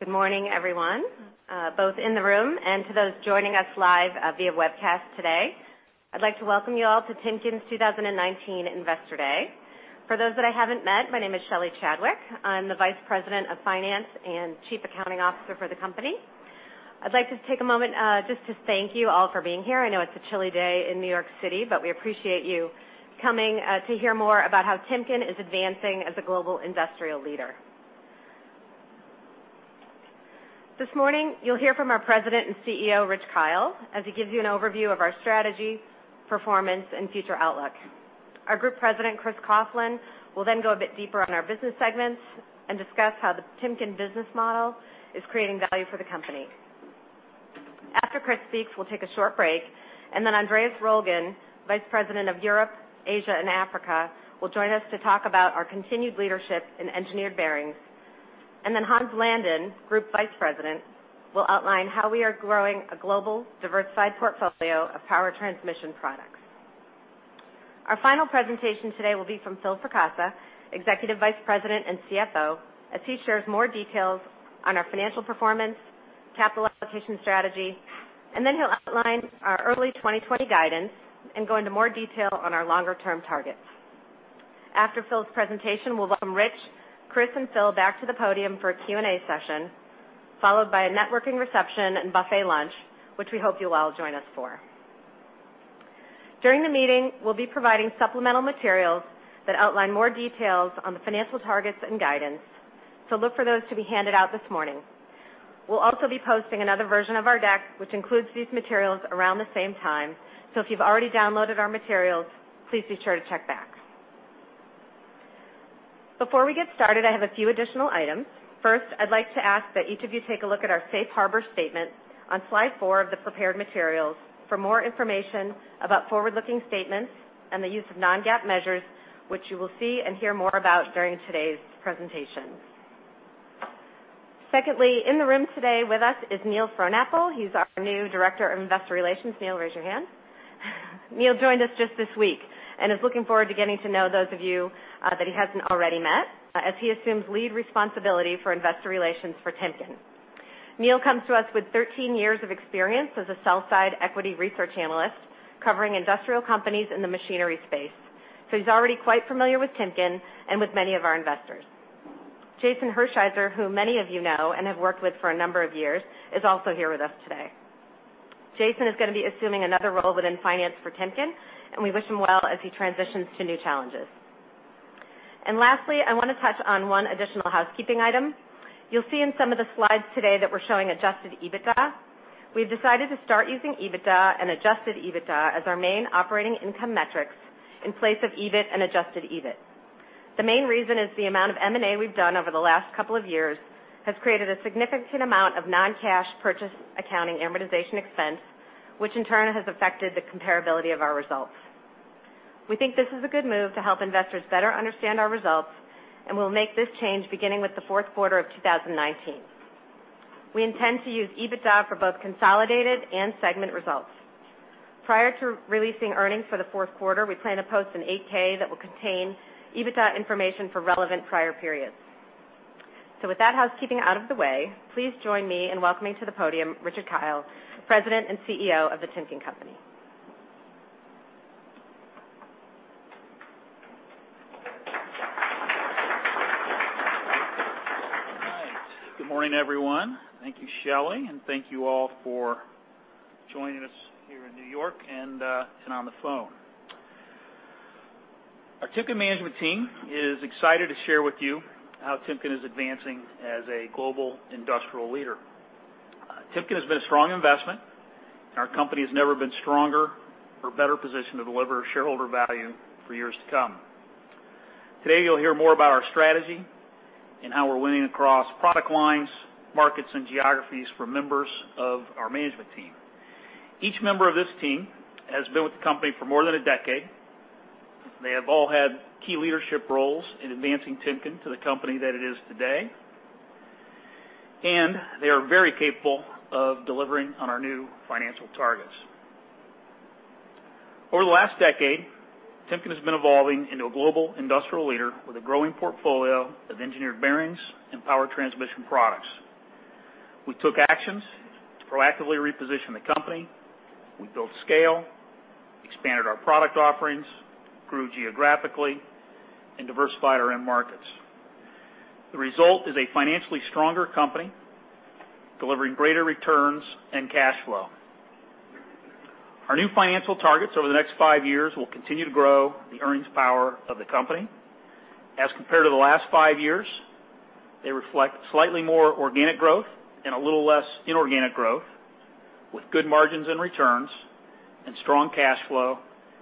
Good morning, everyone, both in the room and to those joining us live via webcast today. I'd like to welcome you all to Timken's 2019 Investor Day. For those that I haven't met, my name is Shelly Chadwick. I'm the Vice President of Finance and Chief Accounting Officer for the company. I'd like to take a moment just to thank you all for being here. I know it's a chilly day in New York City, but we appreciate you coming to hear more about how Timken is advancing as a global industrial leader. This morning, you'll hear from our President and CEO, Rich Kyle, as he gives you an overview of our strategy, performance, and future outlook. Our Group President, Chris Coughlin, will then go a bit deeper on our business segments and discuss how the Timken business model is creating value for the company. After Chris speaks, we'll take a short break. Then Andreas Roellgen, Vice President of Europe, Asia, and Africa, will join us to talk about our continued leadership in Engineered Bearings. Then Hans Landin, Group Vice President, will outline how we are growing a global diversified portfolio of power transmission products. Our final presentation today will be from Phil Fracassa, Executive Vice President and CFO, as he shares more details on our financial performance, capital allocation strategy. Then he'll outline our early 2020 guidance and go into more detail on our longer term targets. After Phil's presentation, we'll welcome Rich, Chris, and Phil back to the podium for a Q&A session, followed by a networking reception and buffet lunch, which we hope you'll all join us for. During the meeting, we'll be providing supplemental materials that outline more details on the financial targets and guidance. Look for those to be handed out this morning. We'll also be posting another version of our deck, which includes these materials, around the same time. If you've already downloaded our materials, please be sure to check back. Before we get started, I have a few additional items. First, I'd like to ask that each of you take a look at our safe harbor statement on slide four of the prepared materials for more information about forward-looking statements and the use of non-GAAP measures, which you will see and hear more about during today's presentation. Secondly, in the room today with us is Neil Frohnapple. He's our new Director of Investor Relations. Neil, raise your hand. Neil joined us just this week and is looking forward to getting to know those of you that he hasn't already met as he assumes lead responsibility for Investor Relations for Timken. Neil comes to us with 13 years of experience as a sell-side equity research analyst covering industrial companies in the machinery space. He's already quite familiar with Timken and with many of our investors. Jason Hershiser, who many of you know and have worked with for a number of years, is also here with us today. Jason is going to be assuming another role within finance for Timken, and we wish him well as he transitions to new challenges. Lastly, I want to touch on one additional housekeeping item. You'll see in some of the slides today that we're showing adjusted EBITDA. We've decided to start using EBITDA and adjusted EBITDA as our main operating income metrics in place of EBIT and adjusted EBIT. The main reason is the amount of M&A we've done over the last couple of years has created a significant amount of non-cash purchase accounting amortization expense, which in turn has affected the comparability of our results. We think this is a good move to help investors better understand our results, and we'll make this change beginning with the fourth quarter of 2019. We intend to use EBITDA for both consolidated and segment results. Prior to releasing earnings for the fourth quarter, we plan to post an Form 8-K that will contain EBITDA information for relevant prior periods. With that housekeeping out of the way, please join me in welcoming to the podium Richard Kyle, President and CEO of The Timken Company. All right. Good morning, everyone. Thank you, Shelly, and thank you all for joining us here in New York and on the phone. Our Timken management team is excited to share with you how Timken is advancing as a global industrial leader. Timken has been a strong investment, and our company has never been stronger or better positioned to deliver shareholder value for years to come. Today, you'll hear more about our strategy and how we're winning across product lines, markets, and geographies for members of our management team. Each member of this team has been with the company for more than a decade. They have all had key leadership roles in advancing Timken to the company that it is today. They are very capable of delivering on our new financial targets. Over the last decade, Timken has been evolving into a global industrial leader with a growing portfolio of engineered bearings and power transmission products. We took actions to proactively reposition the company. We built scale, expanded our product offerings, grew geographically, and diversified our end markets. The result is a financially stronger company delivering greater returns and cash flow. Our new financial targets over the next five years will continue to grow the earnings power of the company. As compared to the last five years, they reflect slightly more organic growth and a little less inorganic growth, with good margins and returns, and strong cash flow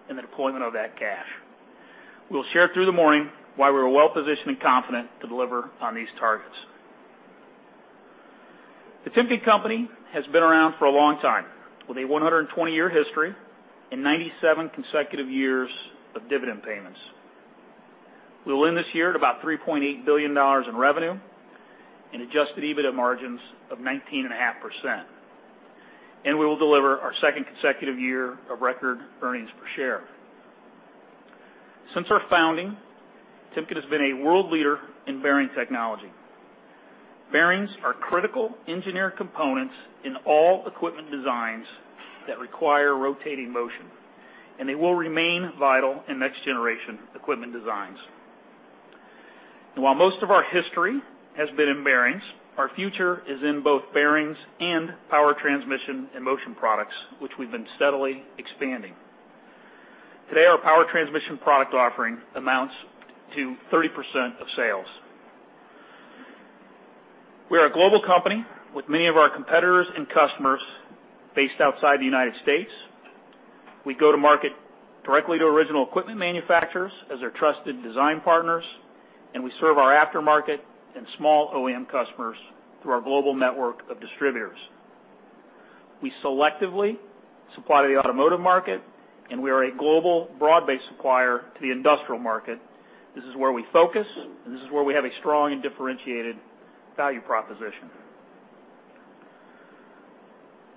in the deployment of that cash. We'll share through the morning why we're well-positioned and confident to deliver on these targets. The Timken Company has been around for a long time, with a 120-year history and 97 consecutive years of dividend payments. We will end this year at about $3.8 billion in revenue and adjusted EBITDA margins of 19.5%. We will deliver our second consecutive year of record earnings per share. Since our founding, Timken has been a world leader in bearing technology. Bearings are critical engineered components in all equipment designs that require rotating motion, and they will remain vital in next generation equipment designs. While most of our history has been in bearings, our future is in both bearings and power transmission and motion products, which we've been steadily expanding. Today, our power transmission product offering amounts to 30% of sales. We are a global company with many of our competitors and customers based outside the United States. We go to market directly to original equipment manufacturers as their trusted design partners, and we serve our aftermarket and small OEM customers through our global network of distributors. We selectively supply to the automotive market, and we are a global broad-based supplier to the industrial market. This is where we focus, and this is where we have a strong and differentiated value proposition.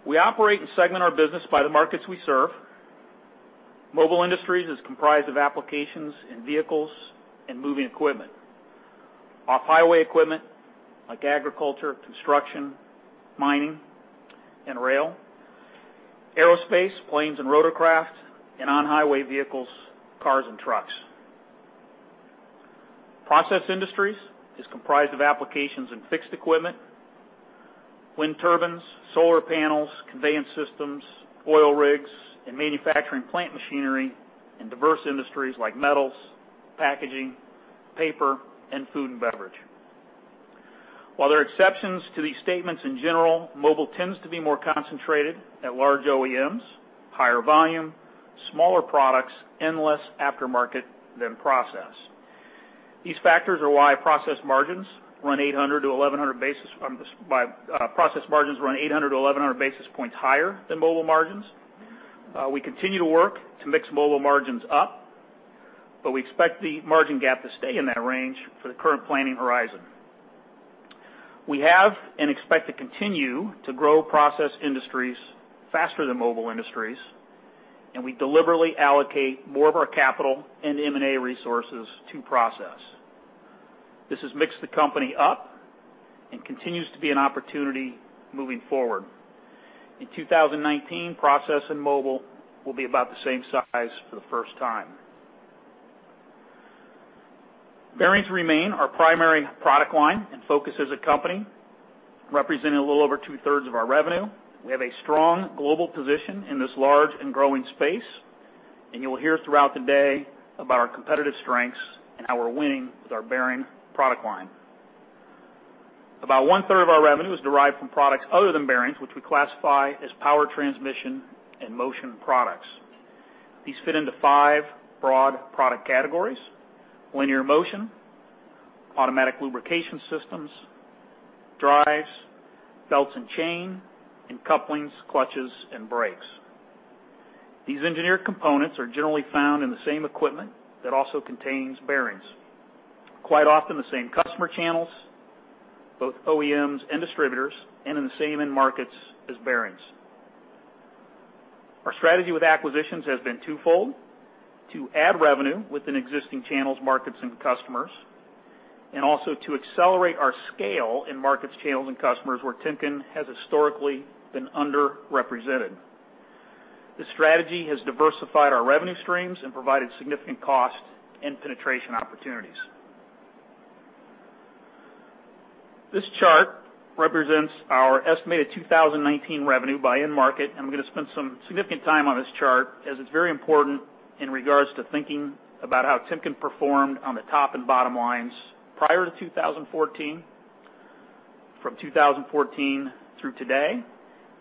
We operate and segment our business by the markets we serve. Mobile Industries is comprised of applications in vehicles and moving equipment. Off-highway equipment like agriculture, construction, mining, and rail. Aerospace, planes and rotorcraft, and on-highway vehicles, cars and trucks. Process Industries is comprised of applications in fixed equipment, wind turbines, solar panels, conveyance systems, oil rigs, and manufacturing plant machinery in diverse industries like metals, packaging, paper, and food and beverage. While there are exceptions to these statements, in general, Mobile tends to be more concentrated at large OEMs, higher volume, smaller products, and less aftermarket than Process. These factors are why Process margins run 800 basis points-1,100 basis points higher than Mobile margins. We continue to work to mix Mobile margins up, but we expect the margin gap to stay in that range for the current planning horizon. We have and expect to continue to grow Process Industries faster than Mobile Industries, and we deliberately allocate more of our capital and M&A resources to Process. This has mixed the company up and continues to be an opportunity moving forward. In 2019, Process and Mobile will be about the same size for the first time. Bearings remain our primary product line and focus as a company, representing a little over 2/3 of our revenue. We have a strong global position in this large and growing space, and you will hear throughout the day about our competitive strengths and how we're winning with our bearing product line. About 1/3 of our revenue is derived from products other than bearings, which we classify as power transmission and motion products. These fit into five broad product categories: linear motion, automatic lubrication systems, Drives, belts and chain, and couplings, clutches and brakes. These engineered components are generally found in the same equipment that also contains bearings. Quite often the same customer channels, both OEMs and distributors, and in the same end markets as bearings. Our strategy with acquisitions has been twofold: to add revenue within existing channels, markets, and customers, and also to accelerate our scale in markets, channels, and customers where Timken has historically been underrepresented. This strategy has diversified our revenue streams and provided significant cost and penetration opportunities. This chart represents our estimated 2019 revenue by end market. I'm going to spend some significant time on this chart as it's very important in regards to thinking about how Timken performed on the top and bottom lines prior to 2014, from 2014 through today,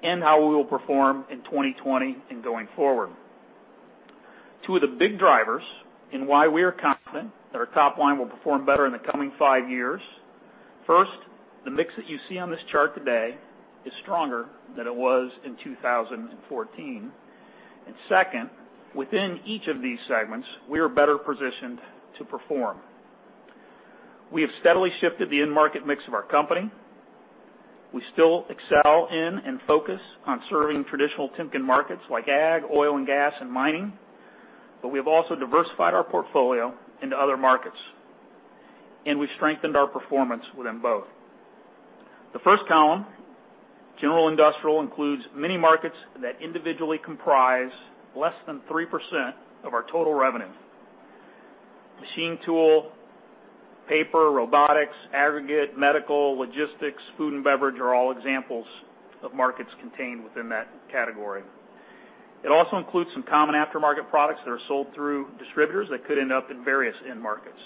and how we will perform in 2020 and going forward. Two of the big drivers in why we are confident that our top line will perform better in the coming five years. First, the mix that you see on this chart today is stronger than it was in 2014. Second, within each of these segments, we are better positioned to perform. We have steadily shifted the end market mix of our company. We still excel in and focus on serving traditional Timken markets like agriculture, oil and gas, and mining. We have also diversified our portfolio into other markets, and we've strengthened our performance within both. The first column, General Industrial, includes many markets that individually comprise less than 3% of our total revenue. Machine tool, paper, robotics, aggregate, medical, logistics, food and beverage are all examples of markets contained within that category. It also includes some common aftermarket products that are sold through distributors that could end up in various end markets.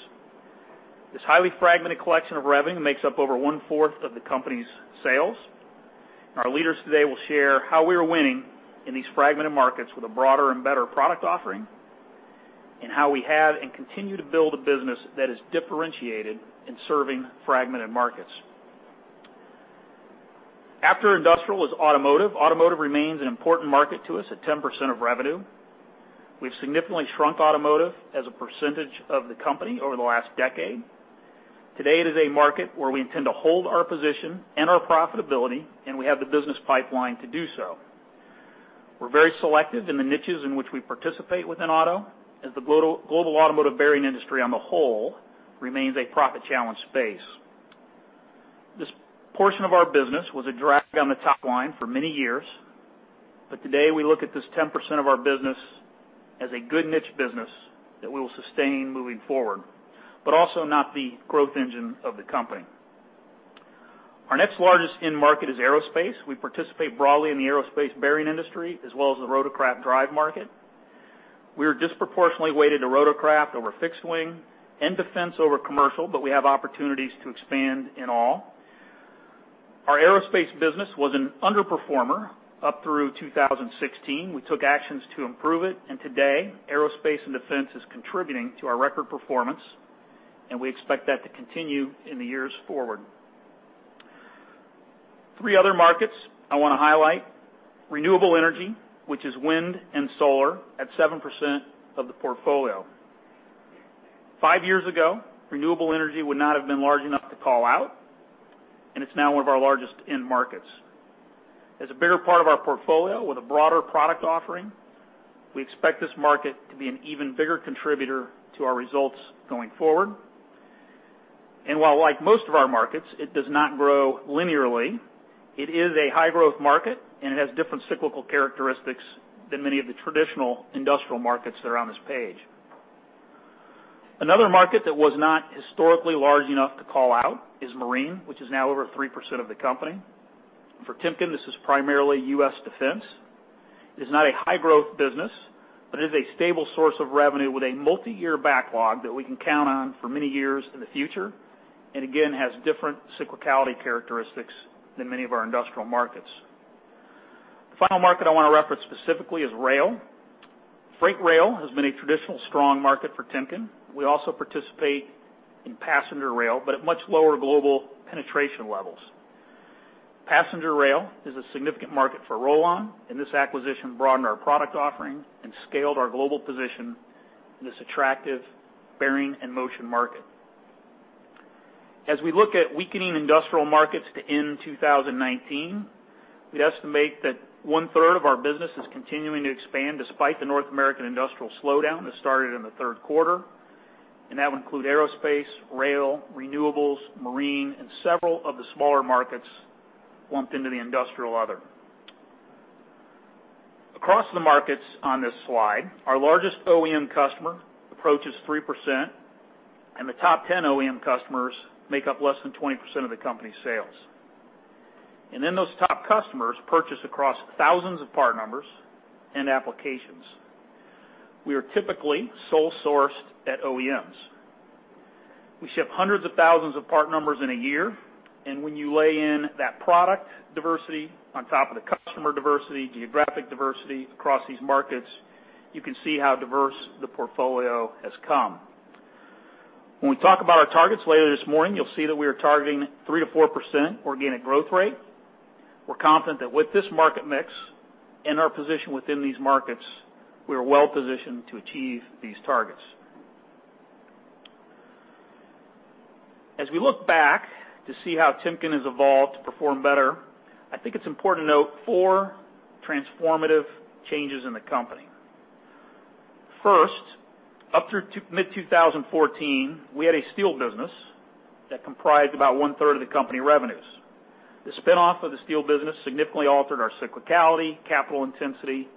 This highly fragmented collection of revenue makes up over 1/4 of the company's sales. Our leaders today will share how we are winning in these fragmented markets with a broader and better product offering, and how we have and continue to build a business that is differentiated in serving fragmented markets. After Industrial is automotive. Automotive remains an important market to us at 10% of revenue. We've significantly shrunk automotive as a percentage of the company over the last decade. Today, it is a market where we intend to hold our position and our profitability, and we have the business pipeline to do so. We're very selective in the niches in which we participate within auto, as the global automotive bearing industry on the whole remains a profit-challenged space. This portion of our business was a drag on the top line for many years, but today we look at this 10% of our business as a good niche business that we will sustain moving forward, but also not the growth engine of the company. Our next largest end market is aerospace. We participate broadly in the aerospace bearing industry as well as the rotorcraft drive market. We are disproportionately weighted to rotorcraft over fixed wing, and defense over commercial, but we have opportunities to expand in all. Our aerospace business was an underperformer up through 2016. We took actions to improve it, and today, aerospace and defense is contributing to our record performance, and we expect that to continue in the years forward. Three other markets I want to highlight. Renewable energy, which is wind and solar, at 7% of the portfolio. Five years ago, renewable energy would not have been large enough to call out, and it's now one of our largest end markets. As a bigger part of our portfolio with a broader product offering, we expect this market to be an even bigger contributor to our results going forward. While like most of our markets, it does not grow linearly, it is a high-growth market, and it has different cyclical characteristics than many of the traditional industrial markets that are on this page. Another market that was not historically large enough to call out is marine, which is now over 3% of the company. For Timken, this is primarily U.S. defense. It is not a high-growth business, but it is a stable source of revenue with a multi-year backlog that we can count on for many years in the future, and again, has different cyclicality characteristics than many of our industrial markets. The final market I want to reference specifically is rail. Freight rail has been a traditional strong market for Timken. We also participate in passenger rail, but at much lower global penetration levels. Passenger rail is a significant market for Rollon, and this acquisition broadened our product offering and scaled our global position in this attractive bearing and motion market. As we look at weakening industrial markets to end 2019, we'd estimate that 1/3 of our business is continuing to expand despite the North American industrial slowdown that started in the third quarter. That would include aerospace, rail, renewables, marine, and several of the smaller markets lumped into the industrial other. Across the markets on this slide, our largest OEM customer approaches 3%. The top 10 OEM customers make up less than 20% of the company's sales. Those top customers purchase across thousands of part numbers and applications. We are typically sole sourced at OEMs. We ship hundreds of thousands of part numbers in a year. When you lay in that product diversity on top of the customer diversity, geographic diversity across these markets, you can see how diverse the portfolio has come. When we talk about our targets later this morning, you'll see that we are targeting 3%-4% organic growth rate. We're confident that with this market mix and our position within these markets, we are well-positioned to achieve these targets. As we look back to see how Timken has evolved to perform better, I think it's important to note four transformative changes in the company. First, up through mid-2014, we had a steel business that comprised about 1/3 of the company revenues. The spinoff of the steel business significantly altered our cyclicality, capital intensity,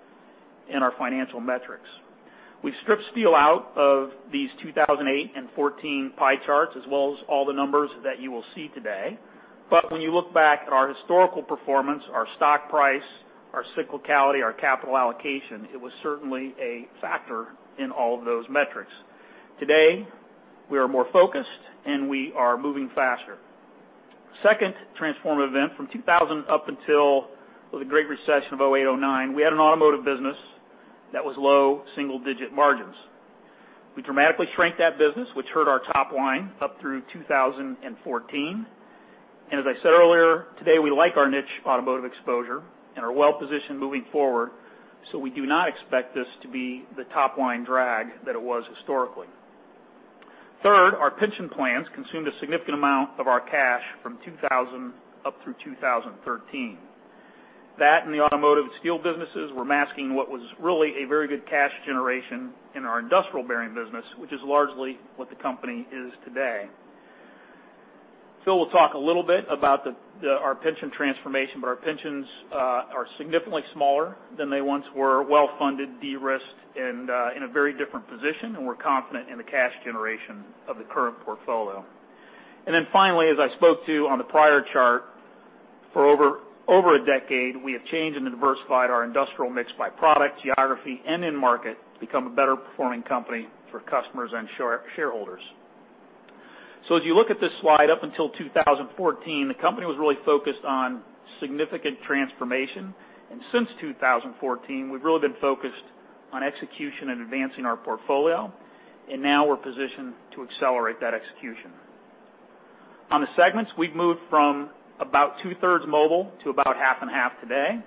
and our financial metrics. We've stripped steel out of these 2008 and 2014 pie charts, as well as all the numbers that you will see today. When you look back at our historical performance, our stock price, our cyclicality, our capital allocation, it was certainly a factor in all of those metrics. Today, we are more focused, and we are moving faster. Second transformative event. From 2000 up until the Great Recession of 2008, 2009, we had an automotive business that was low single-digit margins. We dramatically shrank that business, which hurt our top line up through 2014. As I said earlier, today we like our niche automotive exposure and are well-positioned moving forward, we do not expect this to be the top-line drag that it was historically. Third, our pension plans consumed a significant amount of our cash from 2000 up through 2013. That and the automotive and steel businesses were masking what was really a very good cash generation in our industrial-bearing business, which is largely what the company is today. Phil will talk a little bit about our pension transformation. Our pensions are significantly smaller than they once were, well-funded, de-risked, and in a very different position, and we're confident in the cash generation of the current portfolio. Finally, as I spoke to on the prior chart, for over a decade, we have changed and diversified our industrial mix by product, geography, and end market to become a better performing company for customers and shareholders. As you look at this slide, up until 2014, the company was really focused on significant transformation. Since 2014, we've really been focused on execution and advancing our portfolio. Now we're positioned to accelerate that execution. On the segments, we've moved from about 2/3 Mobile to about half and half today.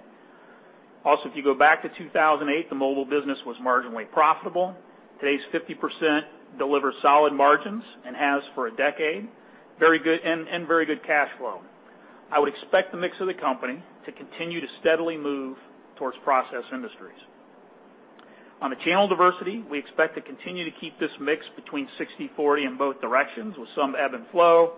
Also, if you go back to 2008, the Mobile business was marginally profitable. Today's 50% delivers solid margins and has for a decade. Very good and very good cash flow. I would expect the mix of the company to continue to steadily move towards Process Industries. On the channel diversity, we expect to continue to keep this mix between 60/40 in both directions with some ebb and flow.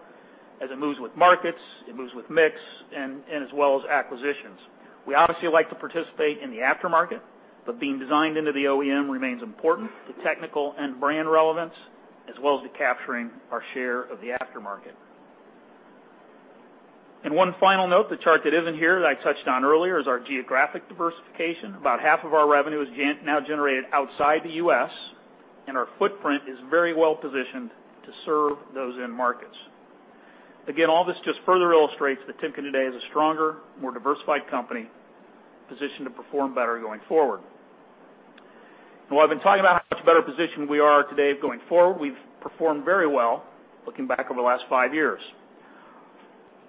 As it moves with markets, it moves with mix and as well as acquisitions. We obviously like to participate in the aftermarket, but being designed into the OEM remains important to technical and brand relevance, as well as to capturing our share of the aftermarket. One final note, the chart that is in here that I touched on earlier is our geographic diversification. About half of our revenue is now generated outside the U.S., and our footprint is very well-positioned to serve those end markets. All this just further illustrates that Timken today is a stronger, more diversified company, positioned to perform better going forward. I've been talking about how much better position we are today going forward. We've performed very well looking back over the last five years.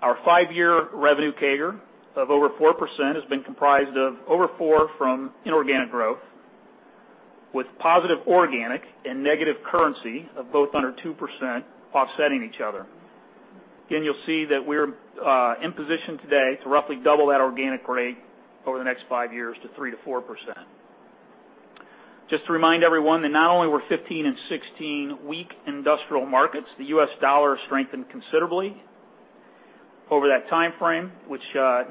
Our five-year revenue CAGR of over 4% has been comprised of over 4% from inorganic growth, with positive organic and negative currency of both under 2% offsetting each other. You'll see that we're in position today to roughly double that organic rate over the next five years to 3%-4%. Just to remind everyone that not only were 2015 and 2016 weak industrial markets, the U.S. dollar strengthened considerably over that timeframe, which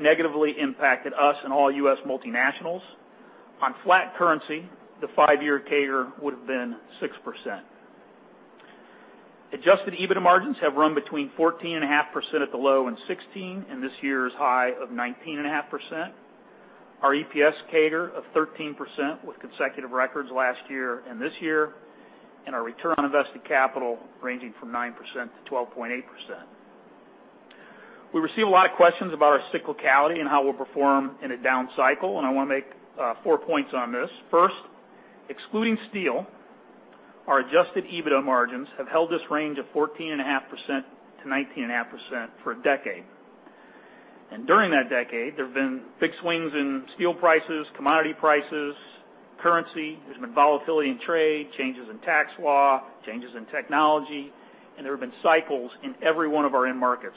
negatively impacted us and all U.S. multinationals. On flat currency, the five-year CAGR would have been 6%. Adjusted EBITDA margins have run between 14.5% at the low in 2016, and this year's high of 19.5%. Our EPS CAGR of 13% with consecutive records last year and this year, and our return on invested capital ranging from 9%-12.8%. We receive a lot of questions about our cyclicality and how we'll perform in a down cycle, and I want to make four points on this. First, excluding steel, our adjusted EBITDA margins have held this range of 14.5%-19.5% for a decade. During that decade, there have been big swings in steel prices, commodity prices, currency. There's been volatility in trade, changes in tax law, changes in technology, and there have been cycles in every one of our end markets.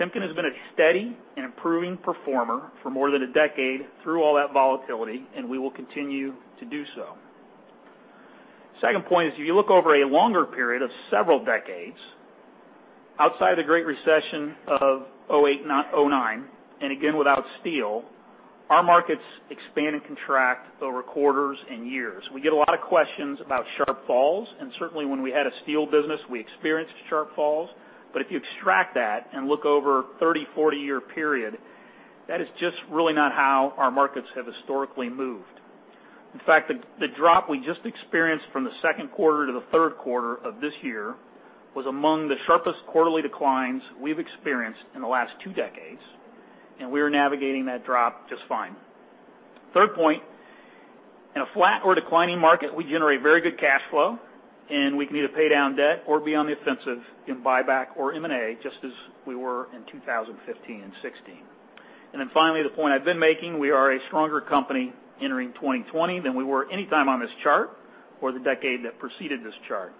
Timken has been a steady and improving performer for more than a decade through all that volatility, and we will continue to do so. Second point is, if you look over a longer period of several decades, outside the great recession of 2008, 2009, and again without steel, our markets expand and contract over quarters and years. We get a lot of questions about sharp falls, and certainly when we had a steel business, we experienced sharp falls. If you extract that and look over 30, 40-year period, that is just really not how our markets have historically moved. In fact, the drop we just experienced from the second quarter to the third quarter of this year was among the sharpest quarterly declines we've experienced in the last two decades, and we are navigating that drop just fine. Third point, in a flat or declining market, we generate very good cash flow, and we can either pay down debt or be on the offensive in buyback or M&A, just as we were in 2015 and 2016. Finally, the point I've been making, we are a stronger company entering 2020 than we were anytime on this chart or the decade that preceded this chart.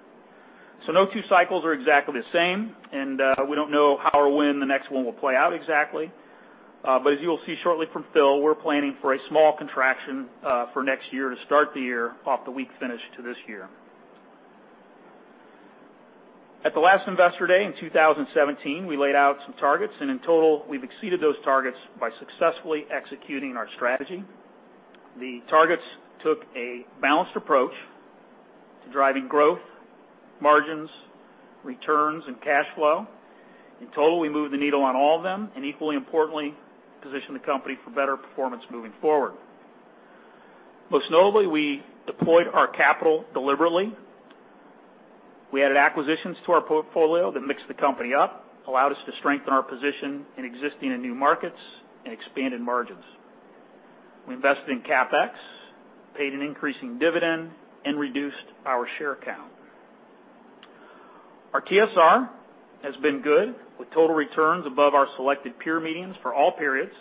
No two cycles are exactly the same, and we don't know how or when the next one will play out exactly. As you will see shortly from Phil, we're planning for a small contraction for next year to start the year off the weak finish to this year. At the last Investor Day in 2017, we laid out some targets, and in total, we've exceeded those targets by successfully executing our strategy. The targets took a balanced approach to driving growth, margins, returns, and cash flow. In total, we moved the needle on all of them, and equally importantly, positioned the company for better performance moving forward. Most notably, we deployed our capital deliberately. We added acquisitions to our portfolio that mixed the company up, allowed us to strengthen our position in existing and new markets, and expanded margins. We invested in CapEx, paid an increasing dividend, and reduced our share count. Our TSR has been good, with total returns above our selected peer medians for all periods,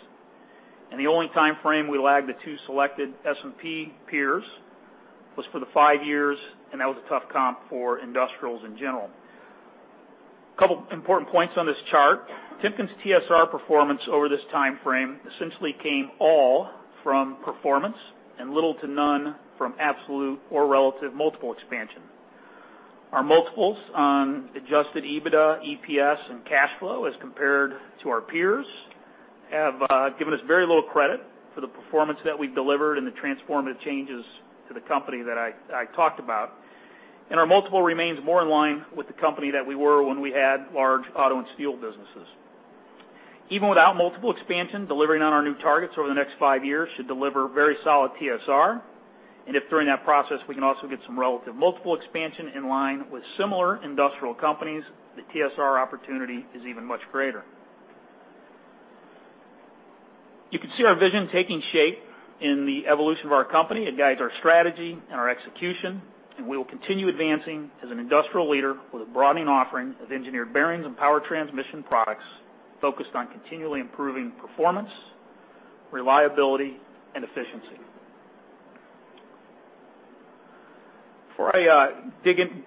and the only timeframe we lagged the two selected S&P peers was for the five years, and that was a tough comp for industrials in general. Couple important points on this chart. Timken's TSR performance over this timeframe essentially came all from performance and little to none from absolute or relative multiple expansion. Our multiples on adjusted EBITDA, EPS, and cash flow as compared to our peers have given us very little credit for the performance that we've delivered and the transformative changes to the company that I talked about. Our multiple remains more in line with the company that we were when we had large auto and steel businesses. Even without multiple expansion, delivering on our new targets over the next five years should deliver very solid TSR. If during that process, we can also get some relative multiple expansion in line with similar industrial companies, the TSR opportunity is even much greater. You can see our vision taking shape in the evolution of our company. It guides our strategy and our execution. We will continue advancing as an industrial leader with a broadening offering of engineered bearings and power transmission products focused on continually improving performance, reliability, and efficiency. Before I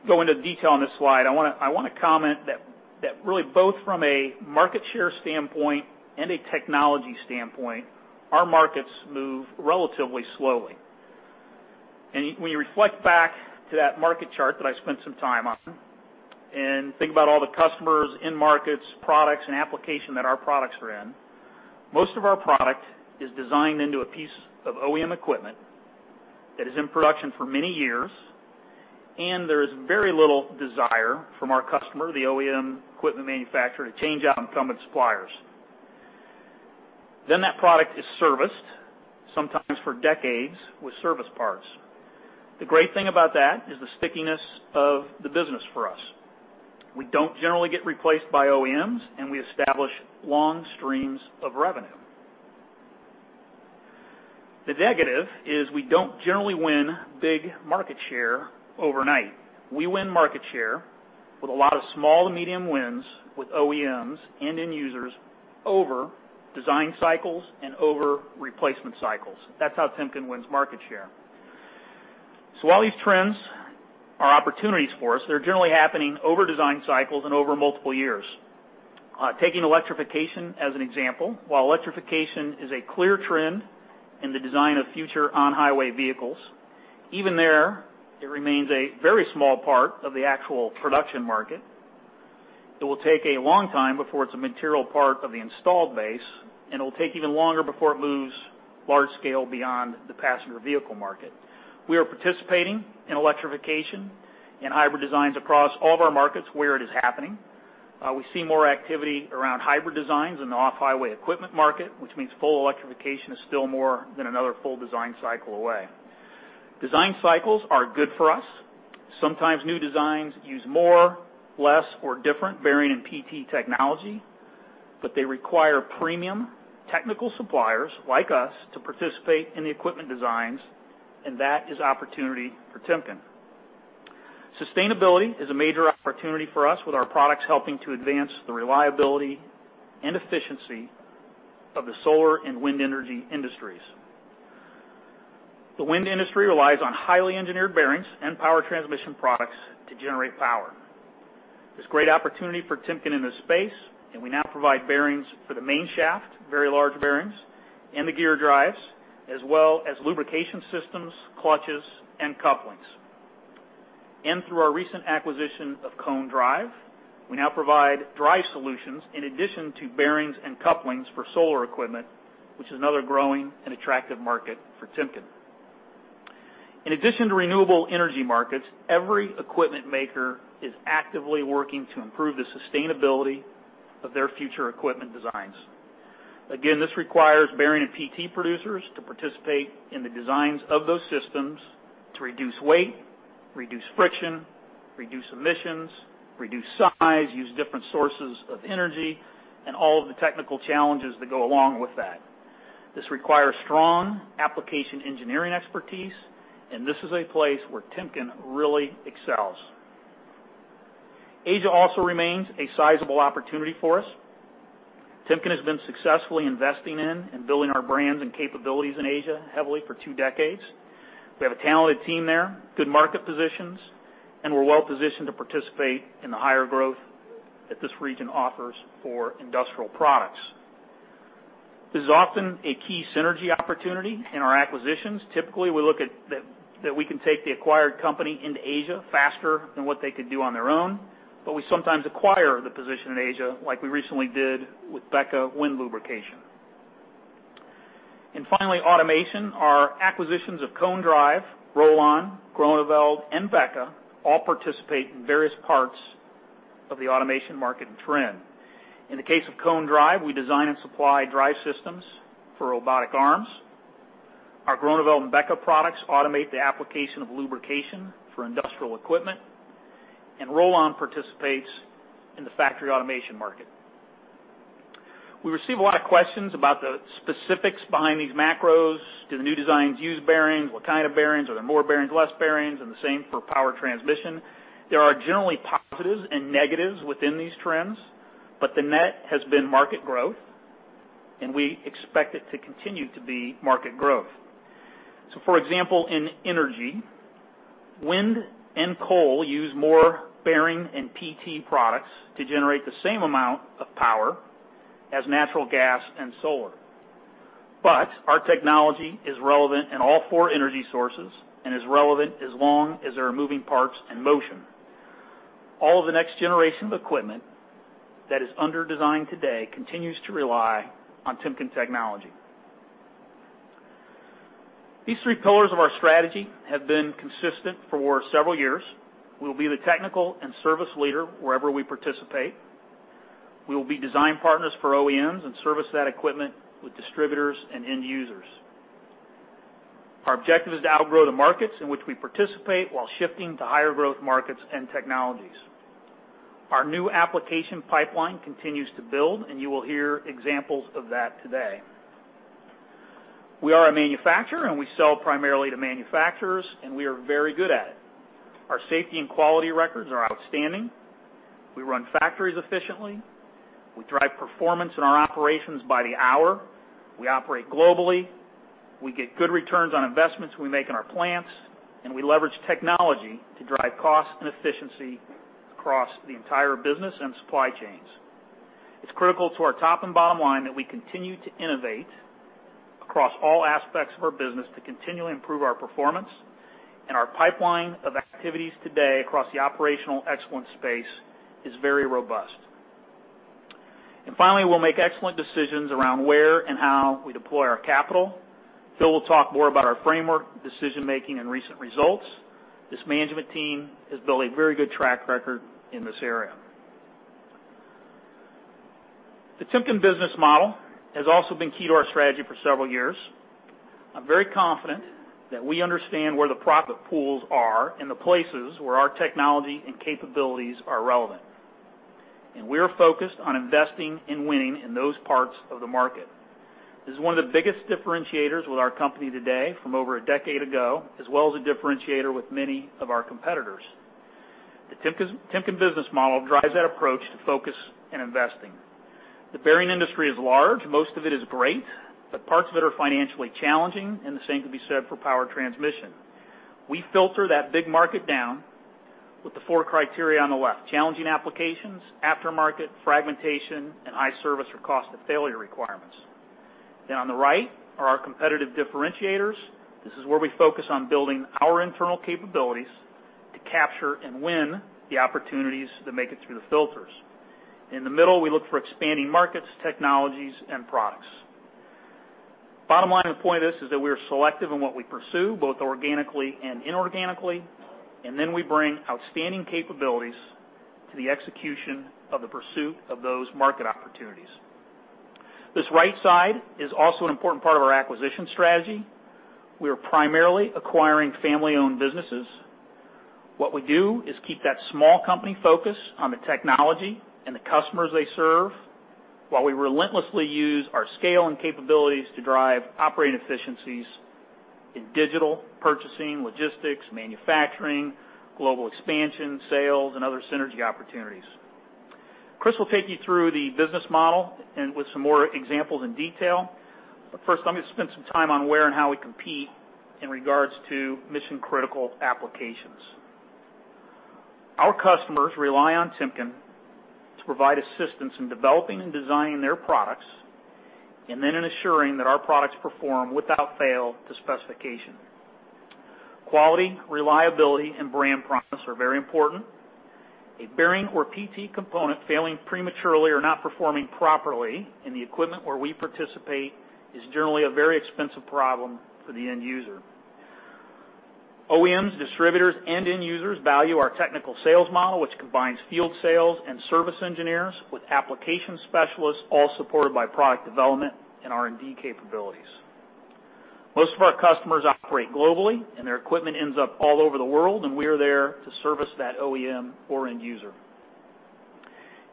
go into detail on this slide, I want to comment that really both from a market share standpoint and a technology standpoint, our markets move relatively slowly. When you reflect back to that market chart that I spent some time on and think about all the customers, end markets, products, and application that our products are in, most of our product is designed into a piece of OEM equipment that is in production for many years, and there is very little desire from our customer, the OEM equipment manufacturer, to change out incumbent suppliers. That product is serviced, sometimes for decades, with service parts. The great thing about that is the stickiness of the business for us. We don't generally get replaced by OEMs, and we establish long streams of revenue. The negative is we don't generally win big market share overnight. We win market share with a lot of small-to-medium wins with OEMs and end users over design cycles and over replacement cycles. That's how Timken wins market share. While these trends are opportunities for us, they're generally happening over design cycles and over multiple years. Taking electrification as an example, while electrification is a clear trend in the design of future on-highway vehicles, even there, it remains a very small part of the actual production market. It will take a long time before it's a material part of the installed base, and it'll take even longer before it moves large scale beyond the passenger vehicle market. We are participating in electrification and hybrid designs across all of our markets where it is happening. We see more activity around hybrid designs in the off-highway equipment market, which means full electrification is still more than another full design cycle away. Design cycles are good for us. Sometimes new designs use more, less, or different bearing and PT technology, but they require premium technical suppliers like us to participate in the equipment designs, and that is opportunity for Timken. Sustainability is a major opportunity for us with our products helping to advance the reliability and efficiency of the solar and wind energy industries. The wind industry relies on highly engineered bearings and power transmission products to generate power. There's great opportunity for Timken in this space, and we now provide bearings for the main shaft, very large bearings, and the gear drives, as well as lubrication systems, clutches and couplings. Through our recent acquisition of Cone Drive, we now provide drive solutions in addition to bearings and couplings for solar equipment, which is another growing and attractive market for Timken. In addition to renewable energy markets, every equipment maker is actively working to improve the sustainability of their future equipment designs. Again, this requires bearing and PT producers to participate in the designs of those systems to reduce weight, reduce friction, reduce emissions, reduce size, use different sources of energy, and all of the technical challenges that go along with that. This requires strong application engineering expertise, and this is a place where Timken really excels. Asia also remains a sizable opportunity for us. Timken has been successfully investing in and building our brands and capabilities in Asia heavily for two decades. We have a talented team now, good market positions and we're well-positioned to participate in the higher growth that this region offers for industrial products. This is often a key synergy opportunity in our acquisitions. Typically, we look at that we can take the acquired company into Asia faster than what they could do on their own, but we sometimes acquire the position in Asia, like we recently did with BEKA Lubrication. Finally, automation. Our acquisitions of Cone Drive, Rollon, Groeneveld, and BEKA all participate in various parts of the automation market and trend. In the case of Cone Drive, we design and supply drive systems for robotic arms. Our Groeneveld and BEKA products automate the application of lubrication for industrial equipment, and Rollon participates in the factory automation market. We receive a lot of questions about the specifics behind these macros. Do the new designs use bearings? What kind of bearings? Are there more bearings, less bearings? The same for power transmission. There are generally positives and negatives within these trends, but the net has been market growth, and we expect it to continue to be market growth. For example, in energy, wind and coal use more bearing and PT products to generate the same amount of power as natural gas and solar. Our technology is relevant in all four energy sources and is relevant as long as there are moving parts in motion. All of the next generation of equipment that is under design today continues to rely on Timken technology. These three pillars of our strategy have been consistent for several years. We will be the technical and service leader wherever we participate. We will be design partners for OEMs and service that equipment with distributors and end users. Our objective is to outgrow the markets in which we participate while shifting to higher growth markets and technologies. Our new application pipeline continues to build, and you will hear examples of that today. We are a manufacturer, and we sell primarily to manufacturers, and we are very good at it. Our safety and quality records are outstanding. We run factories efficiently. We drive performance in our operations by the hour. We operate globally. We get good returns on investments we make in our plants, and we leverage technology to drive cost and efficiency across the entire business and supply chains. It's critical to our top and bottom line that we continue to innovate across all aspects of our business to continually improve our performance. Our pipeline of activities today across the operational excellence space is very robust. Finally, we'll make excellent decisions around where and how we deploy our capital. Phil will talk more about our framework, decision-making, and recent results. This management team has built a very good track record in this area. The Timken business model has also been key to our strategy for several years. I'm very confident that we understand where the profit pools are and the places where our technology and capabilities are relevant. We're focused on investing and winning in those parts of the market. This is one of the biggest differentiators with our company today from over a decade ago, as well as a differentiator with many of our competitors. The Timken business model drives that approach to focus and investing. The bearing industry is large. Most of it is great, but parts of it are financially challenging, and the same could be said for power transmission. We filter that big market down with the four criteria on the left, challenging applications, aftermarket, fragmentation, and high service or cost of failure requirements. On the right are our competitive differentiators. This is where we focus on building our internal capabilities to capture and win the opportunities that make it through the filters. In the middle, we look for expanding markets, technologies, and products. Bottom line and the point of this is that we are selective in what we pursue, both organically and inorganically, we bring outstanding capabilities to the execution of the pursuit of those market opportunities. This right side is also an important part of our acquisition strategy. We are primarily acquiring family-owned businesses. What we do is keep that small company focused on the technology and the customers they serve, while we relentlessly use our scale and capabilities to drive operating efficiencies in digital, purchasing, logistics, manufacturing, global expansion, sales, and other synergy opportunities. Chris will take you through the business model and with some more examples in detail. First, let me spend some time on where and how we compete in regards to mission-critical applications. Our customers rely on Timken to provide assistance in developing and designing their products, and then in ensuring that our products perform without fail to specification. Quality, reliability, and brand promise are very important. A bearing or PT component failing prematurely or not performing properly in the equipment where we participate is generally a very expensive problem for the end user. OEMs, distributors, and end users value our technical sales model, which combines field sales and service engineers with application specialists, all supported by product development and R&D capabilities. Most of our customers operate globally, and their equipment ends up all over the world, and we are there to service that OEM or end user.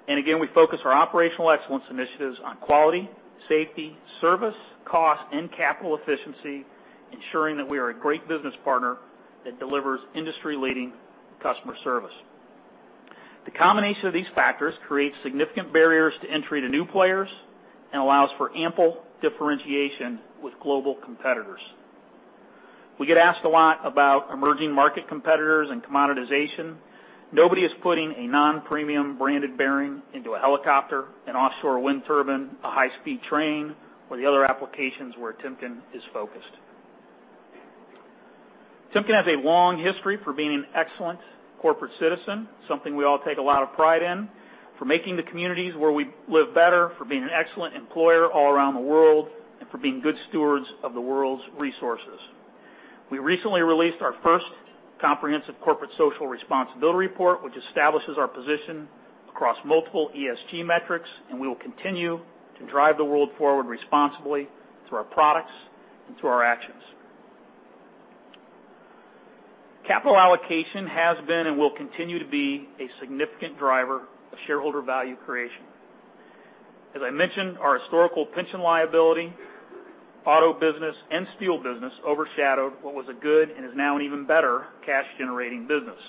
Again, we focus our operational excellence initiatives on quality, safety, service, cost, and capital efficiency, ensuring that we are a great business partner that delivers industry-leading customer service. The combination of these factors creates significant barriers to entry to new players and allows for ample differentiation with global competitors. We get asked a lot about emerging market competitors and commoditization. Nobody is putting a non-premium branded bearing into a helicopter, an offshore wind turbine, a high-speed train, or the other applications where Timken is focused. Timken has a long history for being an excellent corporate citizen, something we all take a lot of pride in, for making the communities where we live better, for being an excellent employer all around the world, and for being good stewards of the world's resources. We recently released our first comprehensive corporate social responsibility report, which establishes our position across multiple ESG metrics, we will continue to drive the world forward responsibly through our products and through our actions. Capital allocation has been and will continue to be a significant driver of shareholder value creation. As I mentioned, our historical pension liability, auto business and steel business overshadowed what was a good, and is now an even better, cash-generating business.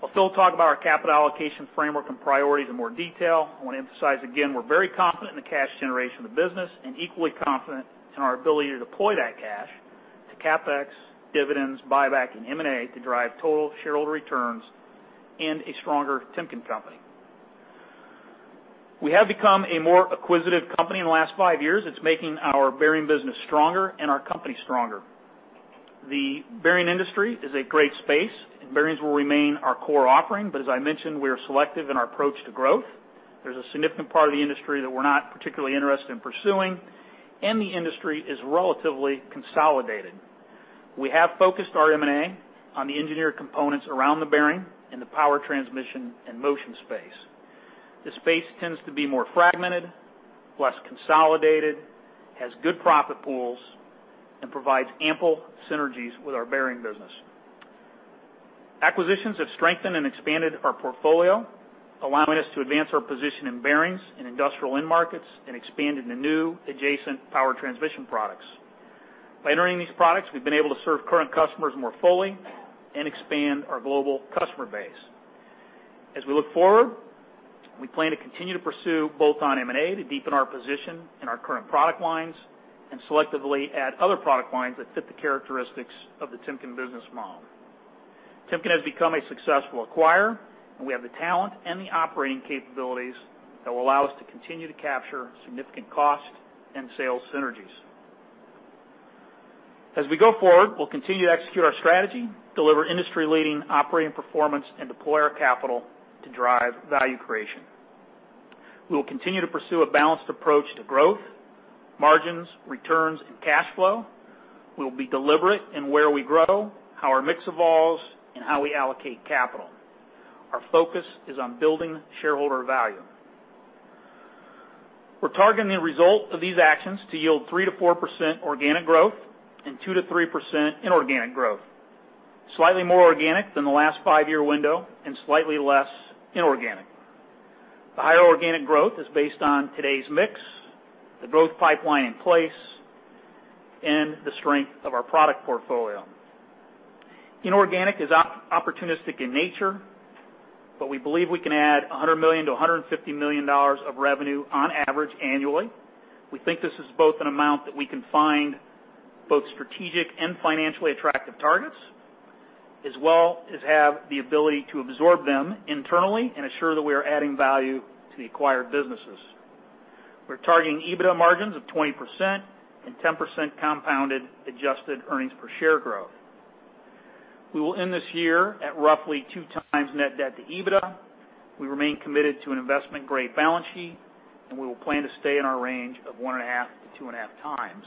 While Phil talked about our capital allocation framework and priorities in more detail, I want to emphasize again, we're very confident in the cash generation of the business and equally confident in our ability to deploy that cash to CapEx, dividends, buyback, and M&A to drive total shareholder returns and a stronger Timken Company. We have become a more acquisitive company in the last five years. It's making our bearing business stronger and our company stronger. The bearing industry is a great space, and bearings will remain our core offering, but as I mentioned, we are selective in our approach to growth. There's a significant part of the industry that we're not particularly interested in pursuing, and the industry is relatively consolidated. We have focused our M&A on the engineered components around the bearing in the power transmission and motion space. The space tends to be more fragmented, less consolidated, has good profit pools, and provides ample synergies with our bearing business. Acquisitions have strengthened and expanded our portfolio, allowing us to advance our position in bearings in industrial end markets and expand into new adjacent power transmission products. By entering these products, we've been able to serve current customers more fully and expand our global customer base. As we look forward, we plan to continue to pursue both on M&A to deepen our position in our current product lines and selectively add other product lines that fit the characteristics of the Timken business model. Timken has become a successful acquirer, and we have the talent and the operating capabilities that will allow us to continue to capture significant cost and sales synergies. As we go forward, we'll continue to execute our strategy, deliver industry-leading operating performance, and deploy our capital to drive value creation. We will continue to pursue a balanced approach to growth, margins, returns, and cash flow. We will be deliberate in where we grow, how our mix evolves, and how we allocate capital. Our focus is on building shareholder value. We're targeting the result of these actions to yield 3%-4% organic growth and 2%-3% inorganic growth. Slightly more organic than the last five-year window and slightly less inorganic. The higher organic growth is based on today's mix, the growth pipeline in place, and the strength of our product portfolio. Inorganic is opportunistic in nature, but we believe we can add $100 million-$150 million of revenue on average annually. We think this is both an amount that we can find both strategic and financially attractive targets, as well as have the ability to absorb them internally and assure that we are adding value to the acquired businesses. We're targeting EBITDA margins of 20% and 10% compounded adjusted earnings per share growth. We will end this year at roughly 2x net debt-to-EBITDA. We remain committed to an investment-grade balance sheet. We will plan to stay in our range of 1.5x-2.5x.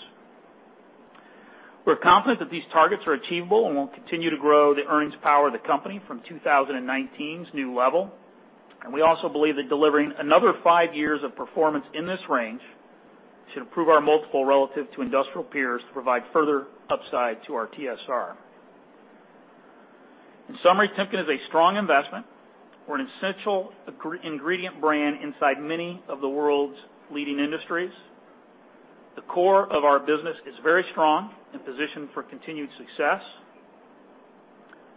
We're confident that these targets are achievable and will continue to grow the earnings power of the company from 2019's new level. We also believe that delivering another five years of performance in this range should improve our multiple relative to industrial peers to provide further upside to our TSR. In summary, Timken is a strong investment. We're an essential ingredient brand inside many of the world's leading industries. The core of our business is very strong and positioned for continued success.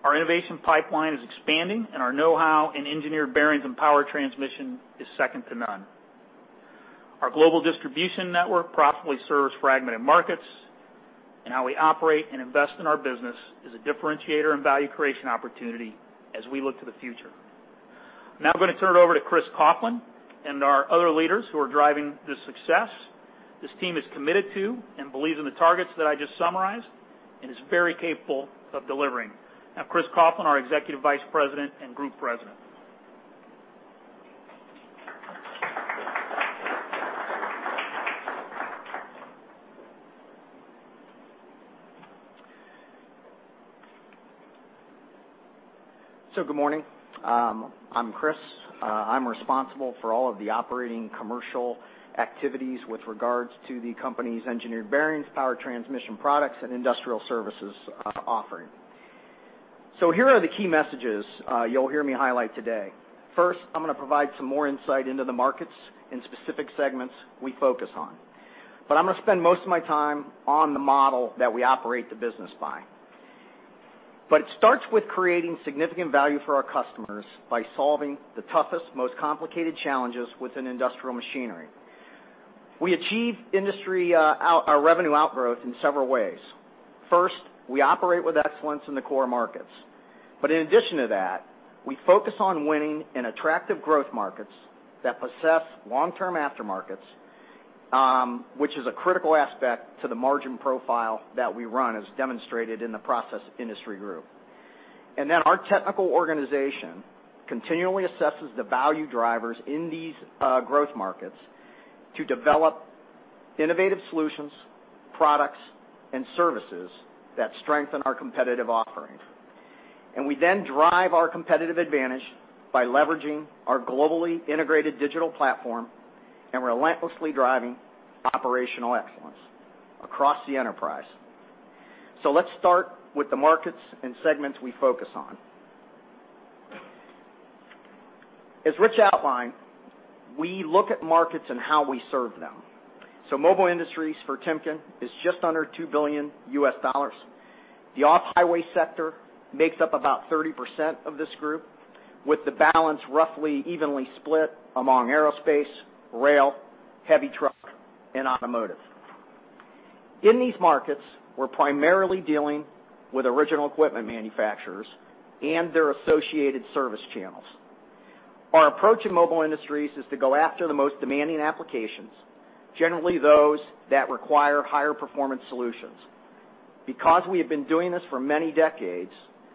Our innovation pipeline is expanding and our know-how in engineered bearings and power transmission is second to none. Our global distribution network profitably serves fragmented markets, and how we operate and invest in our business is a differentiator and value creation opportunity as we look to the future. Now I'm going to turn it over to Chris Coughlin and our other leaders who are driving this success. This team is committed to and believes in the targets that I just summarized and is very capable of delivering. Now Chris Coughlin, our Executive Vice President and Group President. Good morning. I'm Chris. I'm responsible for all of the operating commercial activities with regards to the company's engineered bearings, power transmission products, and industrial services offering. Here are the key messages you'll hear me highlight today. First, I'm going to provide some more insight into the markets and specific segments we focus on, but I'm going to spend most of my time on the model that we operate the business by. It starts with creating significant value for our customers by solving the toughest, most complicated challenges within industrial machinery. We achieve our revenue outgrowth in several ways. First, we operate with excellence in the core markets. In addition to that, we focus on winning in attractive growth markets that possess long-term aftermarkets, which is a critical aspect to the margin profile that we run, as demonstrated in the Process Industries group. Our technical organization continually assesses the value drivers in these growth markets to develop innovative solutions, products, and services that strengthen our competitive offerings. We then drive our competitive advantage by leveraging our globally integrated digital platform and relentlessly driving operational excellence across the enterprise. Let's start with the markets and segments we focus on. As Rich outlined, we look at markets and how we serve them. Mobile Industries for Timken is just under $2 billion. The off-highway sector makes up about 30% of this group, with the balance roughly evenly split among aerospace, rail, heavy truck, and automotive. In these markets, we're primarily dealing with original equipment manufacturers and their associated service channels. Our approach in Mobile Industries is to go after the most demanding applications, generally those that require higher performance solutions. Because we have been doing this for many decades,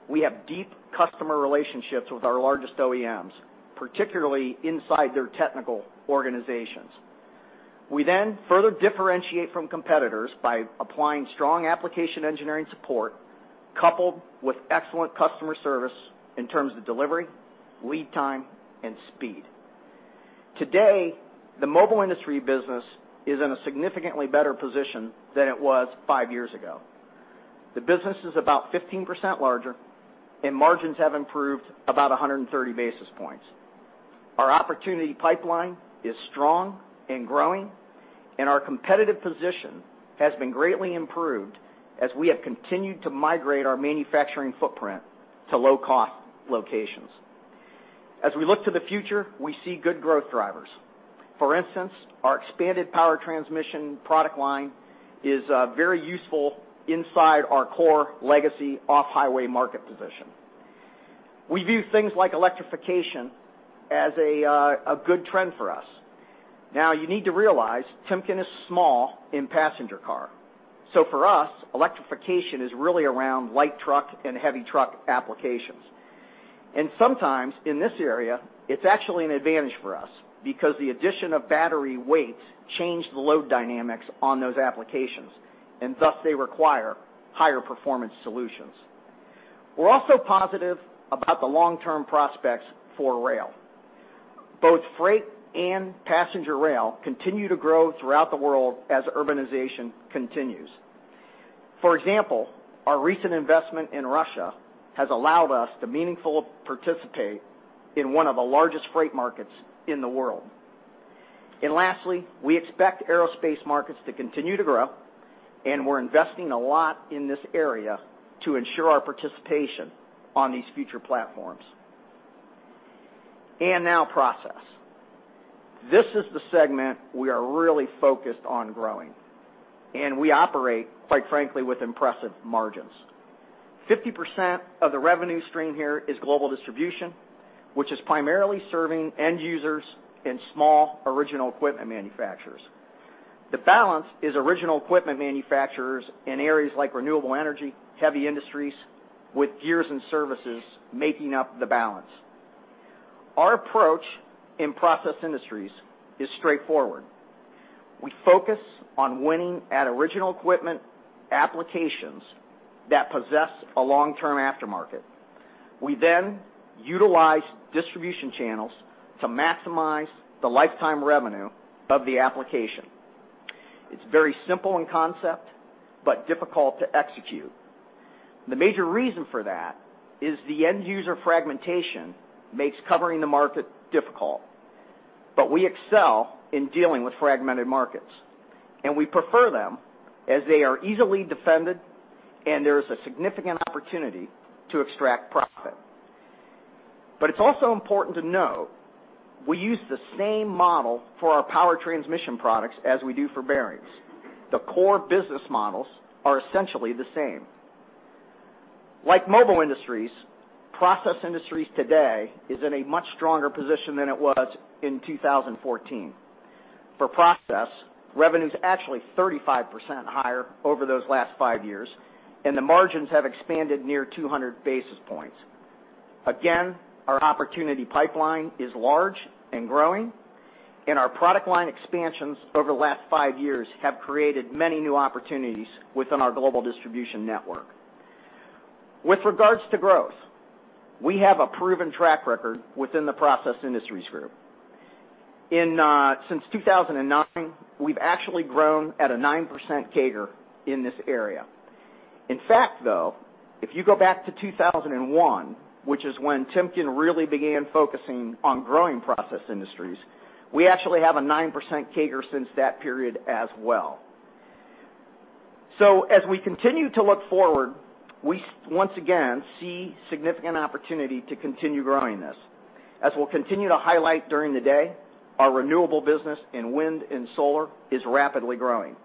we have deep customer relationships with our largest OEMs, particularly inside their technical organizations. We further differentiate from competitors by applying strong application engineering support coupled with excellent customer service in terms of delivery, lead time, and speed. Today, the Mobile Industries business is in a significantly better position than it was five years ago. The business is about 15% larger, and margins have improved about 130 basis points. Our opportunity pipeline is strong and growing, our competitive position has been greatly improved as we have continued to migrate our manufacturing footprint to low-cost locations. We look to the future, we see good growth drivers. For instance, our expanded power transmission product line is very useful inside our core legacy off-highway market position. We view things like electrification as a good trend for us. You need to realize Timken is small in passenger car. For us, electrification is really around light truck and heavy truck applications. Sometimes, in this area, it's actually an advantage for us because the addition of battery weight changed the load dynamics on those applications, and thus they require higher performance solutions. We're also positive about the long-term prospects for rail. Both freight and passenger rail continue to grow throughout the world as urbanization continues. For example, our recent investment in Russia has allowed us to meaningfully participate in one of the largest freight markets in the world. Lastly, we expect aerospace markets to continue to grow, and we're investing a lot in this area to ensure our participation on these future platforms. Process. This is the segment we are really focused on growing. We operate, quite frankly, with impressive margins. 50% of the revenue stream here is global distribution, which is primarily serving end users and small original equipment manufacturers. The balance is original equipment manufacturers in areas like renewable energy, heavy industries, with gears and services making up the balance. Our approach in Process Industries is straightforward. We focus on winning at original equipment applications that possess a long-term aftermarket. We utilize distribution channels to maximize the lifetime revenue of the application. It's very simple in concept, difficult to execute. The major reason for that is the end user fragmentation makes covering the market difficult. We excel in dealing with fragmented markets, and we prefer them as they are easily defended and there's a significant opportunity to extract profit. It's also important to know we use the same model for our power transmission products as we do for bearings. The core business models are essentially the same. Like Mobile Industries, Process Industries today is in a much stronger position than it was in 2014. For Process, revenue's actually 35% higher over those last five years, and the margins have expanded near 200 basis points. Again, our opportunity pipeline is large and growing, and our product line expansions over the last five years have created many new opportunities within our global distribution network. With regards to growth, we have a proven track record within the Process Industries group. Since 2009, we've actually grown at a 9% CAGR in this area. In fact, though, if you go back to 2001, which is when Timken really began focusing on growing Process Industries, we actually have a 9% CAGR since that period as well. As we continue to look forward, we once again see significant opportunity to continue growing this. As we'll continue to highlight during the day, our renewable business in wind and solar is rapidly growing.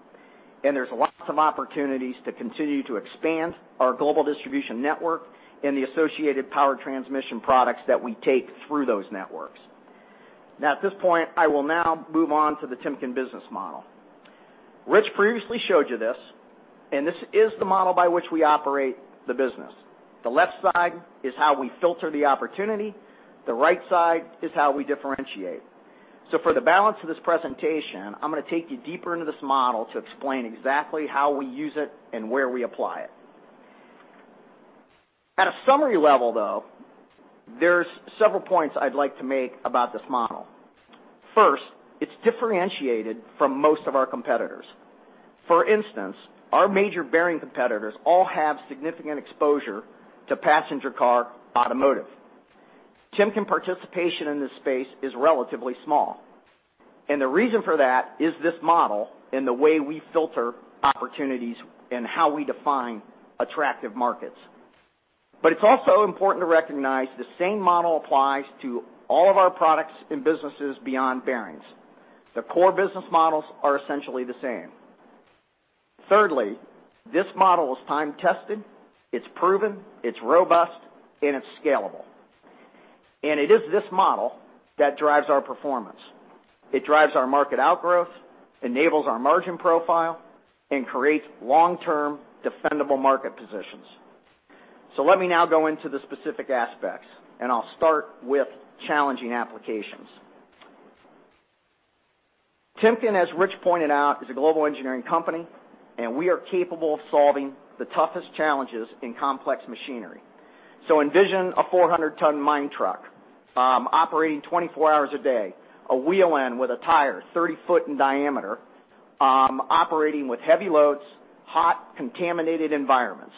There's lots of opportunities to continue to expand our global distribution network and the associated power transmission products that we take through those networks. At this point, I will now move on to the Timken business model. Rich previously showed you this. This is the model by which we operate the business. The left side is how we filter the opportunity. The right side is how we differentiate. For the balance of this presentation, I'm going to take you deeper into this model to explain exactly how we use it and where we apply it. At a summary level, though, there's several points I'd like to make about this model. First, it's differentiated from most of our competitors. For instance, our major bearing competitors all have significant exposure to passenger car automotive. Timken participation in this space is relatively small. The reason for that is this model and the way we filter opportunities and how we define attractive markets. It's also important to recognize the same model applies to all of our products and businesses beyond bearings. The core business models are essentially the same. Thirdly, this model is time-tested, it's proven, it's robust, and it's scalable. It is this model that drives our performance. It drives our market outgrowth, enables our margin profile, and creates long-term defendable market positions. Let me now go into the specific aspects, and I'll start with challenging applications. Timken, as Rich pointed out, is a global engineering company. We are capable of solving the toughest challenges in complex machinery. Envision a 400-ton mine truck operating 24 hours a day, a wheel end with a tire 30 foot in diameter operating with heavy loads, hot, contaminated environments.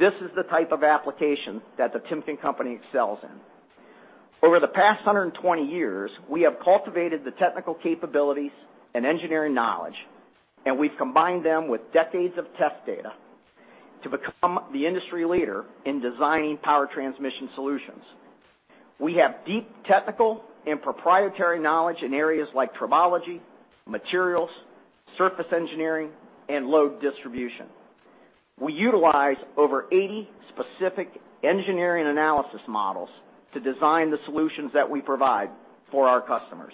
This is the type of application that the Timken Company excels in. Over the past 120 years, we have cultivated the technical capabilities and engineering knowledge. We've combined them with decades of test data to become the industry leader in designing power transmission solutions. We have deep technical and proprietary knowledge in areas like tribology, materials, surface engineering, and load distribution. We utilize over 80 specific engineering analysis models to design the solutions that we provide for our customers.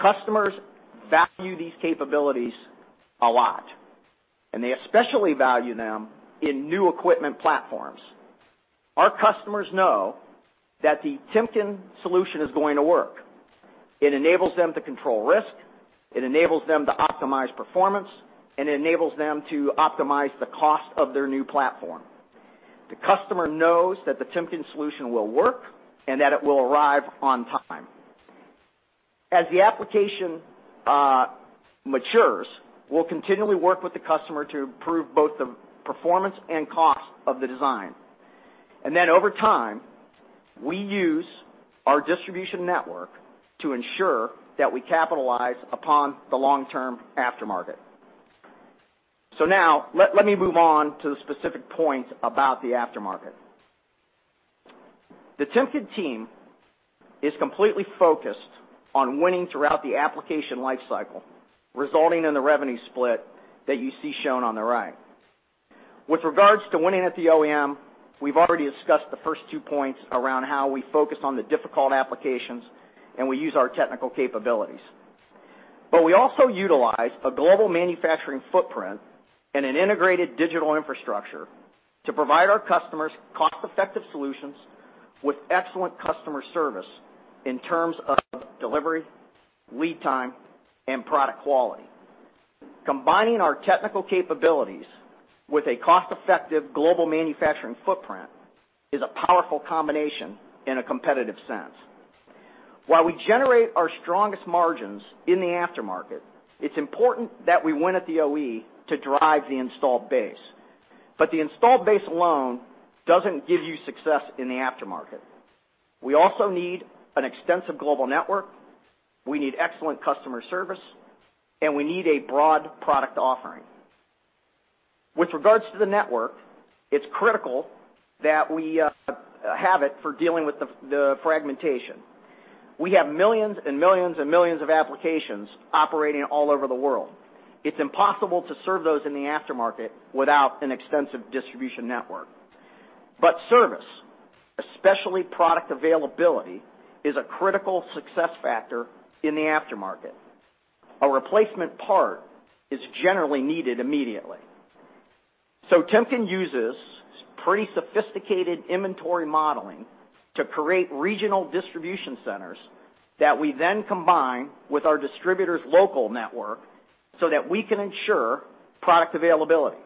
Customers value these capabilities a lot. They especially value them in new equipment platforms. Our customers know that the Timken solution is going to work. It enables them to control risk, it enables them to optimize performance, and enables them to optimize the cost of their new platform. The customer knows that the Timken solution will work and that it will arrive on time. As the application matures, we'll continually work with the customer to improve both the performance and cost of the design. Over time, we use our distribution network to ensure that we capitalize upon the long-term aftermarket. Now, let me move on to the specific points about the aftermarket. The Timken team is completely focused on winning throughout the application lifecycle, resulting in the revenue split that you see shown on the right. With regards to winning at the OEM, we've already discussed the first two points around how we focus on the difficult applications and we use our technical capabilities. We also utilize a global manufacturing footprint and an integrated digital infrastructure to provide our customers cost-effective solutions with excellent customer service in terms of delivery, lead time, and product quality. Combining our technical capabilities with a cost-effective global manufacturing footprint is a powerful combination in a competitive sense. While we generate our strongest margins in the aftermarket, it's important that we win at the OE to drive the installed base. The installed base alone doesn't give you success in the aftermarket. We also need an extensive global network, we need excellent customer service, and we need a broad product offering. With regards to the network, it's critical that we have it for dealing with the fragmentation. We have millions and millions and millions of applications operating all over the world. It is impossible to serve those in the aftermarket without an extensive distribution network. Service, especially product availability, is a critical success factor in the aftermarket. A replacement part is generally needed immediately. Timken uses pretty sophisticated inventory modeling to create regional distribution centers that we then combine with our distributors' local network so that we can ensure product availability.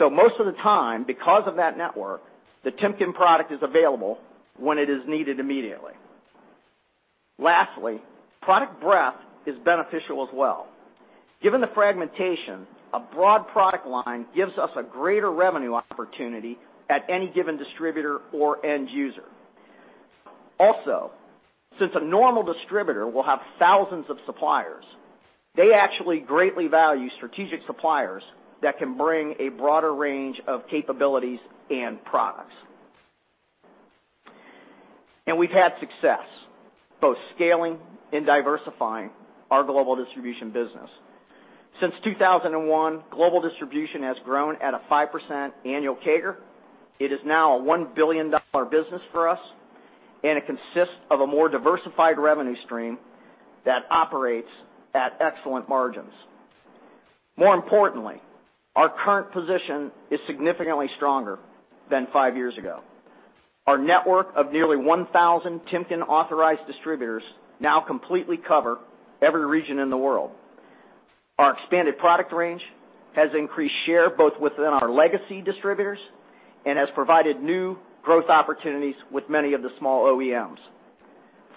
Most of the time, because of that network, the Timken product is available when it is needed immediately. Lastly, product breadth is beneficial as well. Given the fragmentation, a broad product line gives us a greater revenue opportunity at any given distributor or end user. Since a normal distributor will have thousands of suppliers, they actually greatly value strategic suppliers that can bring a broader range of capabilities and products. We've had success, both scaling and diversifying our global distribution business. Since 2001, global distribution has grown at a 5% annual CAGR. It is now a $1 billion business for us, and it consists of a more diversified revenue stream that operates at excellent margins. More importantly, our current position is significantly stronger than five years ago. Our network of nearly 1,000 Timken authorized distributors now completely cover every region in the world. Our expanded product range has increased share both within our legacy distributors and has provided new growth opportunities with many of the small OEMs.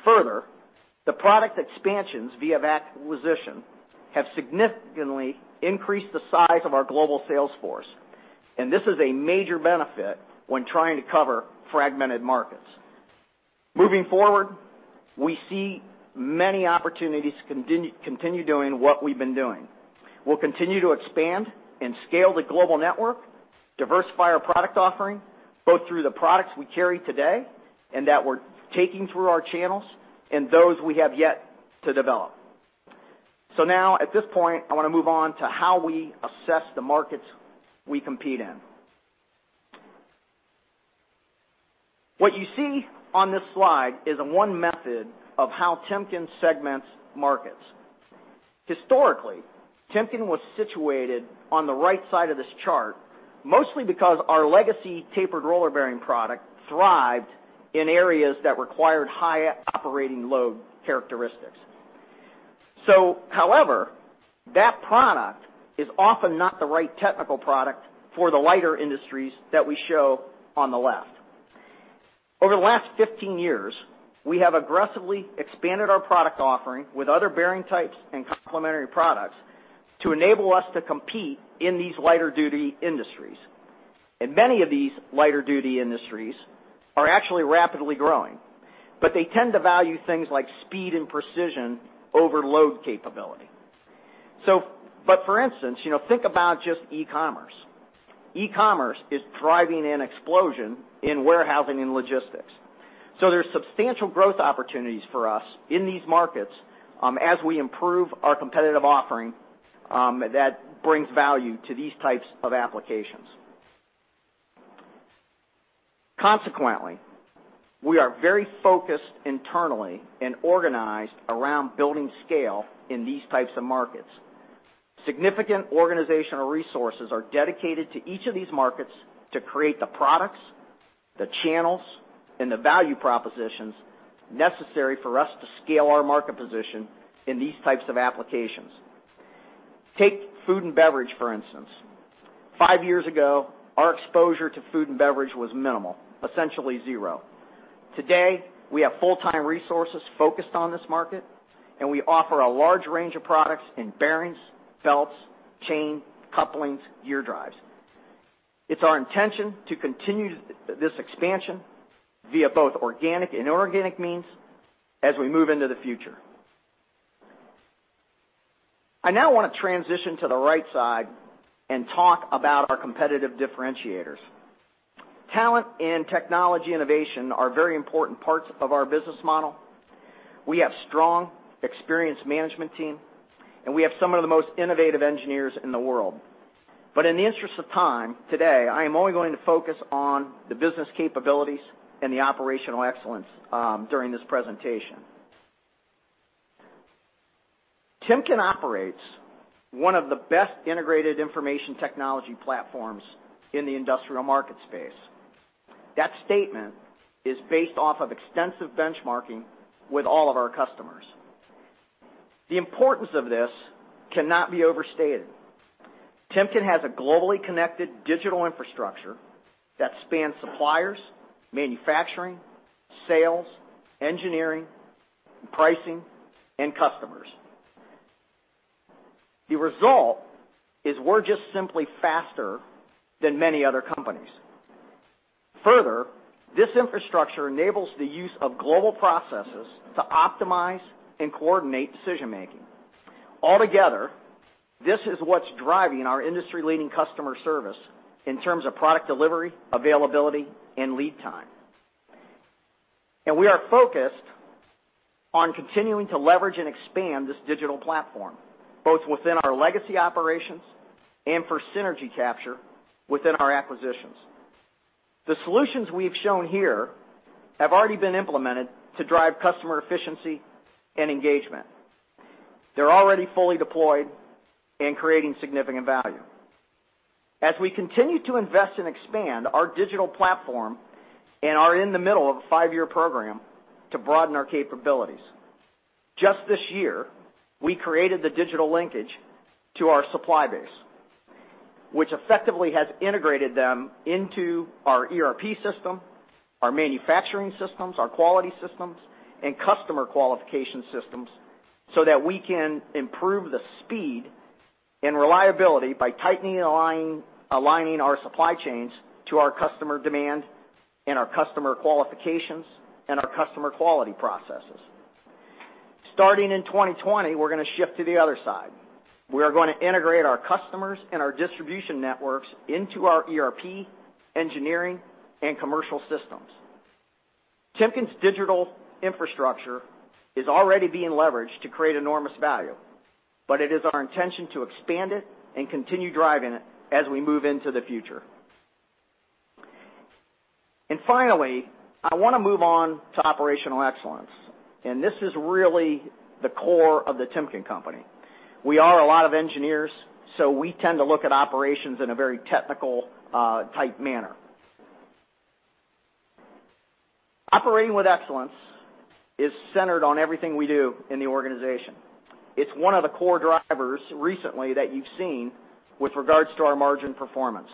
Further, the product expansions via acquisition have significantly increased the size of our global sales force, and this is a major benefit when trying to cover fragmented markets. Moving forward, we see many opportunities to continue doing what we've been doing. We'll continue to expand and scale the global network, diversify our product offering, both through the products we carry today and that we're taking through our channels and those we have yet to develop. Now at this point, I want to move on to how we assess the markets we compete in. What you see on this slide is one method of how Timken segments markets. Historically, Timken was situated on the right side of this chart, mostly because our legacy tapered roller bearing product thrived in areas that required high operating load characteristics. However, that product is often not the right technical product for the lighter industries that we show on the left. Over the last 15 years, we have aggressively expanded our product offering with other bearing types and complementary products to enable us to compete in these lighter-duty industries. Many of these lighter-duty industries are actually rapidly growing, but they tend to value things like speed and precision over load capability. For instance, think about just e-commerce. E-commerce is driving an explosion in warehousing and logistics. There's substantial growth opportunities for us in these markets as we improve our competitive offering that brings value to these types of applications. Consequently, we are very focused internally and organized around building scale in these types of markets. Significant organizational resources are dedicated to each of these markets to create the products, the channels, and the value propositions necessary for us to scale our market position in these types of applications. Take food and beverage, for instance. Five years ago, our exposure to food and beverage was minimal, essentially zero. Today, we have full-time resources focused on this market, and we offer a large range of products in bearings, belts, chain couplings, gear drives. It's our intention to continue this expansion via both organic and inorganic means as we move into the future. I now want to transition to the right side and talk about our competitive differentiators. Talent and technology innovation are very important parts of our business model. We have strong, experienced management team, and we have some of the most innovative engineers in the world. In the interest of time, today, I am only going to focus on the business capabilities and the operational excellence during this presentation. Timken operates one of the best integrated information technology platforms in the industrial market space. That statement is based off of extensive benchmarking with all of our customers. The importance of this cannot be overstated. Timken has a globally connected digital infrastructure that spans suppliers, manufacturing, sales, engineering, pricing, and customers. The result is we're just simply faster than many other companies. Further, this infrastructure enables the use of global processes to optimize and coordinate decision-making. Altogether, this is what's driving our industry-leading customer service in terms of product delivery, availability, and lead time. We are focused on continuing to leverage and expand this digital platform, both within our legacy operations and for synergy capture within our acquisitions. The solutions we have shown here have already been implemented to drive customer efficiency and engagement. They're already fully deployed and creating significant value. As we continue to invest and expand our digital platform and are in the middle of a five-year program to broaden our capabilities. Just this year, we created the digital linkage to our supply base, which effectively has integrated them into our ERP system, our manufacturing systems, our quality systems, and customer qualification systems so that we can improve the speed and reliability by tightening and aligning our supply chains to our customer demand and our customer qualifications and our customer quality processes. Starting in 2020, we're going to shift to the other side. We are going to integrate our customers and our distribution networks into our ERP, engineering, and commercial systems. Timken's digital infrastructure is already being leveraged to create enormous value. It is our intention to expand it and continue driving it as we move into the future. Finally, I want to move on to operational excellence, and this is really the core of the Timken Company. We are a lot of engineers, we tend to look at operations in a very technical-type manner. Operating with excellence is centered on everything we do in the organization. It's one of the core drivers recently that you've seen with regards to our margin performance.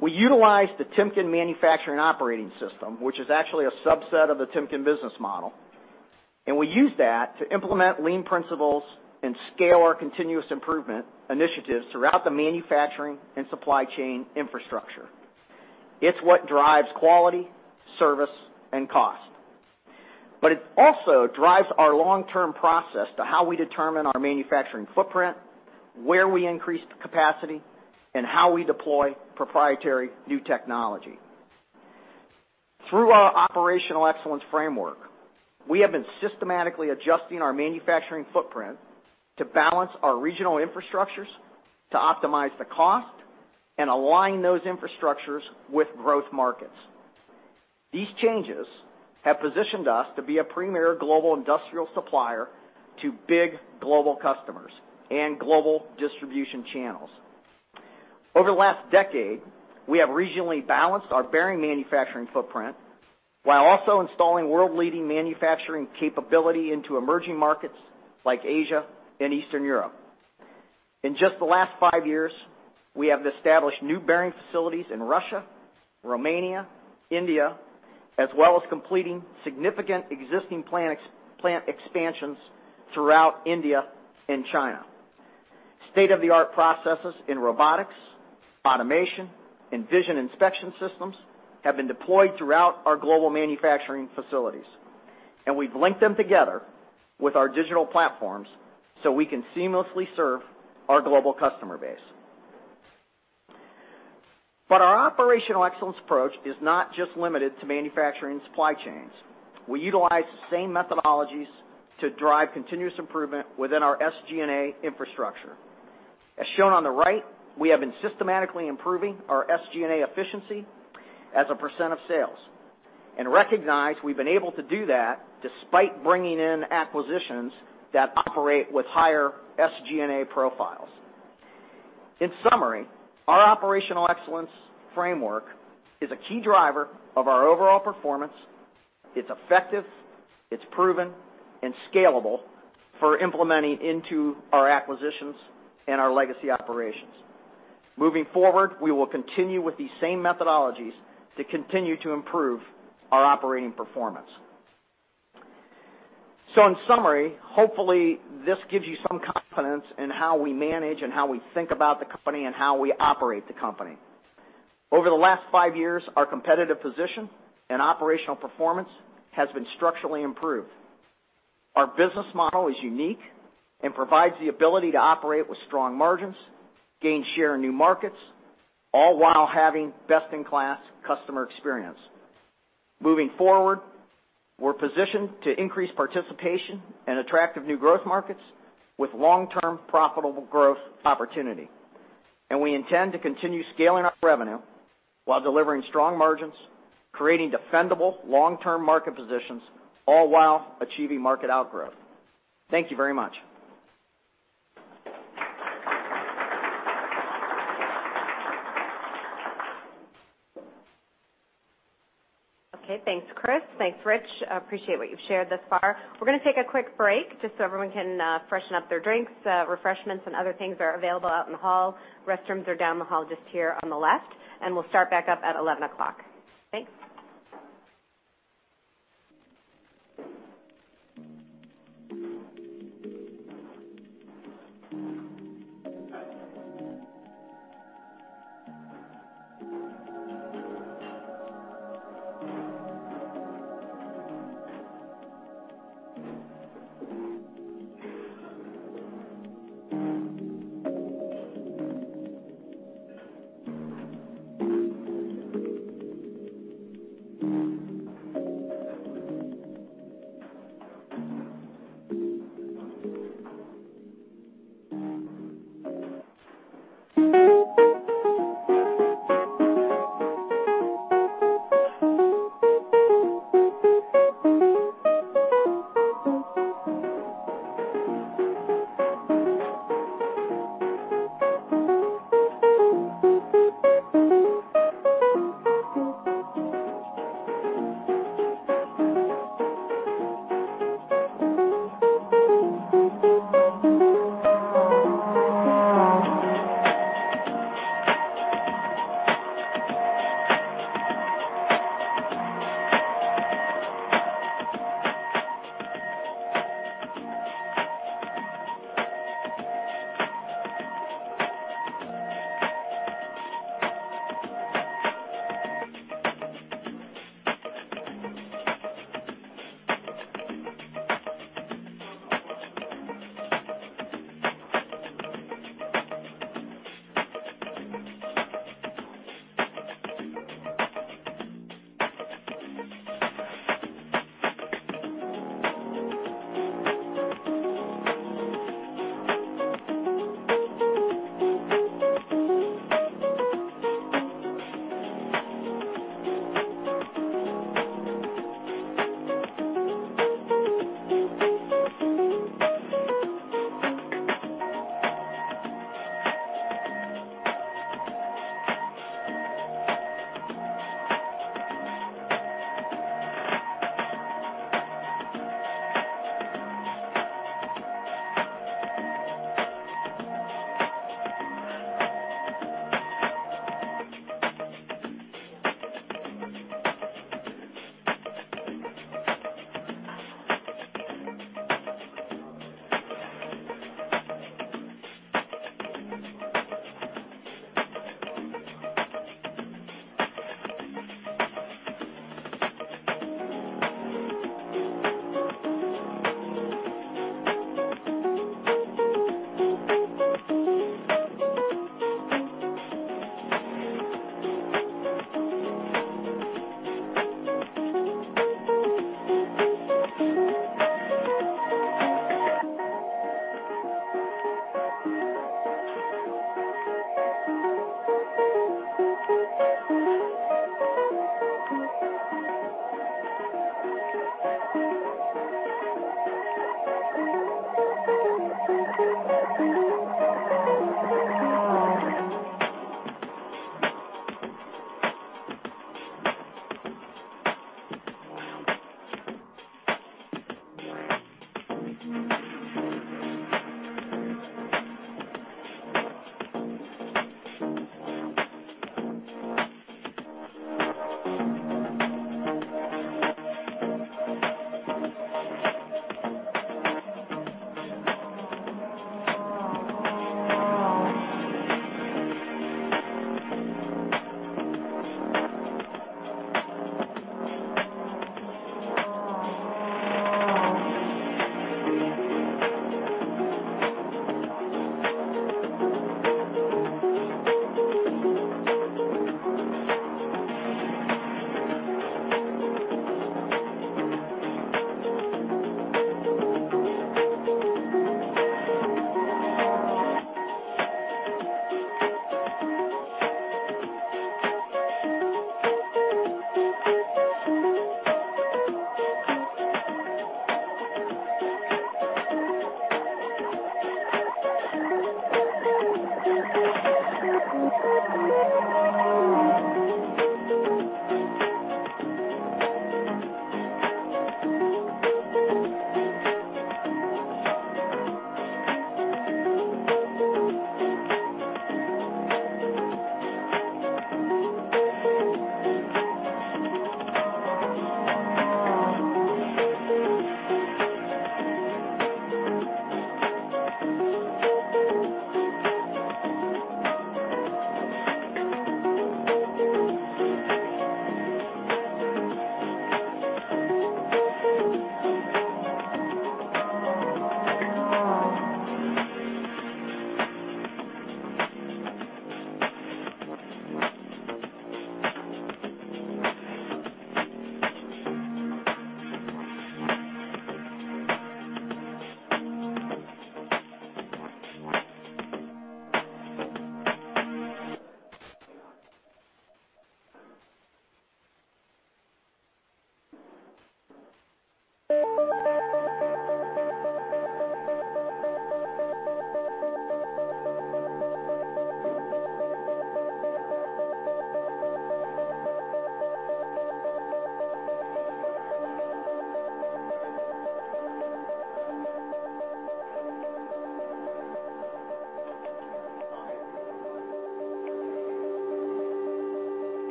We utilize the Timken Manufacturing Operating System, which is actually a subset of the Timken business model, and we use that to implement lean principles and scale our continuous improvement initiatives throughout the manufacturing and supply chain infrastructure. It's what drives quality, service, and cost. It also drives our long-term process to how we determine our manufacturing footprint, where we increase the capacity, and how we deploy proprietary new technology. Through our operational excellence framework, we have been systematically adjusting our manufacturing footprint to balance our regional infrastructures to optimize the cost and align those infrastructures with growth markets. These changes have positioned us to be a premier global industrial supplier to big global customers and global distribution channels. Over the last decade, we have regionally balanced our bearing manufacturing footprint while also installing world-leading manufacturing capability into emerging markets like Asia and Eastern Europe. In just the last five years, we have established new bearing facilities in Russia, Romania, India, as well as completing significant existing plant expansions throughout India and China. State-of-the-art processes in robotics, automation, and vision inspection systems have been deployed throughout our global manufacturing facilities, and we've linked them together with our digital platforms so we can seamlessly serve our global customer base. Our operational excellence approach is not just limited to manufacturing supply chains. We utilize the same methodologies to drive continuous improvement within our SG&A infrastructure. As shown on the right, we have been systematically improving our SG&A efficiency as a percent of sales. Recognize we've been able to do that despite bringing in acquisitions that operate with higher SG&A profiles. In summary, our operational excellence framework is a key driver of our overall performance. It's effective, it's proven, and scalable for implementing into our acquisitions and our legacy operations. Moving forward, we will continue with these same methodologies to continue to improve our operating performance. In summary, hopefully, this gives you some confidence in how we manage and how we think about the company and how we operate the company. Over the last five years, our competitive position and operational performance has been structurally improved. Our business model is unique and provides the ability to operate with strong margins, gain share in new markets, all while having best-in-class customer experience. Moving forward, we're positioned to increase participation in attractive new growth markets with long-term profitable growth opportunity, and we intend to continue scaling up revenue while delivering strong margins, creating defendable long-term market positions, all while achieving market outgrow. Thank you very much. Thanks, Chris. Thanks, Rich. Appreciate what you've shared thus far. We're going to take a quick break just so everyone can freshen up their drinks. Refreshments and other things are available out in the hall. Restrooms are down the hall just here on the left, and we'll start back up at 11:00 A.M. Thanks.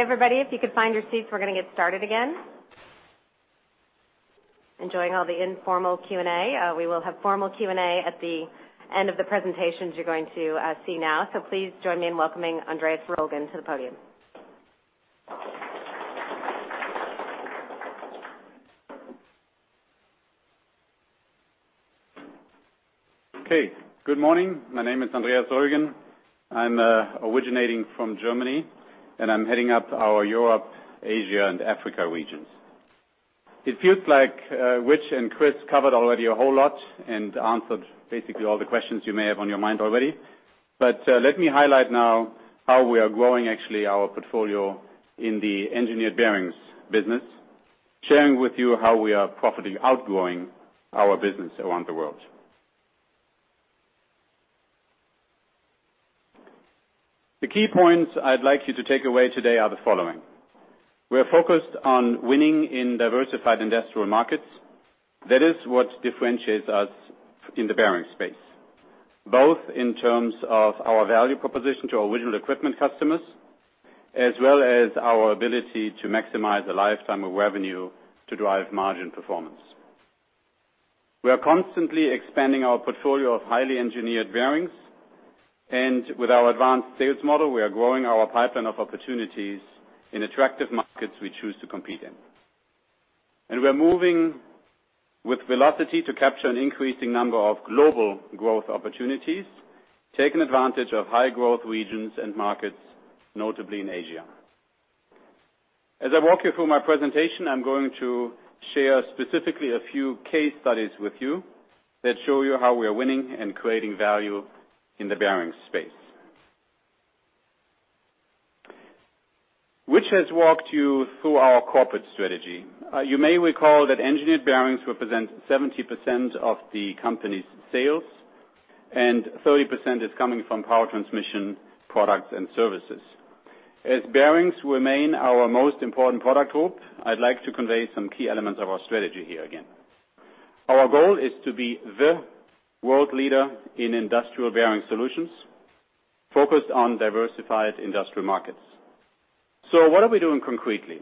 Everybody, if you could find your seats, we're going to get started again. Enjoying all the informal Q&A. We will have formal Q&A at the end of the presentations you're going to see now. Please join me in welcoming Andreas Roellgen to the podium. Okay. Good morning. My name is Andreas Roellgen. I'm originating from Germany, and I'm heading up our Europe, Asia, and Africa regions. It feels like Rich and Chris covered already a whole lot and answered basically all the questions you may have on your mind already. Let me highlight now how we are growing actually our portfolio in the Engineered Bearings business, sharing with you how we are properly outgrowing our business around the world. The key points I'd like you to take away today are the following. We are focused on winning in diversified industrial markets. That is what differentiates us in the bearing space, both in terms of our value proposition to original equipment customers, as well as our ability to maximize the lifetime of revenue to drive margin performance. We are constantly expanding our portfolio of highly engineered bearings. With our advanced sales model, we are growing our pipeline of opportunities in attractive markets we choose to compete in. We are moving with velocity to capture an increasing number of global growth opportunities, taking advantage of high growth regions and markets, notably in Asia. As I walk you through my presentation, I'm going to share specifically a few case studies with you that show you how we are winning and creating value in the bearing space. Rich has walked you through our corporate strategy. You may recall that engineered bearings represent 70% of the company's sales, and 30% is coming from power transmission products and services. As bearings remain our most important product group, I'd like to convey some key elements of our strategy here again. Our goal is to be the world leader in industrial-bearing solutions, focused on diversified industrial markets. What are we doing concretely?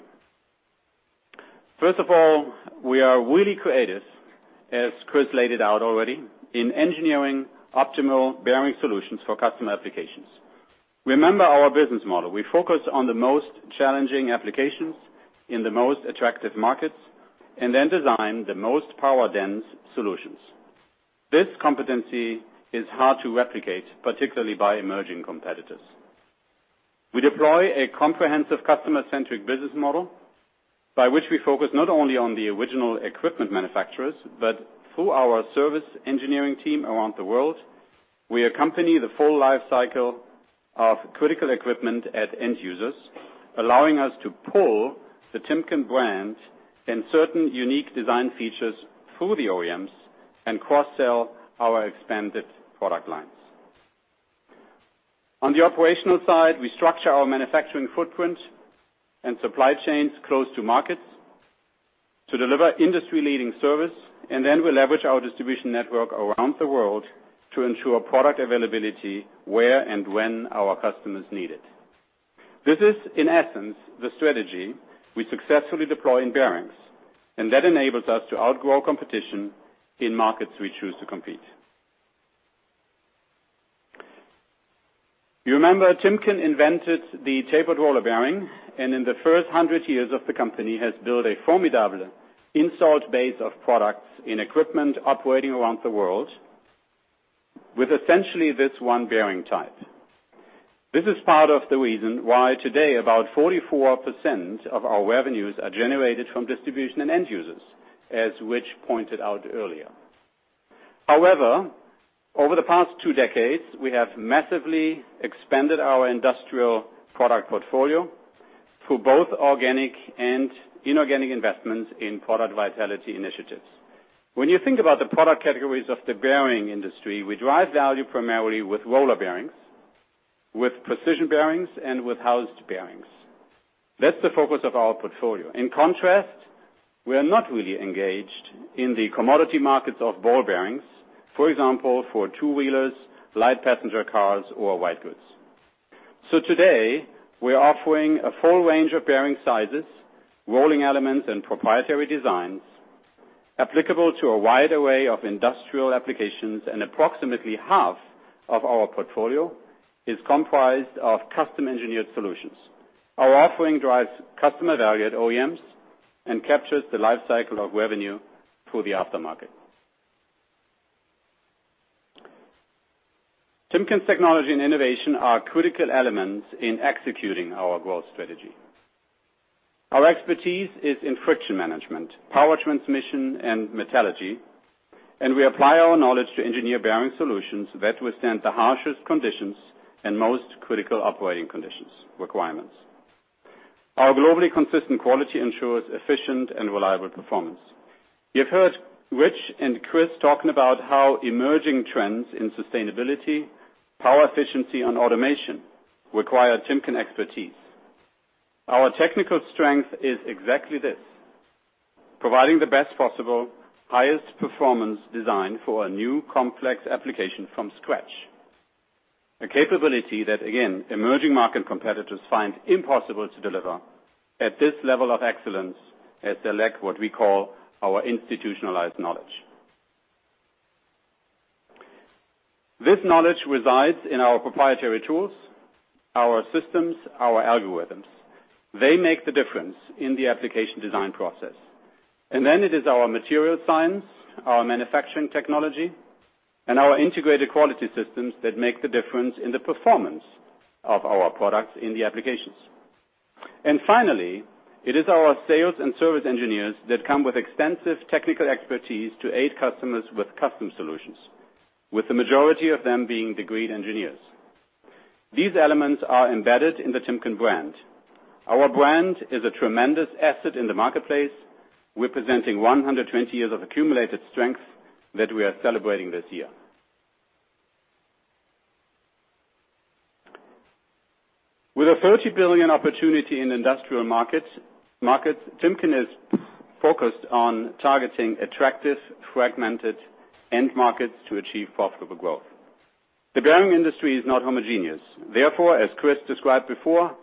First of all, we are really creative, as Chris laid it out already, in engineering optimal bearing solutions for customer applications. Remember our business model. We focus on the most challenging applications in the most attractive markets, and then design the most power-dense solutions. This competency is hard to replicate, particularly by emerging competitors. We deploy a comprehensive customer-centric business model by which we focus not only on the original equipment manufacturers, but through our service engineering team around the world, we accompany the full life cycle of critical equipment at end users, allowing us to pull the Timken brand and certain unique design features through the OEMs and cross-sell our expanded product lines. On the operational side, we structure our manufacturing footprint and supply chains close to markets to deliver industry-leading service, and then we leverage our distribution network around the world to ensure product availability where and when our customers need it. This is, in essence, the strategy we successfully deploy in bearings, and that enables us to outgrow competition in markets we choose to compete. You remember Timken invented the tapered roller bearing, and in the first 100 years of the company, has built a formidable installed base of products in equipment operating around the world with essentially this one bearing type. This is part of the reason why today about 44% of our revenues are generated from distribution and end users, as Rich pointed out earlier. However, over the past two decades, we have massively expanded our industrial product portfolio through both organic and inorganic investments in product vitality initiatives. When you think about the product categories of the bearing industry, we drive value primarily with roller bearings, with precision bearings, and with housed bearings. That's the focus of our portfolio. In contrast, we are not really engaged in the commodity markets of ball bearings, for example, for two-wheelers, light passenger cars, or white goods. Today, we're offering a full range of bearing sizes, rolling elements, and proprietary designs applicable to a wide array of industrial applications. Approximately half of our portfolio is comprised of custom-engineered solutions. Our offering drives customer value at OEMs and captures the life cycle of revenue through the aftermarket. Timken's technology and innovation are critical elements in executing our growth strategy. Our expertise is in friction management, power transmission, and metallurgy, and we apply our knowledge to engineer bearing solutions that withstand the harshest conditions and most critical operating conditions requirements. Our globally consistent quality ensures efficient and reliable performance. You've heard Rich and Chris talking about how emerging trends in sustainability, power efficiency, and automation require Timken expertise. Our technical strength is exactly this, providing the best possible, highest performance design for a new complex application from scratch. A capability that, again, emerging market competitors find impossible to deliver at this level of excellence as they lack what we call our institutionalized knowledge. This knowledge resides in our proprietary tools, our systems, our algorithms. They make the difference in the application design process. Then it is our material science, our manufacturing technology, and our integrated quality systems that make the difference in the performance of our products in the applications. Finally, it is our sales and service engineers that come with extensive technical expertise to aid customers with custom solutions, with the majority of them being degreed engineers. These elements are embedded in the Timken brand. Our brand is a tremendous asset in the marketplace, representing 120 years of accumulated strength that we are celebrating this year. With a $30 billion opportunity in industrial markets, Timken is focused on targeting attractive, fragmented end markets to achieve profitable growth. The bearing industry is not homogeneous. Therefore, as Chris described before,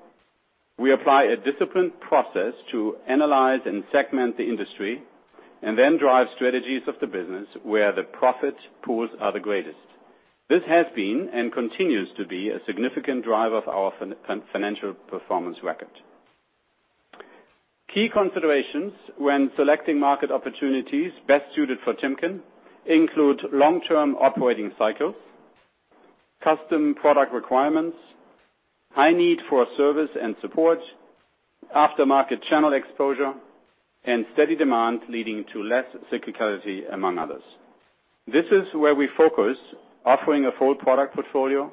we apply a disciplined process to analyze and segment the industry and then drive strategies of the business where the profit pools are the greatest. This has been, and continues to be, a significant driver of our financial performance record. Key considerations when selecting market opportunities best suited for Timken include long-term operating cycles, custom product requirements, high need for service and support, aftermarket channel exposure, and steady demand leading to less cyclicality, among others. This is where we focus, offering a full product portfolio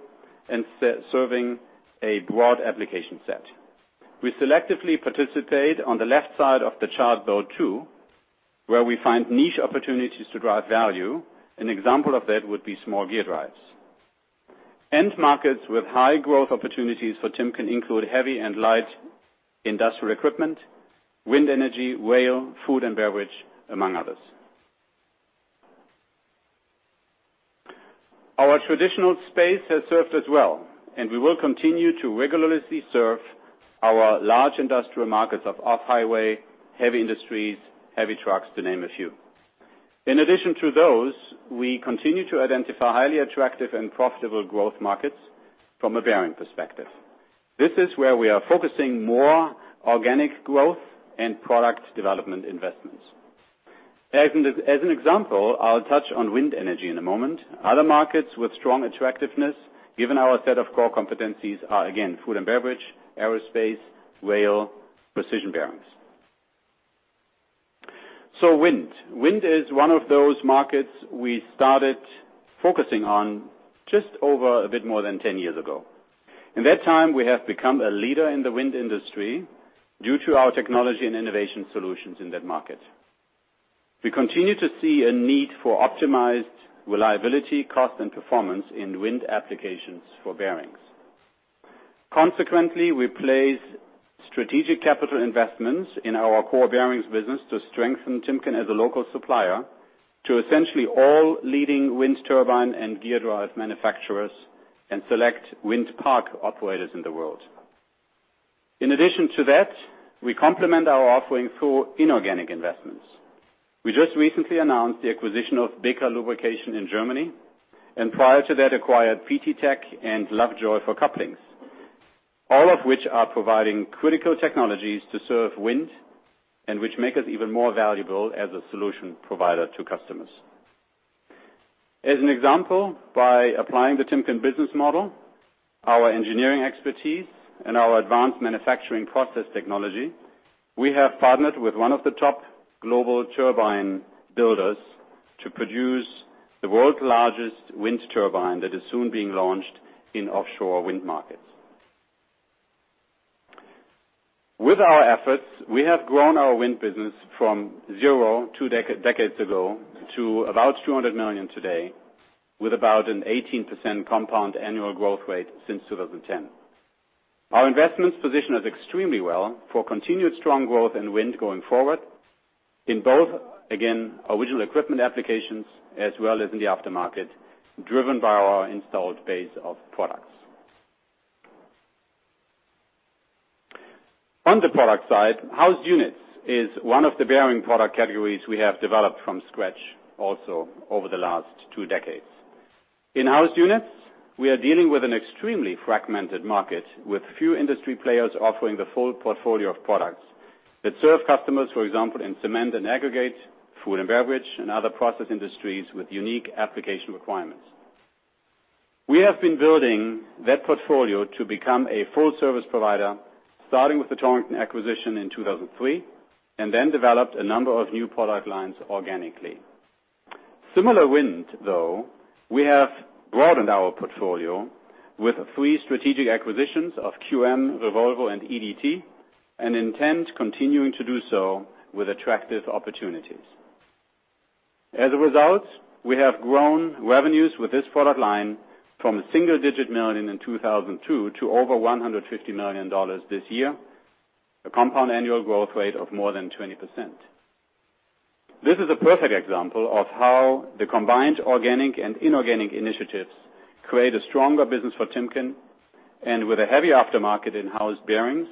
and serving a broad application set. We selectively participate on the left side of the chart build 2, where we find niche opportunities to drive value. An example of that would be small gear drives. End markets with high growth opportunities for Timken include heavy and light industrial equipment, wind energy, rail, food and beverage, among others. Our traditional space has served us well, and we will continue to rigorously serve our large industrial markets of off-highway, heavy industries, heavy trucks, to name a few. In addition to those, we continue to identify highly attractive and profitable growth markets from a bearing perspective. This is where we are focusing more organic growth and product development investments. As an example, I'll touch on wind energy in a moment. Other markets with strong attractiveness, given our set of core competencies are, again, food and beverage, aerospace, rail, precision bearings. Wind. Wind is one of those markets we started focusing on just over a bit more than 10 years ago. In that time, we have become a leader in the wind industry due to our technology and innovation solutions in that market. We continue to see a need for optimized reliability, cost, and performance in wind applications for bearings. Consequently, we place strategic capital investments in our core bearings business to strengthen Timken as a local supplier to essentially all leading wind turbine and gear drive manufacturers, and select wind park operators in the world. In addition to that, we complement our offering through inorganic investments. We just recently announced the acquisition of BEKA Lubrication in Germany, and prior to that, acquired PT Tech and Lovejoy for couplings, all of which are providing critical technologies to serve wind, and which make us even more valuable as a solution provider to customers. As an example, by applying the Timken business model, our engineering expertise, and our advanced manufacturing process technology, we have partnered with one of the top global turbine builders to produce the world's largest wind turbine that is soon being launched in offshore wind markets. With our efforts, we have grown our wind business from zero two decades ago to about $200 million today, with about an 18% compound annual growth rate since 2010. Our investments position us extremely well for continued strong growth in wind going forward in both, again, original equipment applications as well as in the aftermarket, driven by our installed base of products. On the product side, housed units is one of the bearing product categories we have developed from scratch also over the last two decades. In housed units, we are dealing with an extremely fragmented market with few industry players offering the full portfolio of products that serve customers, for example, in cement and aggregate, food and beverage, and other Process Industries with unique application requirements. We have been building that portfolio to become a full service provider, starting with the Torrington acquisition in 2003. Then developed a number of new product lines organically. Similar wind, though, we have broadened our portfolio with three strategic acquisitions of QM, Revolvo, and EDT, and intend continuing to do so with attractive opportunities. As a result, we have grown revenues with this product line from a single-digit million in 2002 to over $150 million this year, a compound annual growth rate of more than 20%. This is a perfect example of how the combined organic and inorganic initiatives create a stronger business for Timken, and with a heavy aftermarket housed bearings,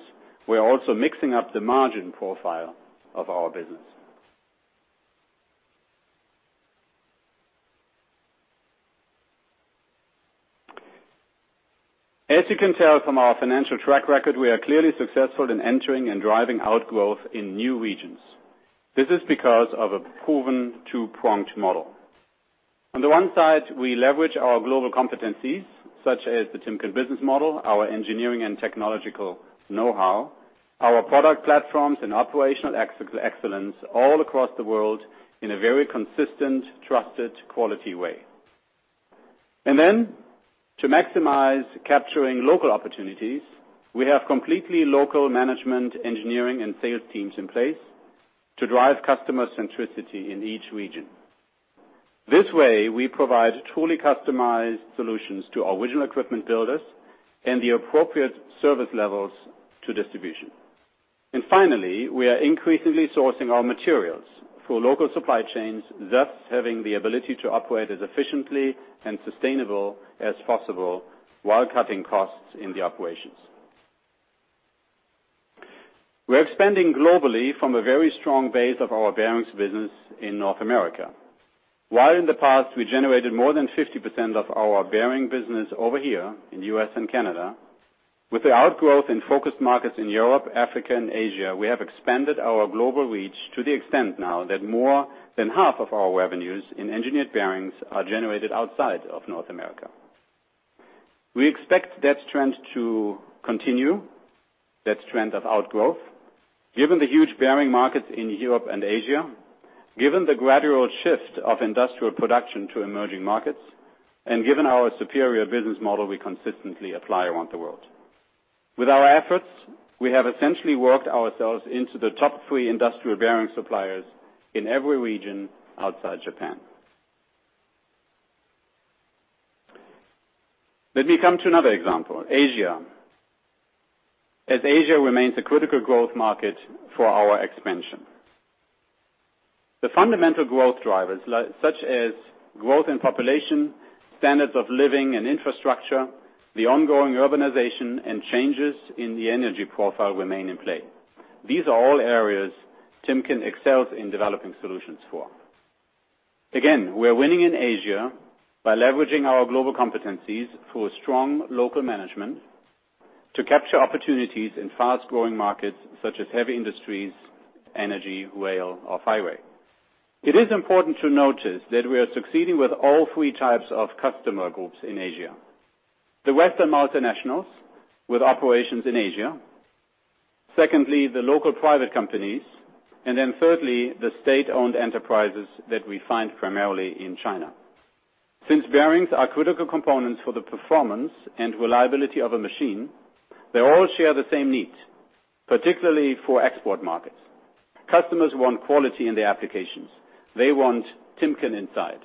we're also mixing up the margin profile of our business. As you can tell from our financial track record, we are clearly successful in entering and driving outgrowth in new regions. This is because of a proven two-pronged model. On the one side, we leverage our global competencies, such as the Timken business model, our engineering and technological know-how, our product platforms and operational excellence all across the world in a very consistent, trusted, quality way. Then to maximize capturing local opportunities, we have completely local management, engineering, and sales teams in place to drive customer centricity in each region. This way, we provide truly customized solutions to original equipment builders and the appropriate service levels to distribution. Finally, we are increasingly sourcing our materials for local supply chains, thus having the ability to operate as efficiently and sustainable as possible while cutting costs in the operations. We are expanding globally from a very strong base of our bearings business in North America. While in the past, we generated more than 50% of our bearing business over here in U.S. and Canada, with the outgrowth in focus markets in Europe, Africa and Asia, we have expanded our global reach to the extent now that more than half of our revenues in engineered bearings are generated outside of North America. We expect that trend to continue, that trend of outgrowth, given the huge bearing markets in Europe and Asia, given the gradual shift of industrial production to emerging markets, and given our superior business model we consistently apply around the world. With our efforts, we have essentially worked ourselves into the top three industrial-bearing suppliers in every region outside Japan. Let me come to another example, Asia, as Asia remains a critical growth market for our expansion. The fundamental growth drivers, such as growth in population, standards of living and infrastructure, the ongoing urbanization, and changes in the energy profile remain in play. These are all areas Timken excels in developing solutions for. Again, we are winning in Asia by leveraging our global competencies through a strong local management to capture opportunities in fast-growing markets such as heavy industries, energy, rail, off-highway. It is important to notice that we are succeeding with all three types of customer groups in Asia. The Western multinationals with operations in Asia. Secondly, the local private companies. Thirdly, the state-owned enterprises that we find primarily in China. Since bearings are critical components for the performance and reliability of a machine, they all share the same needs, particularly for export markets. Customers want quality in their applications. They want Timken inside.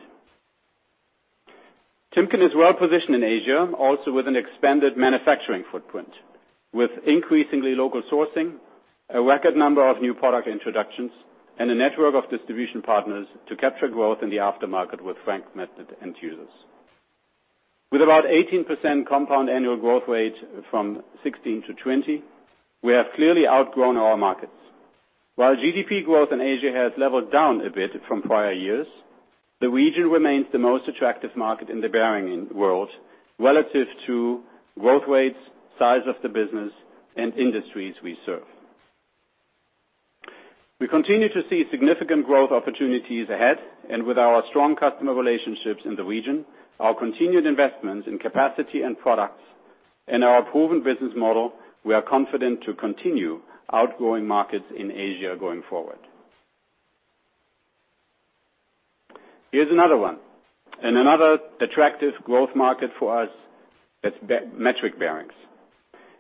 Timken is well-positioned in Asia, also with an expanded manufacturing footprint, with increasingly local sourcing, a record number of new product introductions, and a network of distribution partners to capture growth in the aftermarket with fragmented end users. With about 18% compound annual growth rate from 2016 to 2020, we have clearly outgrown our markets. While GDP growth in Asia has leveled down a bit from prior years, the region remains the most attractive market in the bearing world relative to growth rates, size of the business, and industries we serve. We continue to see significant growth opportunities ahead, and with our strong customer relationships in the region, our continued investments in capacity and products, and our proven business model, we are confident to continue outgrowing markets in Asia going forward. Here's another one, and another attractive growth market for us is metric bearings.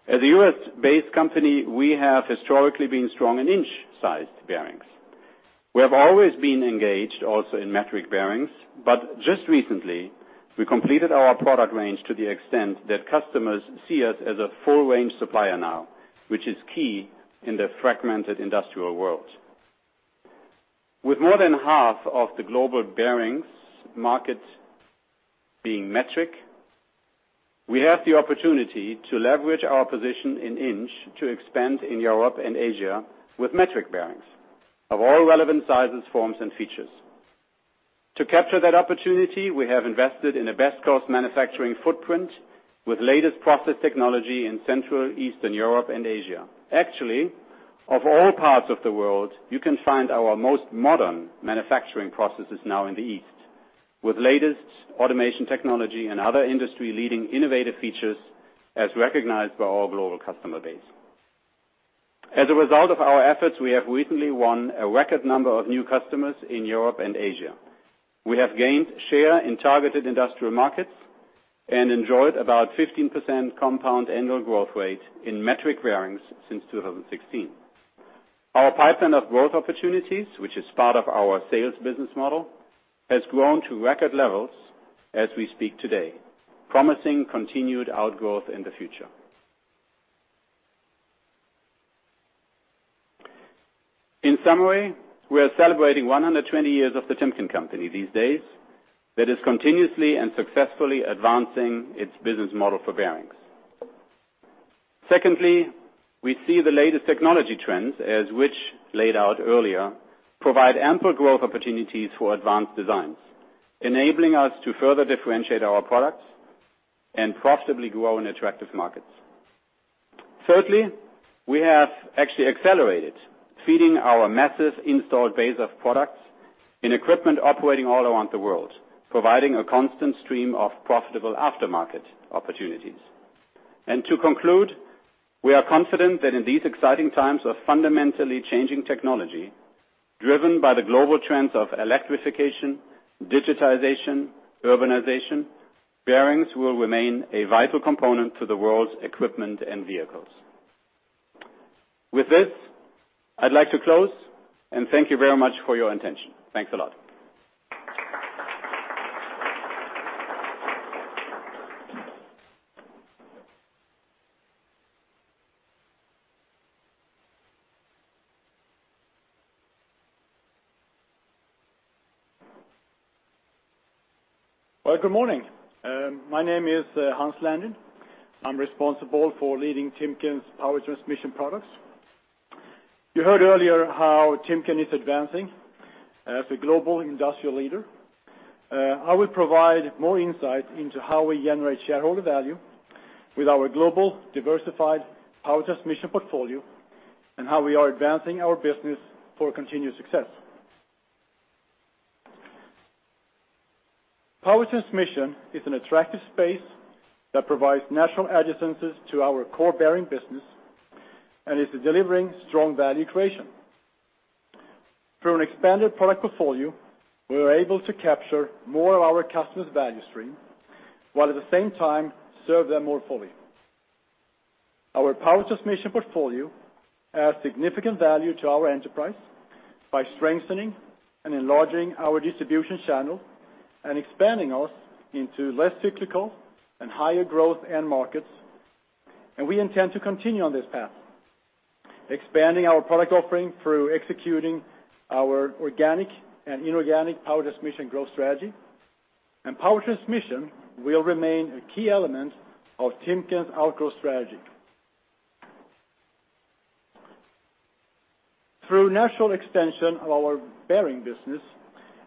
As a U.S.-based company, we have historically been strong in inch-sized bearings. We have always been engaged also in metric bearings, but just recently, we completed our product range to the extent that customers see us as a full-range supplier now, which is key in the fragmented industrial world. With more than half of the global bearings market being metric, we have the opportunity to leverage our position in inch to expand in Europe and Asia with metric bearings of all relevant sizes, forms, and features. To capture that opportunity, we have invested in a best cost manufacturing footprint with latest process technology in Central, Eastern Europe, and Asia. Actually, of all parts of the world, you can find our most modern manufacturing processes now in the East with latest automation technology and other industry-leading innovative features as recognized by our global customer base. As a result of our efforts, we have recently won a record number of new customers in Europe and Asia. We have gained share in targeted industrial markets and enjoyed about 15% compound annual growth rate in metric bearings since 2016. Our pipeline of growth opportunities, which is part of our sales business model, has grown to record levels as we speak today, promising continued outgrowth in the future. In summary, we are celebrating 120 years of the Timken Company these days that is continuously and successfully advancing its business model for bearings. Secondly, we see the latest technology trends as we laid out earlier provide ample growth opportunities for advanced designs, enabling us to further differentiate our products and profitably grow in attractive markets. Thirdly, we have actually accelerated feeding our massive installed base of products in equipment operating all around the world, providing a constant stream of profitable aftermarket opportunities. To conclude, we are confident that in these exciting times of fundamentally changing technology driven by the global trends of electrification, digitization, urbanization, bearings will remain a vital component to the world's equipment and vehicles. With this, I'd like to close and thank you very much for your attention. Thanks a lot. Well, good morning. My name is Hans Landin. I'm responsible for leading Timken's power transmission products. You heard earlier how Timken is advancing as a global industrial leader. I will provide more insight into how we generate shareholder value with our global diversified power transmission portfolio and how we are advancing our business for continued success. Power transmission is an attractive space that provides natural adjacencies to our core bearing business and is delivering strong value creation. Through an expanded product portfolio, we are able to capture more of our customers' value stream, while at the same time, serve them more fully. Our power transmission portfolio adds significant value to our enterprise by strengthening and enlarging our distribution channel and expanding us into less cyclical and higher growth end markets. We intend to continue on this path. Expanding our product offering through executing our organic and inorganic power transmission growth strategy. Power transmission will remain a key element of Timken's outgrow strategy. Through natural extension of our bearing business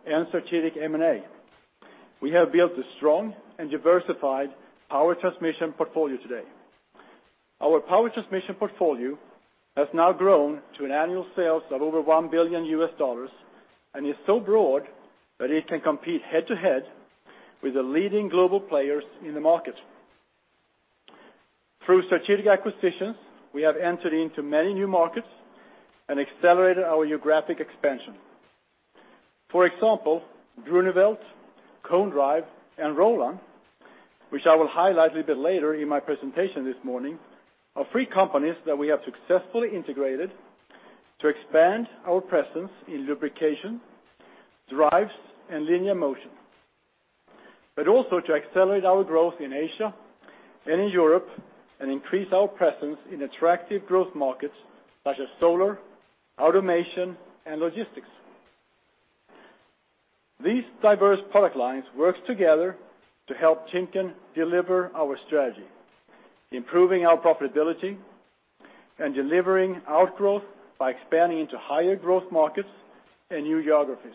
and strategic M&A, we have built a strong and diversified power transmission portfolio today. Our power transmission portfolio has now grown to an annual sales of over $1 billion, and is so broad that it can compete head-to-head with the leading global players in the market. Through strategic acquisitions, we have entered into many new markets and accelerated our geographic expansion. For example, Groeneveld, Cone Drive, and Rollon, which I will highlight a little bit later in my presentation this morning, are three companies that we have successfully integrated to expand our presence in lubrication, Drives, and linear motion. Also to accelerate our growth in Asia and in Europe, and increase our presence in attractive growth markets such as solar, automation, and logistics. These diverse product lines work together to help Timken deliver our strategy, improving our profitability, and delivering outgrowth by expanding into higher growth markets and new geographies.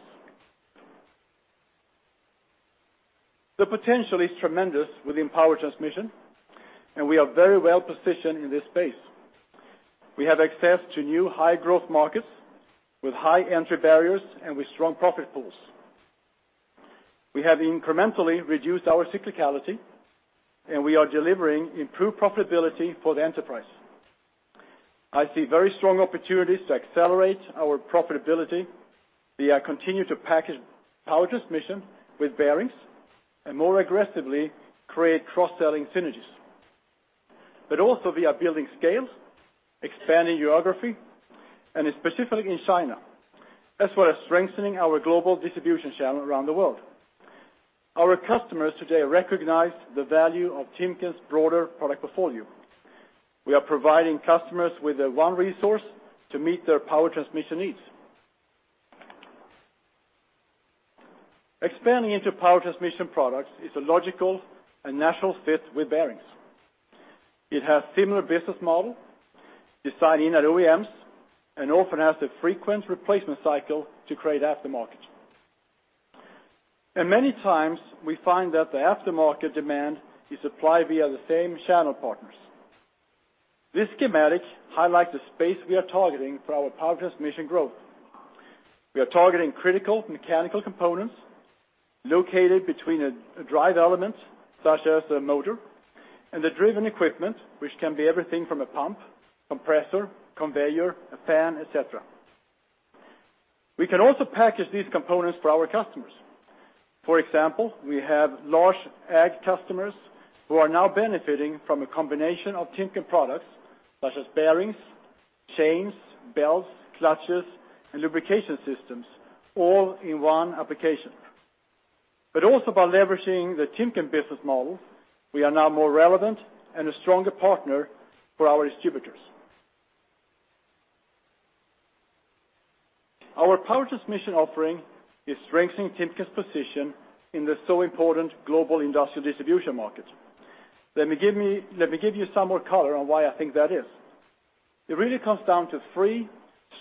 The potential is tremendous within power transmission, and we are very well-positioned in this space. We have access to new high growth markets with high entry barriers and with strong profit pools. We have incrementally reduced our cyclicality, and we are delivering improved profitability for the enterprise. I see very strong opportunities to accelerate our profitability via continue to package power transmission with bearings, and more aggressively create cross-selling synergies. Also via building scales, expanding geography, and specifically in China, as well as strengthening our global distribution channel around the world. Our customers today recognize the value of Timken's broader product portfolio. We are providing customers with one resource to meet their power transmission needs. Expanding into power transmission products is a logical and natural fit with bearings. It has similar business model, designing at OEMs, and often has a frequent replacement cycle to create aftermarket. Many times, we find that the aftermarket demand is supplied via the same channel partners. This schematic highlights the space we are targeting for our power transmission growth. We are targeting critical mechanical components located between a drive element, such as a motor, and the driven equipment, which can be everything from a pump, compressor, conveyor, a fan, et cetera. We can also package these components for our customers. For example, we have large agriculture customers who are now benefiting from a combination of Timken products such as bearings, chains, belts, clutches, and lubrication systems all in one application. Also by leveraging the Timken business model, we are now more relevant and a stronger partner for our distributors. Our power transmission offering is strengthening Timken's position in the so important global industrial distribution market. Let me give you some more color on why I think that is. It really comes down to three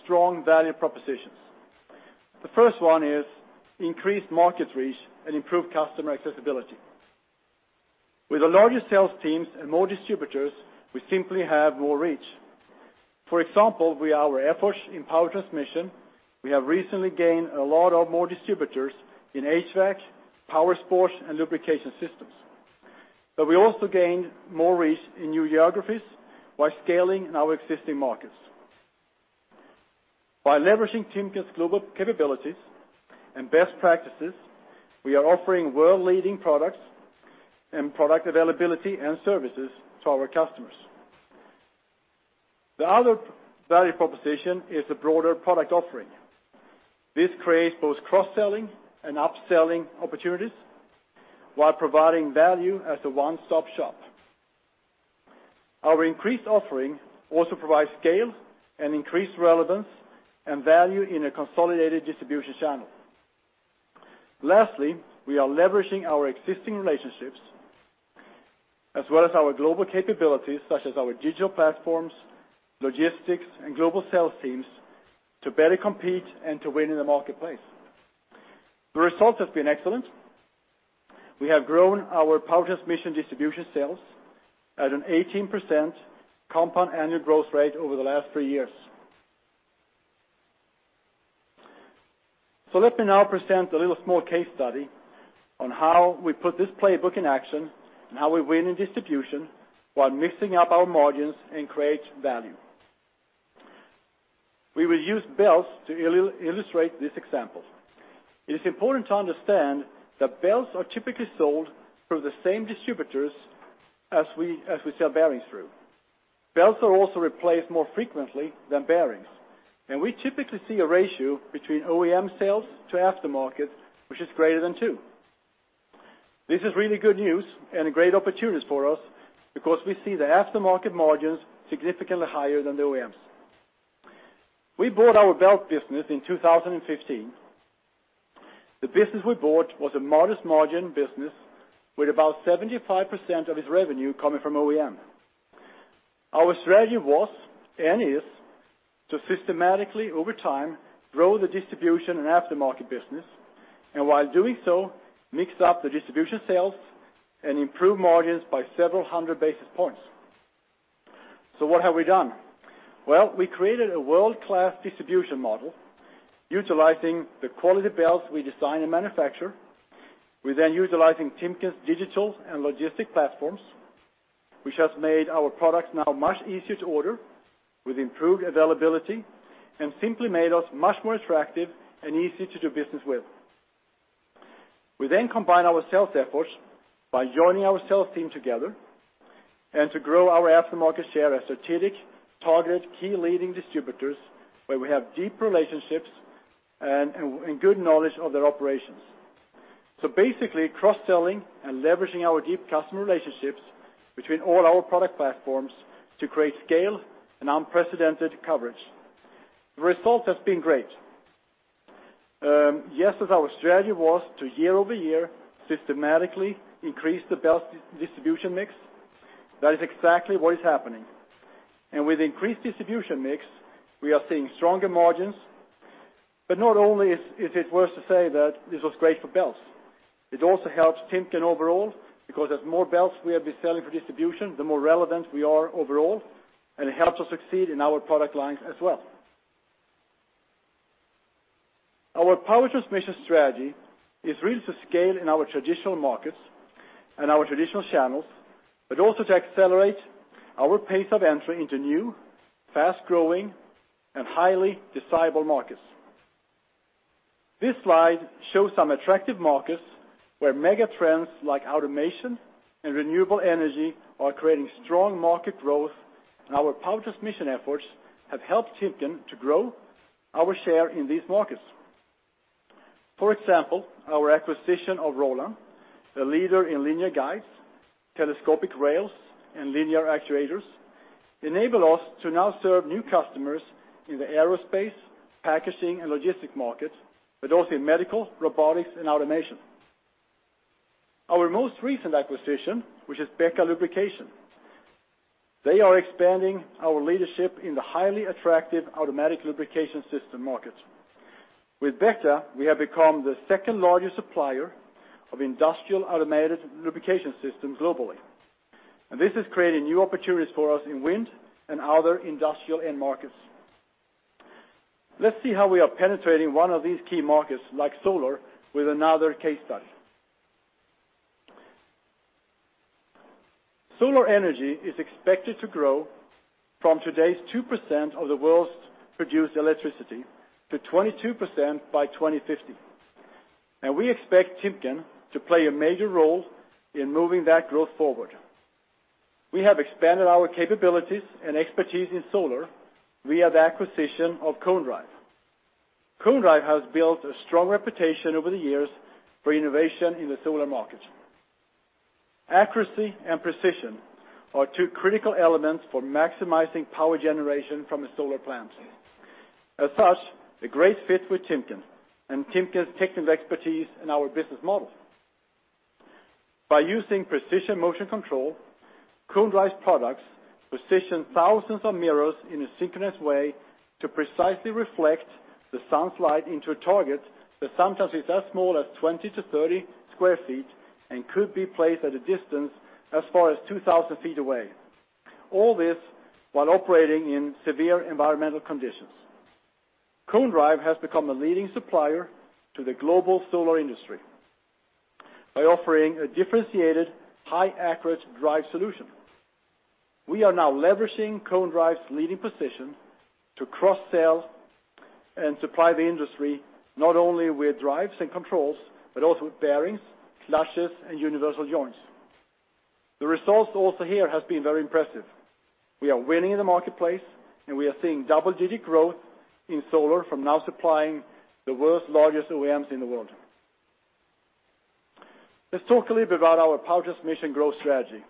strong value propositions. The first one is increased market reach and improved customer accessibility. With the largest sales teams and more distributors, we simply have more reach. For example, with our efforts in power transmission, we have recently gained a lot of more distributors in HVAC, powersports, and lubrication systems. We also gained more reach in new geographies by scaling in our existing markets. By leveraging Timken's global capabilities and best practices, we are offering world-leading products and product availability and services to our customers. The other value proposition is a broader product offering. This creates both cross-selling and upselling opportunities while providing value as a one-stop shop. Our increased offering also provides scale and increased relevance and value in a consolidated distribution channel. Lastly, we are leveraging our existing relationships as well as our global capabilities such as our digital platforms, logistics, and global sales teams to better compete and to win in the marketplace. The result has been excellent. We have grown our power transmission distribution sales at an 18% compound annual growth rate over the last three years. Let me now present a little small case study on how we put this playbook in action, and how we win in distribution while mixing up our margins and create value. We will use belts to illustrate this example. It is important to understand that belts are typically sold through the same distributors as we sell bearings through. Belts are also replaced more frequently than bearings, and we typically see a ratio between OEM sales to aftermarket, which is greater than 2. This is really good news and a great opportunity for us because we see the aftermarket margins significantly higher than the OEMs. We bought our belt business in 2015. The business we bought was a modest margin business with about 75% of its revenue coming from OEM. Our strategy was, and is, to systematically over time grow the distribution and aftermarket business, and while doing so, mix up the distribution sales and improve margins by several hundred basis points. What have we done? Well, we created a world-class distribution model utilizing the quality belts we design and manufacture, with then utilizing Timken's digital and logistic platforms, which has made our products now much easier to order, with improved availability and simply made us much more attractive and easy to do business with. We then combine our sales efforts by joining our sales team together and to grow our aftermarket share at strategic target key leading distributors where we have deep relationships and good knowledge of their operations. Basically, cross-selling and leveraging our deep customer relationships between all our product platforms to create scale and unprecedented coverage. The results have been great. Yes, as our strategy was to year-over-year systematically increase the belt distribution mix. That is exactly what is happening. With increased distribution mix, we are seeing stronger margins. Not only is it worth to say that this was great for belts, it also helps Timken overall because as more belts we have been selling for distribution, the more relevant we are overall, and it helps us succeed in our product lines as well. Our power transmission strategy is really to scale in our traditional markets and our traditional channels, but also to accelerate our pace of entry into new, fast-growing, and highly desirable markets. This slide shows some attractive markets where mega trends like automation and renewable energy are creating strong market growth, and our power transmission efforts have helped Timken to grow our share in these markets. For example, our acquisition of Rollon, a leader in linear guides, telescopic rails, and linear actuators, enable us to now serve new customers in the aerospace, packaging and logistic market, but also in medical, robotics, and automation. Our most recent acquisition, which is BEKA Lubrication. They are expanding our leadership in the highly attractive automatic lubrication system markets. With BEKA, we have become the second-largest supplier of industrial automated lubrication systems globally, and this is creating new opportunities for us in wind and other industrial end markets. Let's see how we are penetrating one of these key markets, like solar, with another case study. Solar energy is expected to grow from today's 2% of the world's produced electricity to 22% by 2050, and we expect Timken to play a major role in moving that growth forward. We have expanded our capabilities and expertise in solar via the acquisition of Cone Drive. Cone Drive has built a strong reputation over the years for innovation in the solar markets. Accuracy and precision are two critical elements for maximizing power generation from a solar plant. As such, a great fit with Timken and Timken's technical expertise in our business model. By using precision motion control, Cone Drive's products position thousands of mirrors in a synchronous way to precisely reflect the sunlight into a target that sometimes is as small as 20 sq ft-30 sq ft and could be placed at a distance as far as 2,000 ft away. All this while operating in severe environmental conditions. Cone Drive has become a leading supplier to the global solar industry by offering a differentiated, high accurate Drives solution. We are now leveraging Cone Drive's leading position to cross-sell and supply the industry not only with Drives and controls, but also with bearings, clutches, and universal joints. The results also here has been very impressive. We are winning in the marketplace, and we are seeing double-digit growth in solar from now supplying the world's largest OEMs in the world. Let's talk a little bit about our power transmission growth strategy.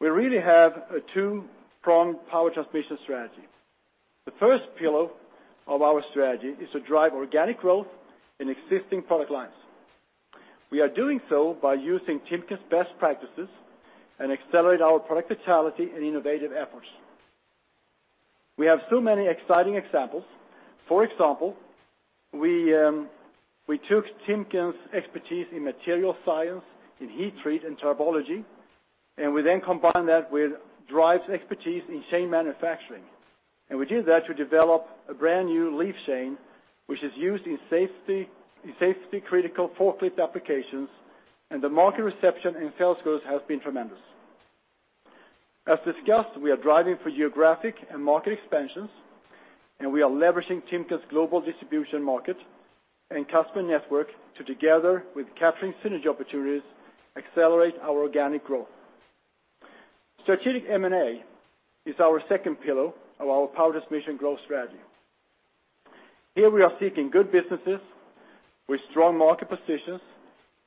We really have a two-pronged power transmission strategy. The first pillar of our strategy is to drive organic growth in existing product lines. We are doing so by using Timken's best practices and accelerate our product vitality and innovative efforts. We have so many exciting examples. For example, we took Timken's expertise in material science, in heat treat and tribology, and we then combined that with Drives expertise in chain manufacturing. We did that to develop a brand new leaf chain, which is used in safety-critical forklift applications, and the market reception and sales growth has been tremendous. As discussed, we are driving for geographic and market expansions, and we are leveraging Timken's global distribution market and customer network to together with capturing synergy opportunities, accelerate our organic growth. Strategic M&A is our second pillar of our power transmission growth strategy. Here we are seeking good businesses with strong market positions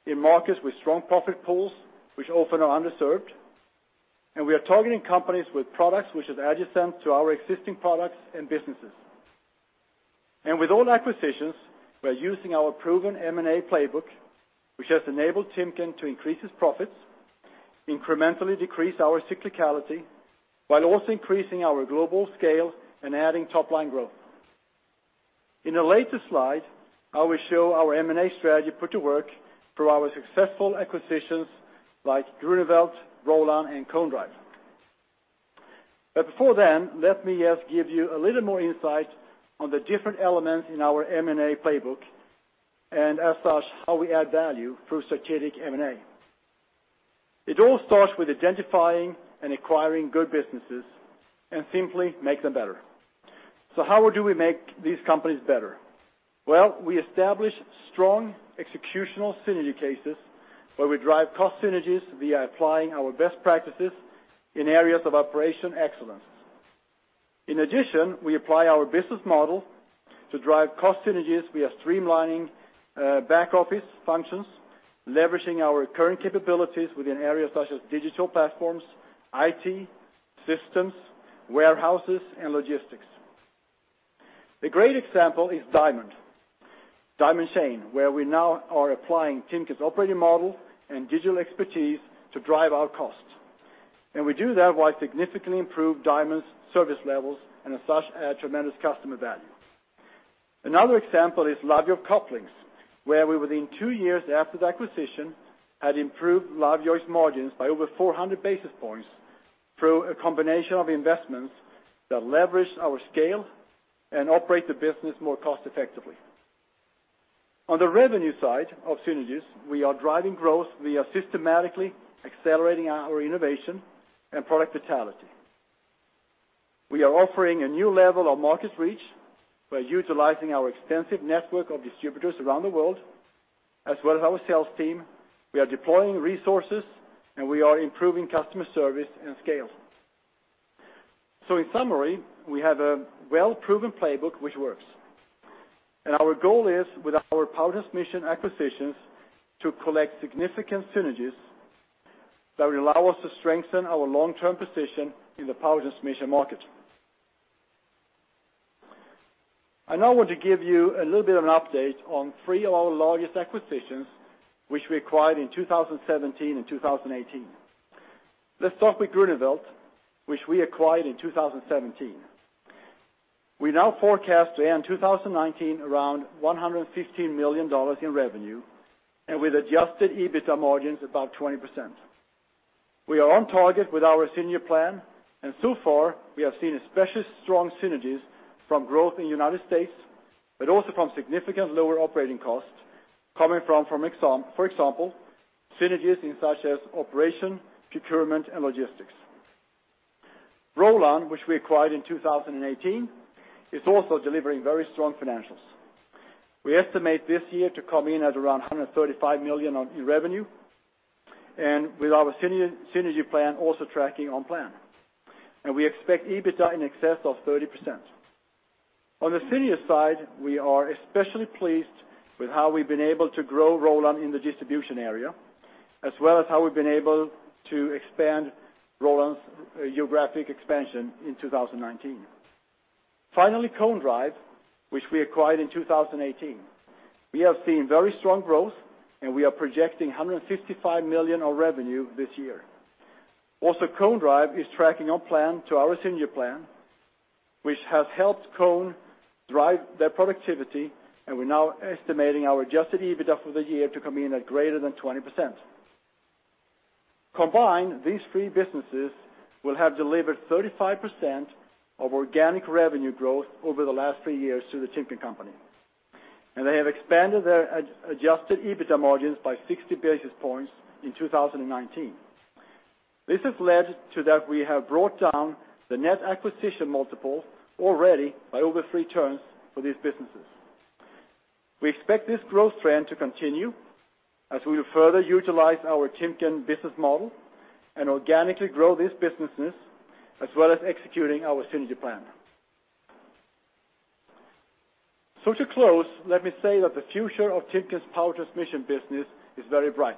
in markets with strong profit pools, which often are underserved. We are targeting companies with products which is adjacent to our existing products and businesses. With all acquisitions, we are using our proven M&A playbook, which has enabled Timken to increase its profits, incrementally decrease our cyclicality, while also increasing our global scale and adding top-line growth. In a later slide, I will show our M&A strategy put to work through our successful acquisitions like Groeneveld, Rollon, and Cone Drive. Before then, let me just give you a little more insight on the different elements in our M&A playbook, and as such, how we add value through strategic M&A. It all starts with identifying and acquiring good businesses and simply make them better. How do we make these companies better? Well, we establish strong executional synergy cases where we drive cost synergies via applying our best practices in areas of operation excellence. In addition, we apply our business model to drive cost synergies via streamlining back office functions, leveraging our current capabilities within areas such as digital platforms, IT, systems, warehouses, and logistics. A great example is Diamond Chain, where we now are applying Timken's operating model and digital expertise to drive our cost. We do that while significantly improve Diamond's service levels, and as such, add tremendous customer value. Another example is Lovejoy couplings, where we within two years after the acquisition, had improved Lovejoy's margins by over 400 basis points through a combination of investments that leverage our scale and operate the business more cost effectively. On the revenue side of synergies, we are driving growth via systematically accelerating our innovation and product vitality. We are offering a new level of market reach by utilizing our extensive network of distributors around the world, as well as our sales team. We are deploying resources and we are improving customer service and scale. In summary, we have a well-proven playbook which works. Our goal is, with our power transmission acquisitions, to collect significant synergies that will allow us to strengthen our long-term position in the power transmission market. I now want to give you a little bit of an update on three of our largest acquisitions which we acquired in 2017 and 2018. Let's start with Groeneveld, which we acquired in 2017. We now forecast to end 2019 around $115 million in revenue, and with adjusted EBITDA margins above 20%. We are on target with our synergy plan, and so far, we have seen especially strong synergies from growth in U.S., but also from significant lower operating costs coming from, for example, synergies in such as operation, procurement, and logistics. Rollon, which we acquired in 2018, is also delivering very strong financials. We estimate this year to come in at around $135 million in revenue, and with our synergy plan also tracking on plan. We expect EBITDA in excess of 30%. On the synergy side, we are especially pleased with how we've been able to grow Rollon in the distribution area, as well as how we've been able to expand Rollon's geographic expansion in 2019. Finally, Cone Drive, which we acquired in 2018. We have seen very strong growth, and we are projecting $155 million of revenue this year. Cone Drive is tracking on plan to our synergy plan, which has helped Cone Drive their productivity, and we're now estimating our adjusted EBITDA for the year to come in at greater than 20%. Combined, these three businesses will have delivered 35% of organic revenue growth over the last three years to The Timken Company. They have expanded their adjusted EBITDA margins by 60 basis points in 2019. This has led to that we have brought down the net acquisition multiple already by over three turns for these businesses. We expect this growth trend to continue as we will further utilize our Timken business model and organically grow these businesses, as well as executing our synergy plan. To close, let me say that the future of Timken's Power Transmission business is very bright.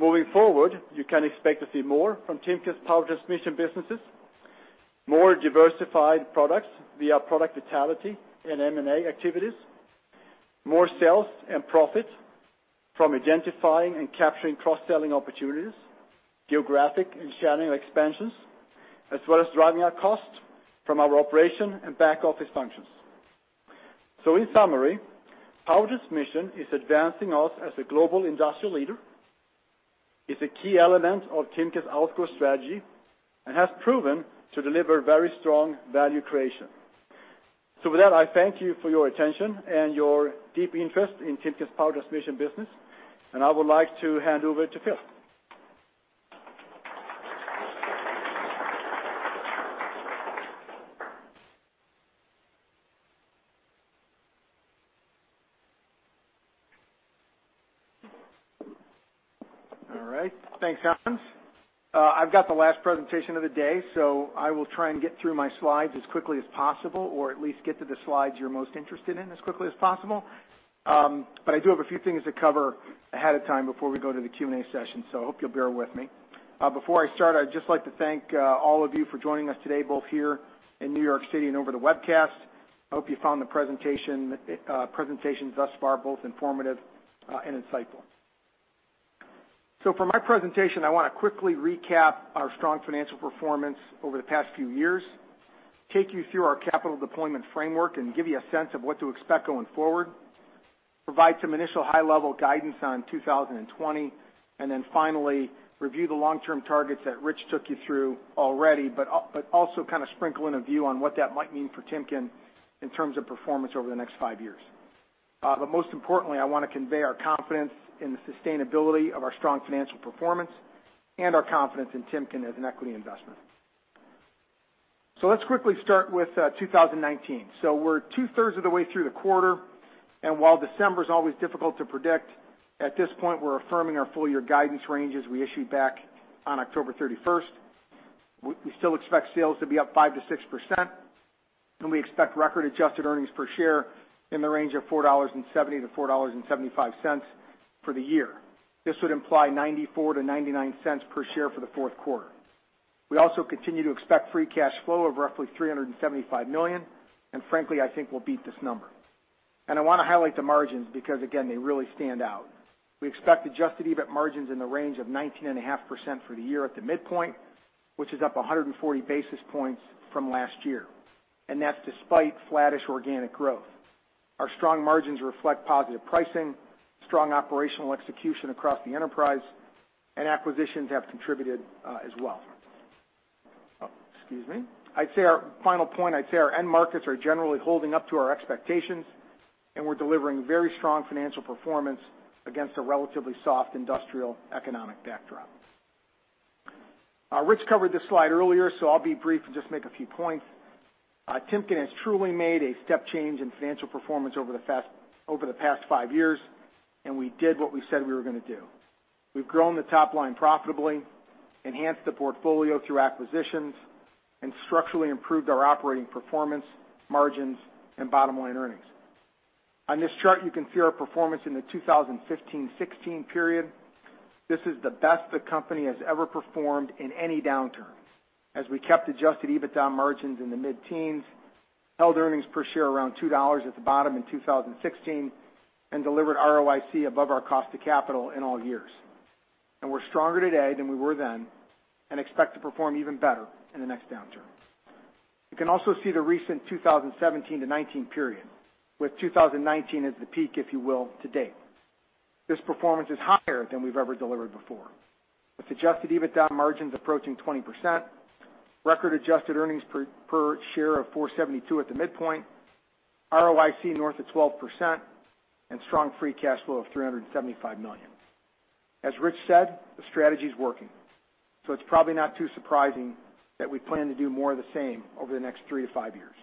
Moving forward, you can expect to see more from Timken's Power Transmission businesses, more diversified products via product vitality and M&A activities, more sales and profit from identifying and capturing cross-selling opportunities, geographic and channel expansions, as well as driving our cost from our operation and back office functions. In summary, Power Transmission is advancing us as a global industrial leader. It's a key element of Timken's outgrow strategy, and has proven to deliver very strong value creation. With that, I thank you for your attention and your deep interest in Timken's Power Transmission business, and I would like to hand over to Phil. All right. Thanks, Hans. I've got the last presentation of the day, so I will try and get through my slides as quickly as possible, or at least get to the slides you're most interested in as quickly as possible. I do have a few things to cover ahead of time before we go to the Q&A session. I hope you'll bear with me. Before I start, I'd just like to thank all of you for joining us today, both here in New York City and over the webcast. I hope you found the presentations thus far, both informative and insightful. For my presentation, I want to quickly recap our strong financial performance over the past few years, take you through our capital deployment framework and give you a sense of what to expect going forward, provide some initial high-level guidance on 2020, and then finally, review the long-term targets that Rich took you through already, but also kind of sprinkle in a view on what that might mean for Timken in terms of performance over the next five years. Most importantly, I want to convey our confidence in the sustainability of our strong financial performance and our confidence in Timken as an equity investment. Let's quickly start with 2019. We're 2/3 of the way through the quarter, and while December is always difficult to predict, at this point we're affirming our full-year guidance range as we issued back on October 31st. We still expect sales to be up 5%-6%. We expect record adjusted earnings per share in the range of $4.70-$4.75 for the year. This would imply $0.94-$0.99 per share for the fourth quarter. We also continue to expect free cash flow of roughly $375 million. Frankly, I think we'll beat this number. I want to highlight the margins, because again, they really stand out. We expect adjusted EBIT margins in the range of 19.5% for the year at the midpoint, which is up 140 basis points from last year. That's despite flattish organic growth. Our strong margins reflect positive pricing, strong operational execution across the enterprise. Acquisitions have contributed as well. Excuse me. Final point, I'd say our end markets are generally holding up to our expectations, and we're delivering very strong financial performance against a relatively soft industrial economic backdrop. Rich covered this slide earlier, so I'll be brief and just make a few points. Timken has truly made a step change in financial performance over the past five years, and we did what we said we were going to do. We've grown the top line profitably, enhanced the portfolio through acquisitions, and structurally improved our operating performance, margins, and bottom-line earnings. On this chart, you can see our performance in the 2015 to 2016 period. This is the best the company has ever performed in any downturn, as we kept adjusted EBITDA margins in the mid-teens, held earnings per share around $2 at the bottom in 2016, and delivered ROIC above our cost of capital in all years. We're stronger today than we were then and expect to perform even better in the next downturn. You can also see the recent 2017 to 2019 period, with 2019 as the peak, if you will, to date. This performance is higher than we've ever delivered before, with adjusted EBITDA margins approaching 20%, record adjusted earnings per share of $4.72 at the midpoint, ROIC north of 12%, and strong free cash flow of $375 million. As Rich said, the strategy's working. It's probably not too surprising that we plan to do more of the same over the next three to five years.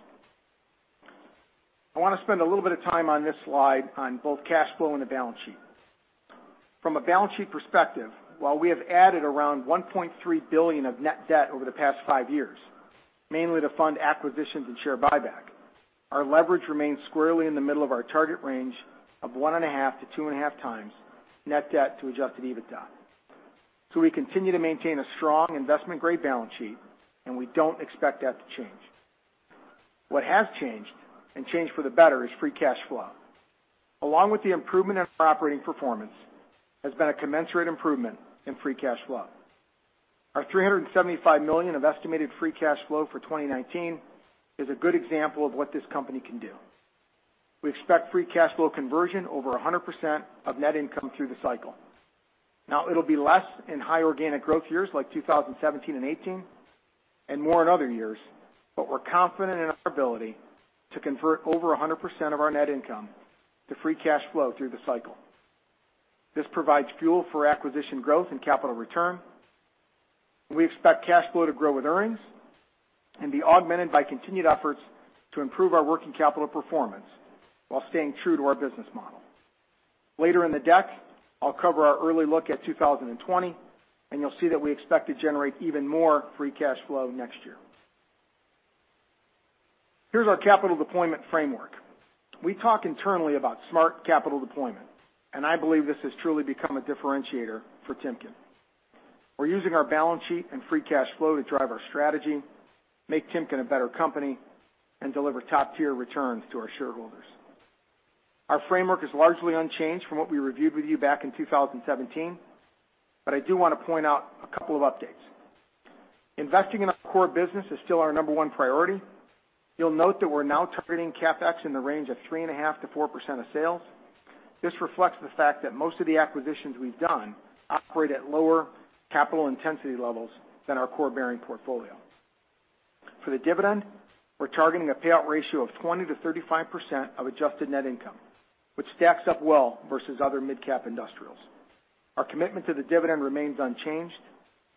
I want to spend a little bit of time on this slide on both cash flow and the balance sheet. From a balance sheet perspective, while we have added around $1.3 billion of net debt over the past five years, mainly to fund acquisitions and share buyback, our leverage remains squarely in the middle of our target range of 1.5x-2.5x net debt-to-adjusted EBITDA. We continue to maintain a strong investment-grade balance sheet, and we don't expect that to change. What has changed, and changed for the better, is free cash flow. Along with the improvement in our operating performance has been a commensurate improvement in free cash flow. Our $375 million of estimated free cash flow for 2019 is a good example of what this company can do. We expect free cash flow conversion over 100% of net income through the cycle. It'll be less in high organic growth years like 2017 and 2018, and more in other years, but we're confident in our ability to convert over 100% of our net income to free cash flow through the cycle. This provides fuel for acquisition growth and capital return. We expect cash flow to grow with earnings and be augmented by continued efforts to improve our working capital performance while staying true to our business model. Later in the deck, I'll cover our early look at 2020, and you'll see that we expect to generate even more free cash flow next year. Here's our capital deployment framework. We talk internally about smart capital deployment, and I believe this has truly become a differentiator for Timken. We're using our balance sheet and free cash flow to drive our strategy, make Timken a better company, and deliver top-tier returns to our shareholders. Our framework is largely unchanged from what we reviewed with you back in 2017, but I do want to point out a couple of updates. Investing in our core business is still our number one priority. You'll note that we're now targeting CapEx in the range of 3.5%-4% of sales. This reflects the fact that most of the acquisitions we've done operate at lower capital intensity levels than our core bearing portfolio. For the dividend, we're targeting a payout ratio of 20%-35% of adjusted net income, which stacks up well versus other mid-cap industrials. Our commitment to the dividend remains unchanged,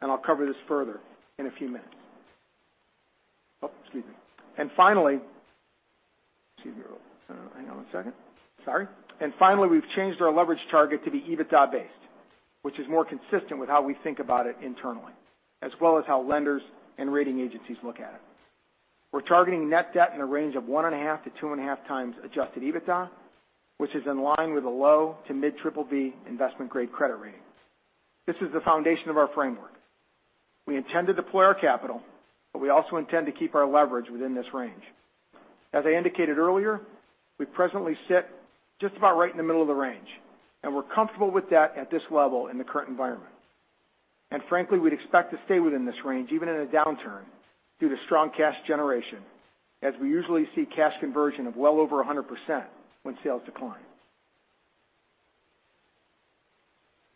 and I'll cover this further in a few minutes. Oh, excuse me. Hang on one second. Sorry. Finally, we've changed our leverage target to be EBITDA-based, which is more consistent with how we think about it internally, as well as how lenders and rating agencies look at it. We're targeting net debt in the range of 1.5x-2.5x adjusted EBITDA, which is in line with the low-to-mid BBB investment-grade credit ratings. This is the foundation of our framework. We intend to deploy our capital, but we also intend to keep our leverage within this range. As I indicated earlier, we presently sit just about right in the middle of the range, and we're comfortable with that at this level in the current environment. Frankly, we'd expect to stay within this range, even in a downturn, due to strong cash generation, as we usually see cash conversion of well over 100% when sales decline.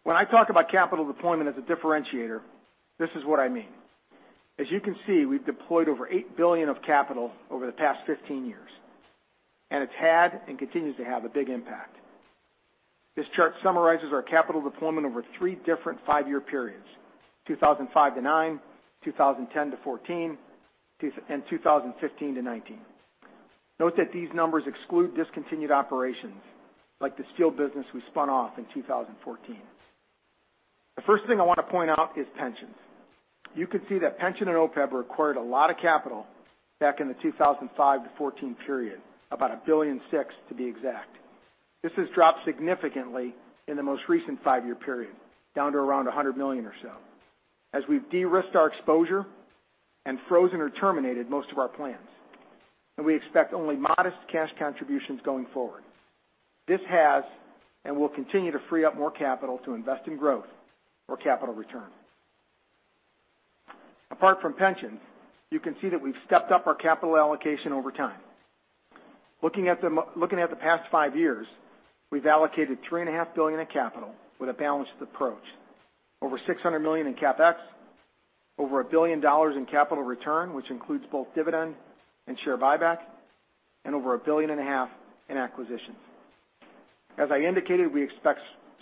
When I talk about capital deployment as a differentiator, this is what I mean. As you can see, we've deployed over $8 billion of capital over the past 15 years, and it's had and continues to have a big impact. This chart summarizes our capital deployment over three different five-year periods, 2005 to 2009, 2010 to 2014, and 2015 to 2019. Note that these numbers exclude discontinued operations, like the steel business we spun off in 2014. The first thing I want to point out is pensions. You can see that pension and OPEB required a lot of capital back in the 2005 to 2014 period, about $1.6 billion, to be exact. This has dropped significantly in the most recent five-year period, down to around $100 million or so. As we've de-risked our exposure and frozen or terminated most of our plans, and we expect only modest cash contributions going forward. This has and will continue to free up more capital to invest in growth or capital return. Apart from pensions, you can see that we've stepped up our capital allocation over time. Looking at the past five years, we've allocated $3.5 billion in capital with a balanced approach. Over $600 million in CapEx, over $1 billion in capital return, which includes both dividend and share buyback, and over $1.5 billion in acquisitions. As I indicated, we expect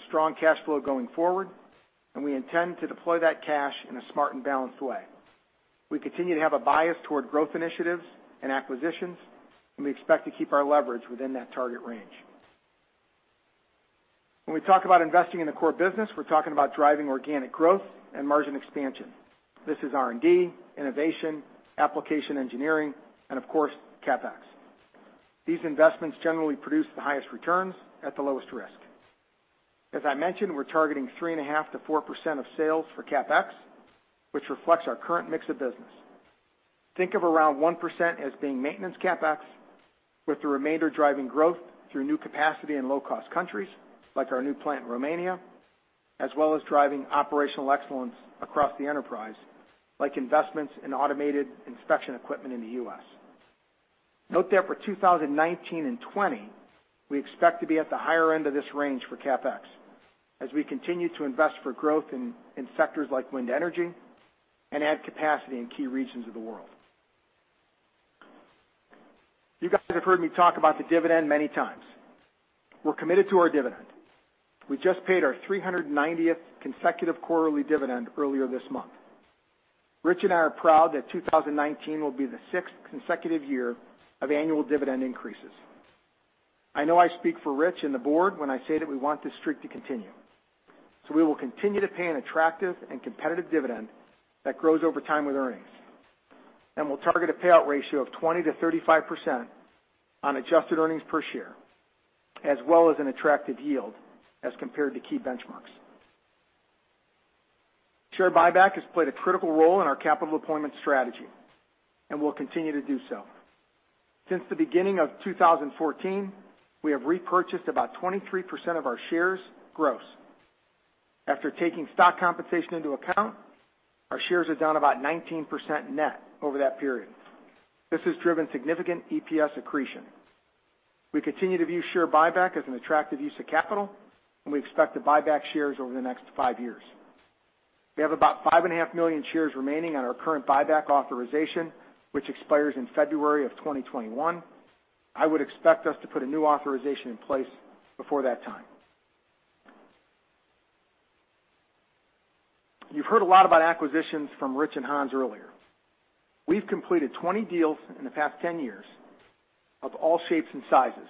strong cash flow going forward, and we intend to deploy that cash in a smart and balanced way. We continue to have a bias toward growth initiatives and acquisitions, and we expect to keep our leverage within that target range. When we talk about investing in the core business, we're talking about driving organic growth and margin expansion. This is R&D, innovation, application engineering, and of course, CapEx. These investments generally produce the highest returns at the lowest risk. As I mentioned, we're targeting 3.5%-4% of sales for CapEx, which reflects our current mix of business. Think of around 1% as being maintenance CapEx, with the remainder driving growth through new capacity in low-cost countries, like our new plant in Romania, as well as driving operational excellence across the enterprise, like investments in automated inspection equipment in the U.S. Note that for 2019 and 2020, we expect to be at the higher end of this range for CapEx as we continue to invest for growth in sectors like wind energy and add capacity in key regions of the world. You guys have heard me talk about the dividend many times. We're committed to our dividend. We just paid our 390th consecutive quarterly dividend earlier this month. Rich and I are proud that 2019 will be the sixth consecutive year of annual dividend increases. I know I speak for Rich and the board when I say that we want this streak to continue. We will continue to pay an attractive and competitive dividend that grows over time with earnings. We'll target a payout ratio of 20%-35% on adjusted earnings per share, as well as an attractive yield as compared to key benchmarks. Share buyback has played a critical role in our capital deployment strategy and will continue to do so. Since the beginning of 2014, we have repurchased about 23% of our shares gross. After taking stock compensation into account, our shares are down about 19% net over that period. This has driven significant EPS accretion. We continue to view share buyback as an attractive use of capital, and we expect to buy back shares over the next five years. We have about 5.5 million shares remaining on our current buyback authorization, which expires in February of 2021. I would expect us to put a new authorization in place before that time. You've heard a lot about acquisitions from Rich and Hans earlier. We've completed 20 deals in the past 10 years of all shapes and sizes,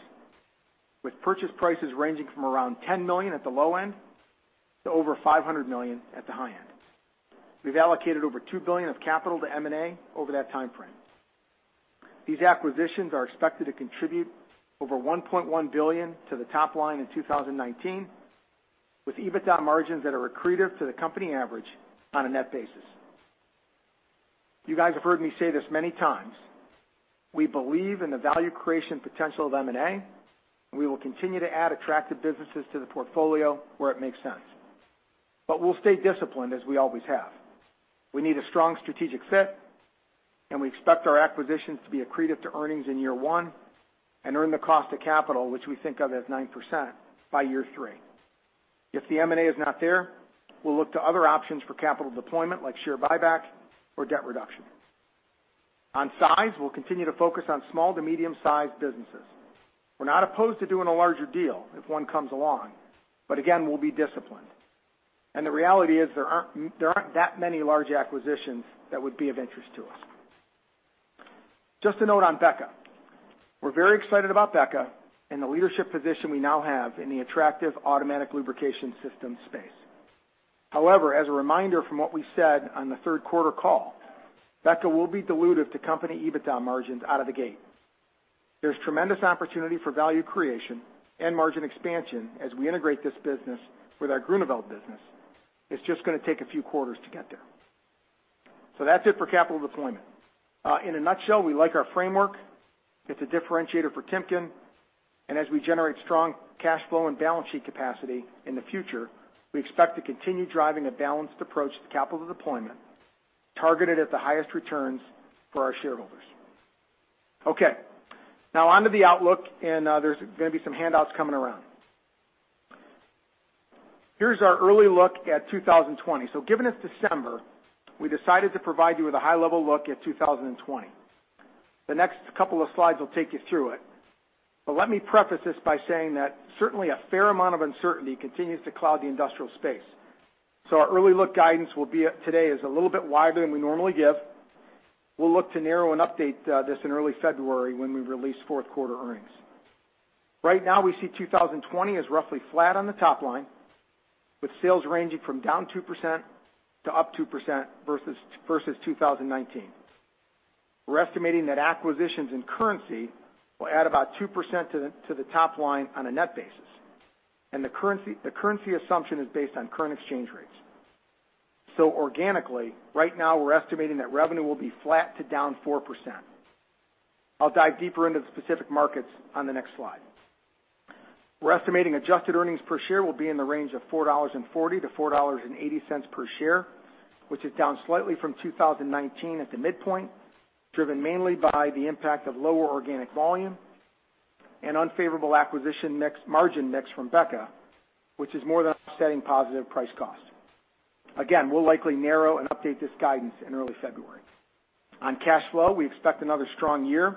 with purchase prices ranging from around $10 million at the low end to over $500 million at the high end. We've allocated over $2 billion of capital to M&A over that timeframe. These acquisitions are expected to contribute over $1.1 billion to the top line in 2019, with EBITDA margins that are accretive to the company average on a net basis. You guys have heard me say this many times. We believe in the value creation potential of M&A, and we will continue to add attractive businesses to the portfolio where it makes sense. We'll stay disciplined as we always have. We need a strong strategic fit, and we expect our acquisitions to be accretive to earnings in year one and earn the cost of capital, which we think of as 9%, by year three. If the M&A is not there, we'll look to other options for capital deployment, like share buyback or debt reduction. On size, we'll continue to focus on small-to-medium-sized businesses. We're not opposed to doing a larger deal if one comes along, but again, we'll be disciplined. The reality is there aren't that many large acquisitions that would be of interest to us. Just a note on BEKA. We're very excited about BEKA and the leadership position we now have in the attractive automatic lubrication system space. However, as a reminder from what we said on the third quarter call, BEKA will be dilutive to company EBITDA margins out of the gate. There's tremendous opportunity for value creation and margin expansion as we integrate this business with our Groeneveld business. It's just going to take a few quarters to get there. That's it for capital deployment. In a nutshell, we like our framework. It's a differentiator for Timken, as we generate strong cash flow and balance sheet capacity in the future, we expect to continue driving a balanced approach to capital deployment targeted at the highest returns for our shareholders. Okay. Now on to the outlook, there's going to be some handouts coming around. Here's our early look at 2020. Given it's December, we decided to provide you with a high-level look at 2020. The next couple of slides will take you through it. Let me preface this by saying that certainly a fair amount of uncertainty continues to cloud the industrial space. Our early look guidance today is a little bit wider than we normally give. We'll look to narrow and update this in early February when we release fourth quarter earnings. Right now, we see 2020 as roughly flat on the top line, with sales ranging from -2% to +2% versus 2019. We're estimating that acquisitions and currency will add about 2% to the top line on a net basis. The currency assumption is based on current exchange rates. Organically, right now we're estimating that revenue will be flat to -4%. I'll dive deeper into the specific markets on the next slide. We're estimating adjusted earnings per share will be in the range of $4.40-$4.80 per share, which is down slightly from 2019 at the midpoint, driven mainly by the impact of lower organic volume and unfavorable acquisition margin mix from BEKA, which is more than offsetting positive price cost. Again, we'll likely narrow and update this guidance in early February. On cash flow, we expect another strong year,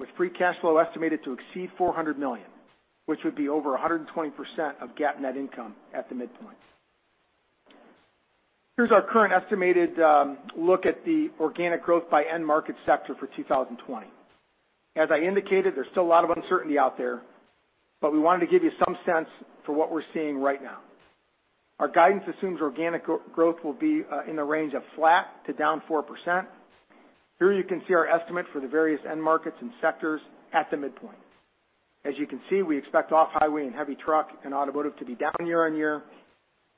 with free cash flow estimated to exceed $400 million, which would be over 120% of GAAP net income at the midpoint. Here's our current estimated look at the organic growth by end market sector for 2020. As I indicated, there's still a lot of uncertainty out there, but we wanted to give you some sense for what we're seeing right now. Our guidance assumes organic growth will be in the range of flat to down 4%. Here you can see our estimate for the various end markets and sectors at the midpoint. As you can see, we expect off-highway and heavy truck and automotive to be down year-on-year,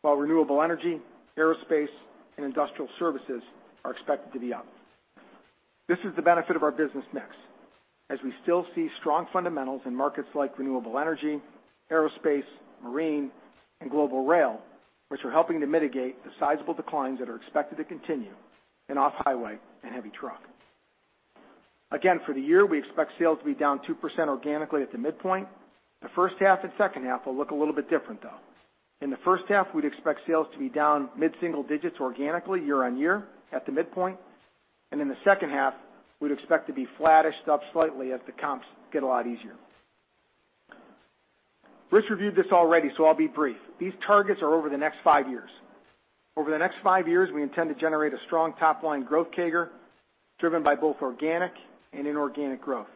while renewable energy, aerospace, and industrial services are expected to be up. This is the benefit of our business mix, as we still see strong fundamentals in markets like renewable energy, aerospace, marine, and global rail, which are helping to mitigate the sizable declines that are expected to continue in off-highway and heavy truck. For the year, we expect sales to be down 2% organically at the midpoint. The first half and second half will look a little bit different, though. In the first half, we'd expect sales to be down mid-single digits organically year-on-year at the midpoint, and in the second half, we'd expect to be flattish to up slightly as the comps get a lot easier. Rich reviewed this already. I'll be brief. These targets are over the next five years. Over the next five years, we intend to generate a strong top-line growth CAGR driven by both organic and inorganic growth.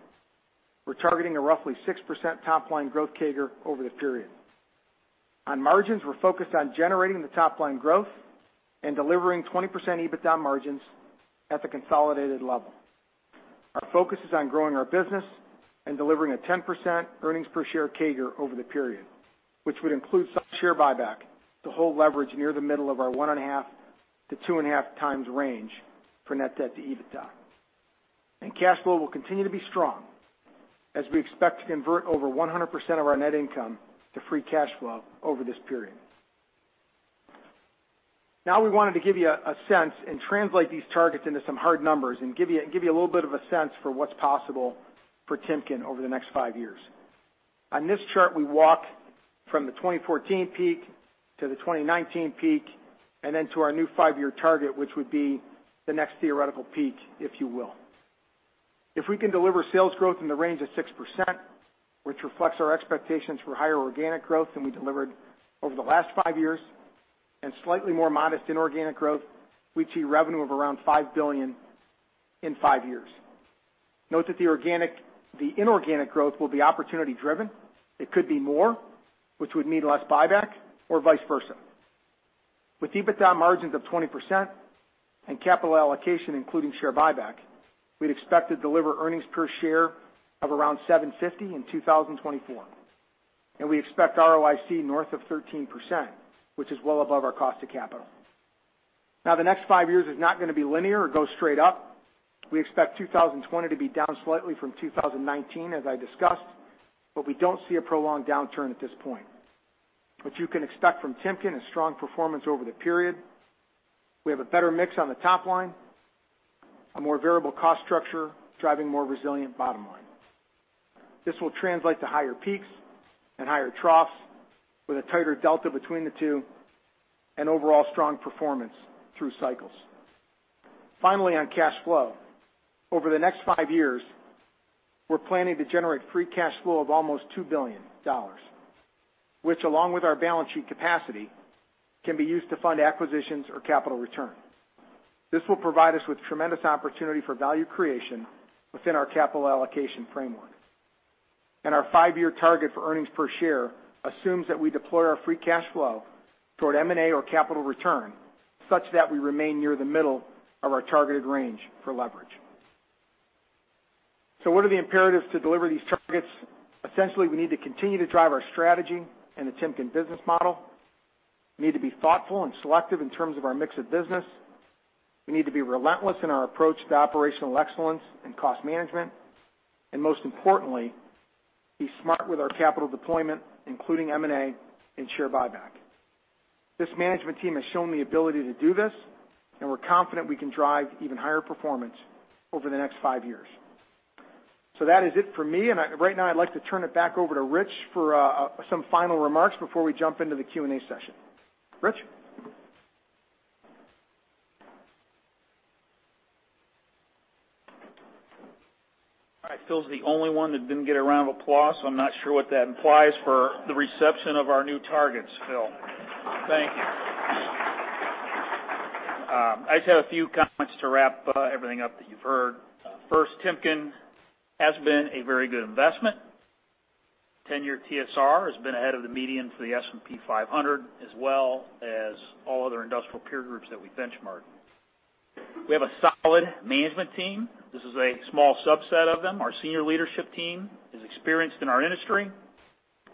We're targeting a roughly 6% top-line growth CAGR over the period. On margins, we're focused on generating the top-line growth and delivering 20% EBITDA margins at the consolidated level. Our focus is on growing our business and delivering a 10% earnings per share CAGR over the period, which would include some share buyback to hold leverage near the middle of our 1.5x-2.5x range for net debt-to-EBITDA. Cash flow will continue to be strong as we expect to convert over 100% of our net income to free cash flow over this period. We wanted to give you a sense and translate these targets into some hard numbers and give you a little bit of a sense for what's possible for Timken over the next five years. On this chart, we walk from the 2014 peak to the 2019 peak, then to our new five-year target, which would be the next theoretical peak, if you will. If we can deliver sales growth in the range of 6%, which reflects our expectations for higher organic growth than we delivered over the last five years, and slightly more modest inorganic growth, we'd see revenue of around $5 billion in five years. Note that the inorganic growth will be opportunity driven. It could be more, which would mean less buyback or vice versa. With EBITDA margins of 20% and capital allocation including share buyback, we'd expect to deliver earnings per share of around $7.50 in 2024. We expect ROIC north of 13%, which is well above our cost of capital. The next five years is not going to be linear or go straight up. We expect 2020 to be down slightly from 2019, as I discussed, but we don't see a prolonged downturn at this point. What you can expect from Timken is strong performance over the period. We have a better mix on the top line, a more variable cost structure driving more resilient bottom line. This will translate to higher peaks and higher troughs with a tighter delta between the two and overall strong performance through cycles. Finally, on cash flow. Over the next five years, we're planning to generate free cash flow of almost $2 billion. Which, along with our balance sheet capacity, can be used to fund acquisitions or capital returns. This will provide us with tremendous opportunity for value creation within our capital allocation framework. Our five-year target for earnings per share assumes that we deploy our free cash flow toward M&A or capital return, such that we remain near the middle of our targeted range for leverage. What are the imperatives to deliver these targets? Essentially, we need to continue to drive our strategy and the Timken business model. We need to be thoughtful and selective in terms of our mix of business. We need to be relentless in our approach to operational excellence and cost management. Most importantly, be smart with our capital deployment, including M&A and share buyback. This management team has shown the ability to do this, and we're confident we can drive even higher performance over the next five years. That is it for me. Right now I'd like to turn it back over to Rich for some final remarks before we jump into the Q&A session. Rich? All right. Phil's the only one that didn't get a round of applause. I'm not sure what that implies for the reception of our new targets, Phil. Thank you. I just have a few comments to wrap everything up that you've heard. First, Timken has been a very good investment. 10-year TSR has been ahead of the median for the S&P 500, as well as all other industrial peer groups that we benchmark. We have a solid management team. This is a small subset of them. Our senior leadership team is experienced in our industry.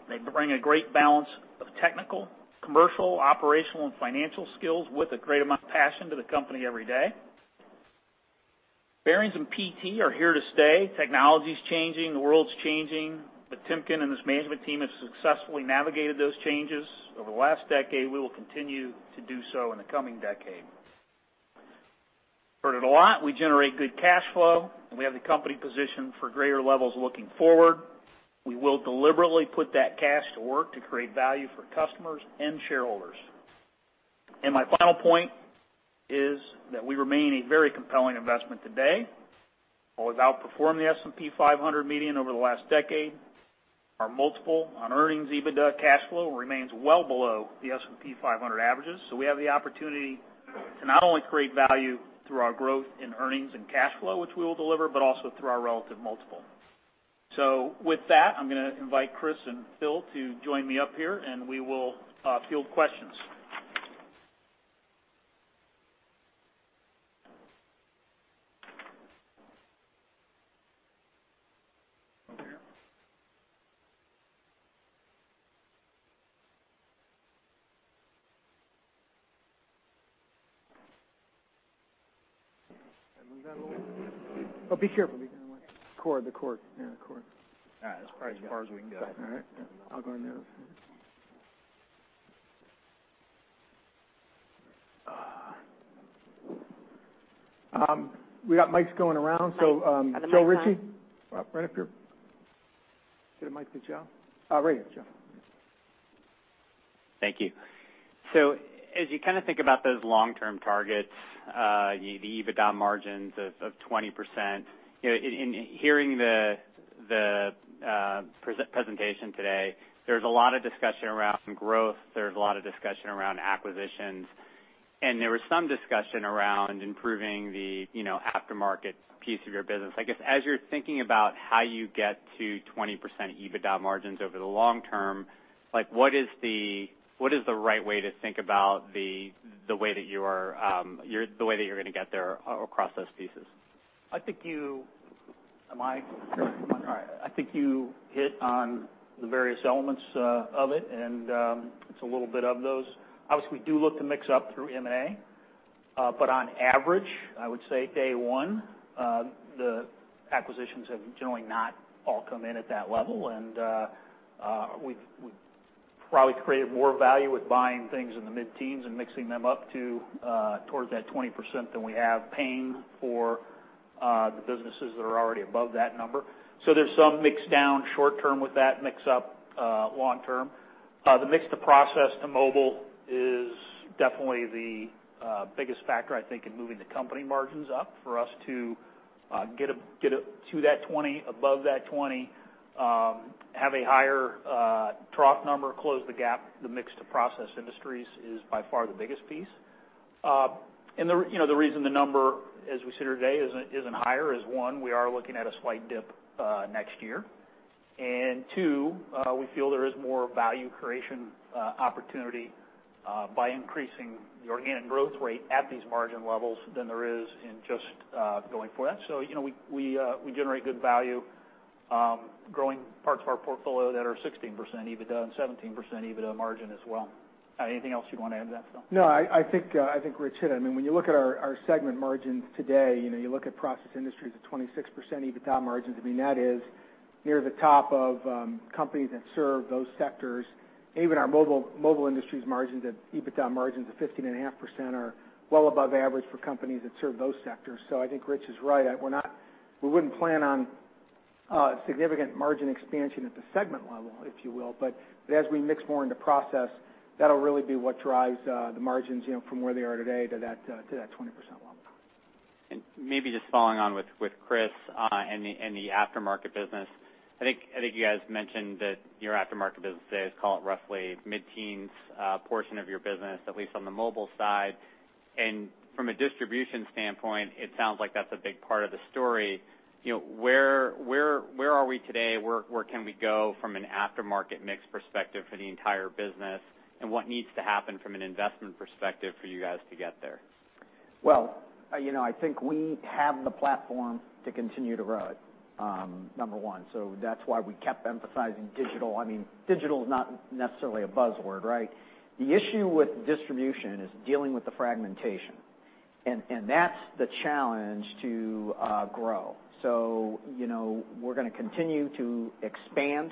They bring a great balance of technical, commercial, operational, and financial skills with a great amount of passion to the company every day. Bearings and PT are here to stay. Technology's changing, the world's changing, but Timken and this management team have successfully navigated those changes over the last decade. We will continue to do so in the coming decade. Heard it a lot, we generate good cash flow, and we have the company positioned for greater levels looking forward. We will deliberately put that cash to work to create value for customers and shareholders. My final point is that we remain a very compelling investment today. While we've outperformed the S&P 500 median over the last decade, our multiple on earnings, EBITDA, cash flow remains well below the S&P 500 averages. We have the opportunity to not only create value through our growth in earnings and cash flow, which we will deliver, but also through our relative multiple. With that, I'm going to invite Chris and Phil to join me up here, and we will field questions. Move that a little. Oh, be careful. The cord. Yeah, the cord. All right. That's probably as far as we can go. All right. I'll go on the other side. We got mics going around. Rich, right up here. Get a mic to Joe. Right here, Joe. Thank you. As you think about those long-term targets, the EBITDA margins of 20%, in hearing the presentation today, there's a lot of discussion around growth, there's a lot of discussion around acquisitions. There was some discussion around improving the aftermarket piece of your business. I guess, as you're thinking about how you get to 20% EBITDA margins over the long term, what is the right way to think about the way that you're going to get there across those pieces? I think you. Am I? All right. I think you hit on the various elements of it, and it's a little bit of those. Obviously, we do look to mix up through M&A. On average, I would say day one, the acquisitions have generally not all come in at that level. We've probably created more value with buying things in the mid-teens and mixing them up to towards that 20% than we have paying for the businesses that are already above that number. There's some mix down short-term with that, mix up long-term. The mix to Process to Mobile is definitely the biggest factor, I think, in moving the company margins up for us to get up to that 20%, above that 20%, have a higher trough number, close the gap. The mix to Process Industries is by far the biggest piece. The reason the number, as we sit here today, isn't higher is, one, we are looking at a slight dip next year. Two, we feel there is more value creation opportunity by increasing the organic growth rate at these margin levels than there is in just going for that. We generate good value growing parts of our portfolio that are 16% EBITDA and 17% EBITDA margin as well. Anything else you'd want to add to that, Phil? No, I think Rich hit on it. When you look at our segment margins today, you look at Process Industries at 26% EBITDA margins. That is near the top of companies that serve those sectors. Even our Mobile Industries margins, EBITDA margins of 15.5% are well above average for companies that serve those sectors. So I think Rich is right. We wouldn't plan on significant margin expansion at the segment level, if you will. But as we mix more into Process, that'll really be what drives the margins from where they are today to that 20% level. Maybe just following on with Chris and the aftermarket business. I think you guys mentioned that your aftermarket business is, call it, roughly mid-teens portion of your business, at least on the Mobile side. From a distribution standpoint, it sounds like that's a big part of the story. Where are we today? Where can we go from an aftermarket mix perspective for the entire business? What needs to happen from an investment perspective for you guys to get there? I think we have the platform to continue to grow, number one. That's why we kept emphasizing digital. Digital is not necessarily a buzzword, right? The issue with distribution is dealing with the fragmentation, and that's the challenge to grow. We're going to continue to expand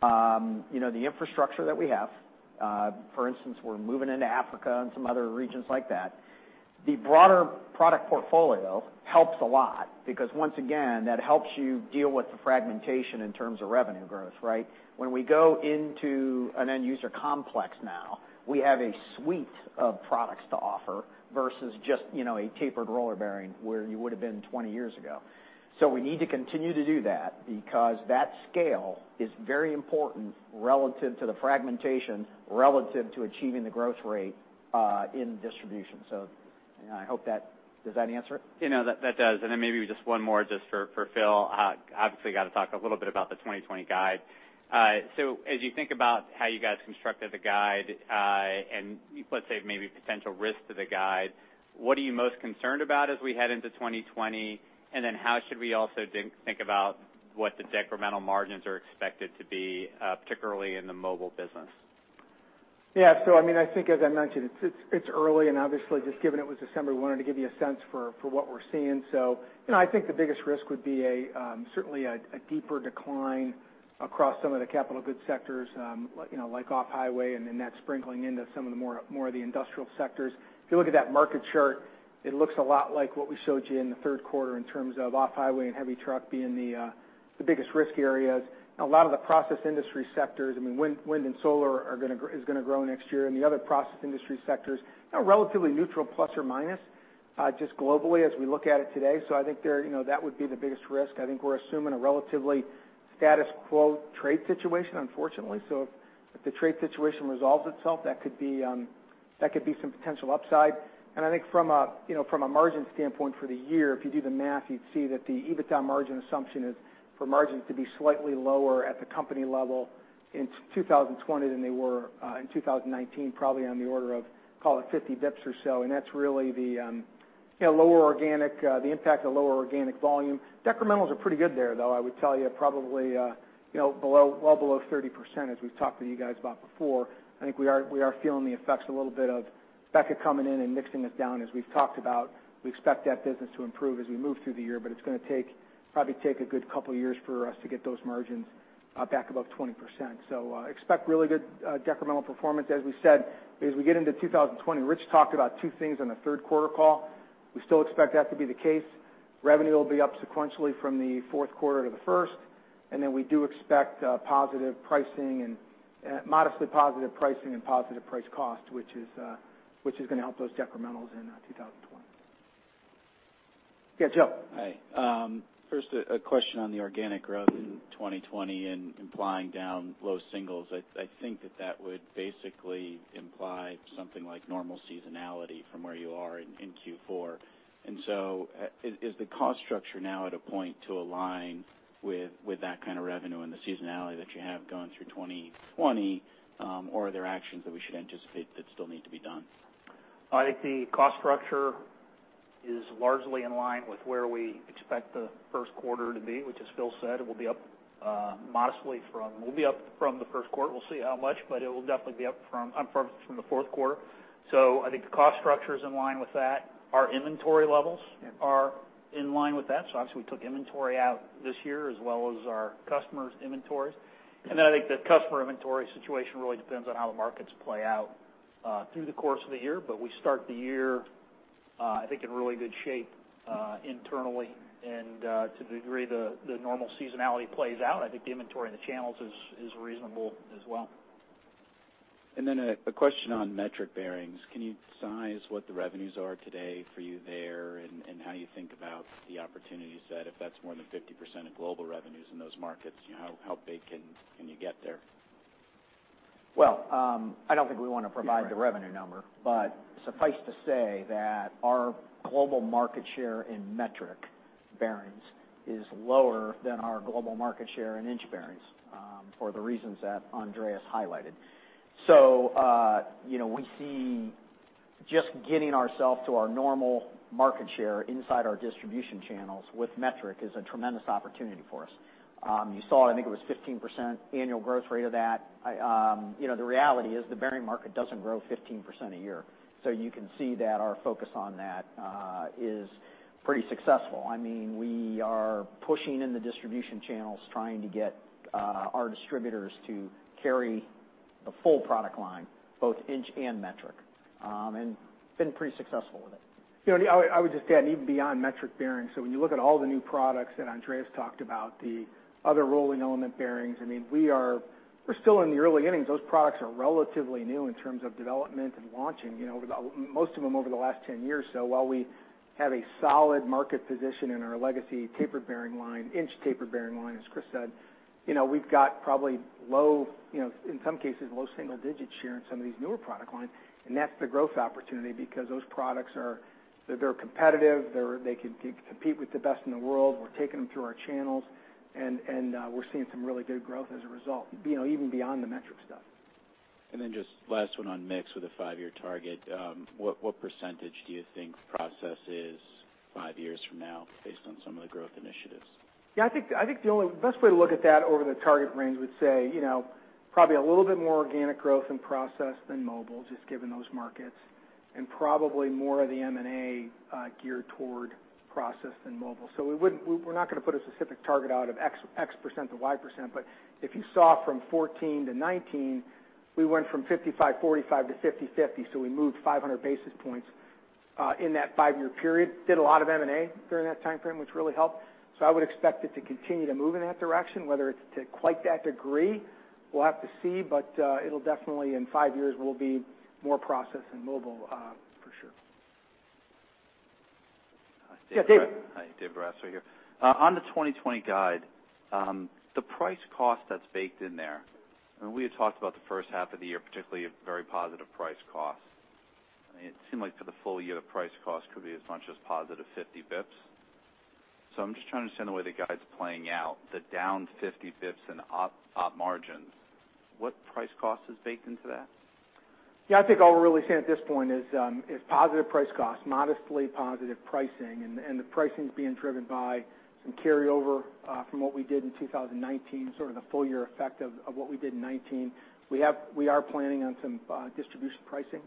the infrastructure that we have. For instance, we're moving into Africa and some other regions like that. The broader product portfolio helps a lot because once again, that helps you deal with the fragmentation in terms of revenue growth, right? When we go into an end-user complex now, we have a suite of products to offer versus just a tapered roller bearing where you would have been 20 years ago. We need to continue to do that because that scale is very important relative to the fragmentation, relative to achieving the growth rate in distribution. Does that answer it? That does. Then maybe just one more just for Phil. Obviously, got to talk a little bit about the 2020 guide. As you think about how you guys constructed the guide, and let's say maybe potential risk to the guide, what are you most concerned about as we head into 2020? Then how should we also think about what the decremental margins are expected to be, particularly in the Mobile business? Yeah. I think as I mentioned, it's early, and obviously, just given it was December, we wanted to give you a sense for what we're seeing. I think the biggest risk would be certainly a deeper decline across some of the capital goods sectors like off-highway and then that sprinkling into some more of the industrial sectors. If you look at that market chart, it looks a lot like what we showed you in the third quarter in terms of off-highway and heavy truck being the biggest risk areas. A lot of the Process Industries sectors, wind and solar is going to grow next year. The other Process Industries sectors are relatively neutral, plus or minus, just globally as we look at it today. I think that would be the biggest risk. I think we're assuming a relatively status quo trade situation, unfortunately. If the trade situation resolves itself, that could be some potential upside. I think from a margin standpoint for the year, if you do the math, you'd see that the EBITDA margin assumption is for margins to be slightly lower at the company level in 2020 than they were in 2019, probably on the order of, call it, 50 basis points or so, and that's really the impact of lower organic volume. Decrementals are pretty good there, though. I would tell you probably well below 30%, as we've talked with you guys about before. I think we are feeling the effects a little bit of BEKA coming in and mixing us down as we've talked about. We expect that business to improve as we move through the year, but it's going to probably take a good couple of years for us to get those margins back above 20%. Expect really good decremental performance. As we said, as we get into 2020, Rich talked about two things on the third quarter call. We still expect that to be the case. Revenue will be up sequentially from the fourth quarter to the first, and then we do expect modestly positive pricing and positive price cost, which is going to help those decrementals in 2020. Yeah, Joe. Hi. First, a question on the organic growth in 2020 and implying down low singles. I think that that would basically imply something like normal seasonality from where you are in Q4. Is the cost structure now at a point to align with that kind of revenue and the seasonality that you have going through 2020, or are there actions that we should anticipate that still need to be done? I think the cost structure is largely in line with where we expect the first quarter to be, which as Phil said, it will be up modestly from the first quarter. We'll see how much, but it will definitely be up from the fourth quarter. I think the cost structure is in line with that. Our inventory levels are in line with that. Obviously, we took inventory out this year as well as our customers' inventories. Then I think the customer inventory situation really depends on how the markets play out through the course of the year. We start the year, I think, in really good shape internally, and to the degree the normal seasonality plays out, I think the inventory in the channels is reasonable as well. Then a question on metric bearings. Can you size what the revenues are today for you there and how you think about the opportunities that if that's more than 50% of global revenues in those markets, how big can you get there? Well, I don't think we want to provide the revenue number, but suffice to say that our global market share in metric bearings is lower than our global market share in inch bearings for the reasons that Andreas highlighted. We see just getting ourselves to our normal market share inside our distribution channels with metric is a tremendous opportunity for us. You saw, I think it was 15% annual growth rate of that. The reality is the bearing market doesn't grow 15% a year. You can see that our focus on that is pretty successful. We are pushing in the distribution channels trying to get our distributors to carry The full product line, both inch and metric, and been pretty successful with it. I would just add, and even beyond metric bearings. When you look at all the new products that Andreas talked about, the other rolling element bearings, we're still in the early innings. Those products are relatively new in terms of development and launching, most of them over the last 10 years. While we have a solid market position in our legacy tapered bearing line, inch taper bearing line, as Chris said, we've got probably, in some cases, low single-digit share in some of these newer product lines, and that's the growth opportunity because those products are competitive. They can compete with the best in the world. We're taking them through our channels, and we're seeing some really good growth as a result, even beyond the metric stuff. Just last one on mix with a five-year target. What percentage do you think Process is five years from now based on some of the growth initiatives? I think the only best way to look at that over the target range would say, probably a little bit more organic growth in Process than Mobile, just given those markets, and probably more of the M&A geared toward Process than Mobile. We're not going to put a specific target out of X%-Y%. If you saw from 2014 to 2019, we went from 55/45 to 50/50, we moved 500 basis points in that five-year period. We did a lot of M&A during that time frame, which really helped. I would expect it to continue to move in that direction, whether it's to quite that degree, we'll have to see. It'll definitely in five years will be more Process than Mobile, for sure. Hi, Dave. Yeah, David. Hi, Dave Raso here. On the 2020 guide, the price cost that's baked in there, and we had talked about the first half of the year, particularly a very positive price cost. It seemed like for the full year, the price cost could be as much as positive 50 basis points. I'm just trying to understand the way the guide's playing out, the down 50 basis points and up margins. What price cost is baked into that? Yeah, I think all we're really saying at this point is positive price cost, modestly positive pricing, and the pricing's being driven by some carryover from what we did in 2019, sort of the full-year effect of what we did in 2019. We are planning on some distribution pricing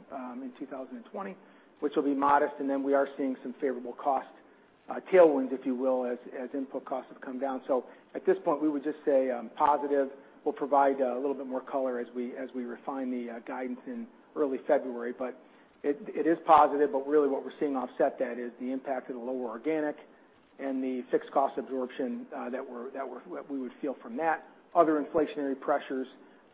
in 2020, which will be modest, we are seeing some favorable cost tailwinds, if you will, as input costs have come down. At this point, we would just say positive. We'll provide a little bit more color as we refine the guidance in early February. It is positive, really what we're seeing offset that is the impact of the lower organic and the fixed cost absorption that we would feel from that, other inflationary pressures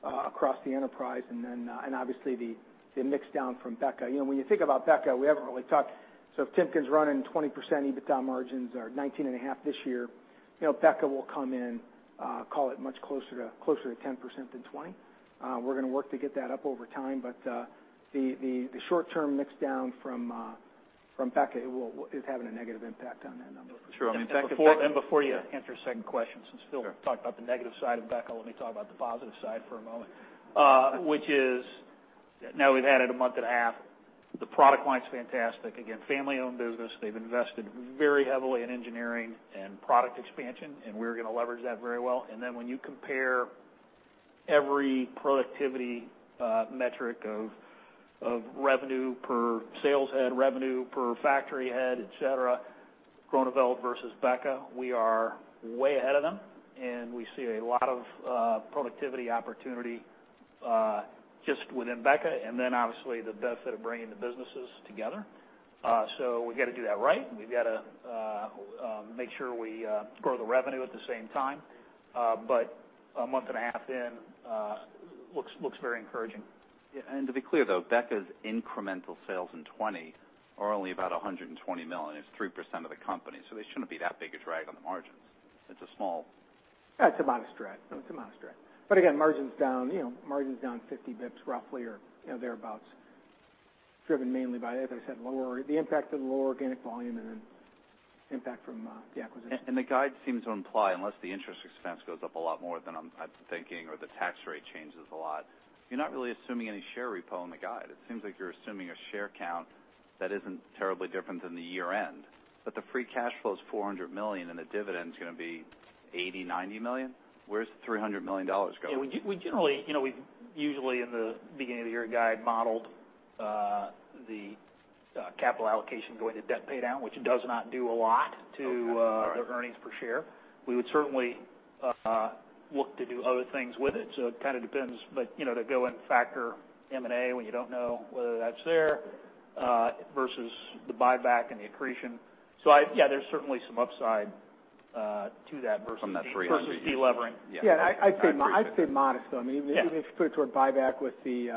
across the enterprise, and obviously the mix down from BEKA. When you think about BEKA, we haven't really talked. If Timken's running 20% EBITDA margins or 19.5% this year, BEKA will come in, call it much closer to 10% than 20%. We're going to work to get that up over time. The short-term mix down from BEKA is having a negative impact on that number for sure. Before you answer his second question, since Phil talked about the negative side of BEKA, let me talk about the positive side for a moment, which is now we've added a month and a half. The product line's fantastic. Again, family-owned business. They've invested very heavily in engineering and product expansion, and we're going to leverage that very well. Then when you compare every productivity metric of revenue per sales head, revenue per factory head, et cetera, Groeneveld versus BEKA, we are way ahead of them, and we see a lot of productivity opportunity just within BEKA, and then obviously the benefit of bringing the businesses together. We've got to do that right. We've got to make sure we grow the revenue at the same time. A month and a half in, looks very encouraging. Yeah. To be clear, though, BEKA's incremental sales in 2020 are only about $120 million. It's 3% of the company. They shouldn't be that big a drag on the margins. It's a modest drag. Again, margin's down 50 basis points roughly or thereabouts, driven mainly by, as I said, the impact of the lower organic volume and then impact from the acquisition. The guide seems to imply, unless the interest expense goes up a lot more than I'm thinking or the tax rate changes a lot, you're not really assuming any share repo in the guide. It seems like you're assuming a share count that isn't terribly different than the year-end. The free cash flow is $400 million, and the dividend's going to be $80 million-$90 million. Where's the $300 million going? Yeah. We usually in the beginning of the year guide modeled the capital allocation going to debt pay down, which does not do a lot to- Okay. All right the earnings per share. We would certainly look to do other things with it. It kind of depends. To go and factor M&A when you don't know whether that's there versus the buyback and the accretion. Yeah, there's certainly some upside to that. From that $300 versus de-levering. Yeah. Yeah. I'd say modest, though. Yeah. Even if you put it toward buyback with the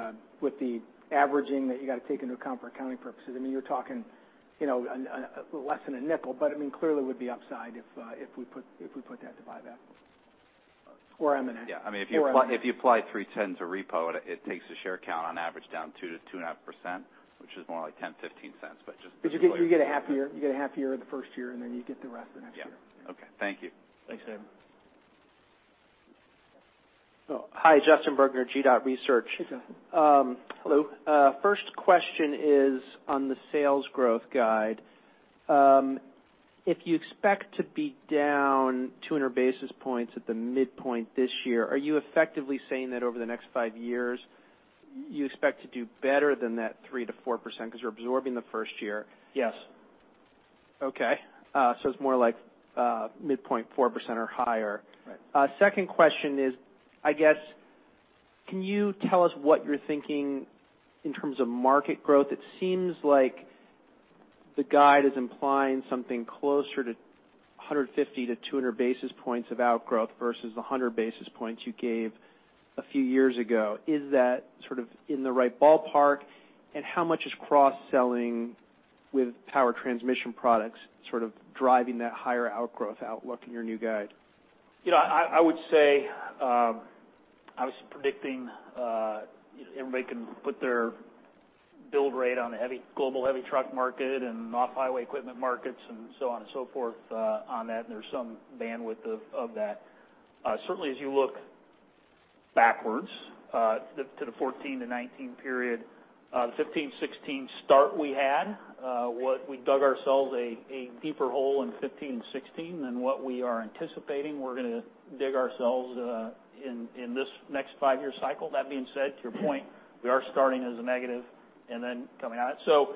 averaging that you got to take into account for accounting purposes, you're talking less than $0.05, but clearly would be upside if we put that to buyback or M&A. Yeah. If you apply 310 basis points to repo, it takes the share count on average down 2%-2.5%, which is more like $0.10, $0.15. You get a half year. You get a half year the first year, and then you get the rest the next year. Yeah. Okay. Thank you. Thanks, Dave. Hi, Justin Bergner, G.research. Hey, Justin. Hello. First question is on the sales growth guide. If you expect to be down 200 basis points at the midpoint this year, are you effectively saying that over the next five years, you expect to do better than that 3%-4% because you're absorbing the first year? Yes. Okay. It's more like midpoint 4% or higher. Right. Second question is, can you tell us what you're thinking in terms of market growth? It seems like the guide is implying something closer to 150 basis points-200 basis points of outgrowth versus the 100 basis points you gave a few years ago. Is that in the right ballpark? How much is cross-selling with power transmission products sort of driving that higher outgrowth outlook in your new guide? I would say, I was predicting everybody can put their build rate on the global heavy truck market and off-highway equipment markets and so on and so forth on that, and there's some bandwidth of that. Certainly as you look backwards to the 2014 to 2019 period, 2015 to 2016 start we had, we dug ourselves a deeper hole in 2015 and 2016 than what we are anticipating we're going to dig ourselves in this next five-year cycle. That being said, to your point, we are starting as a negative and then coming at it.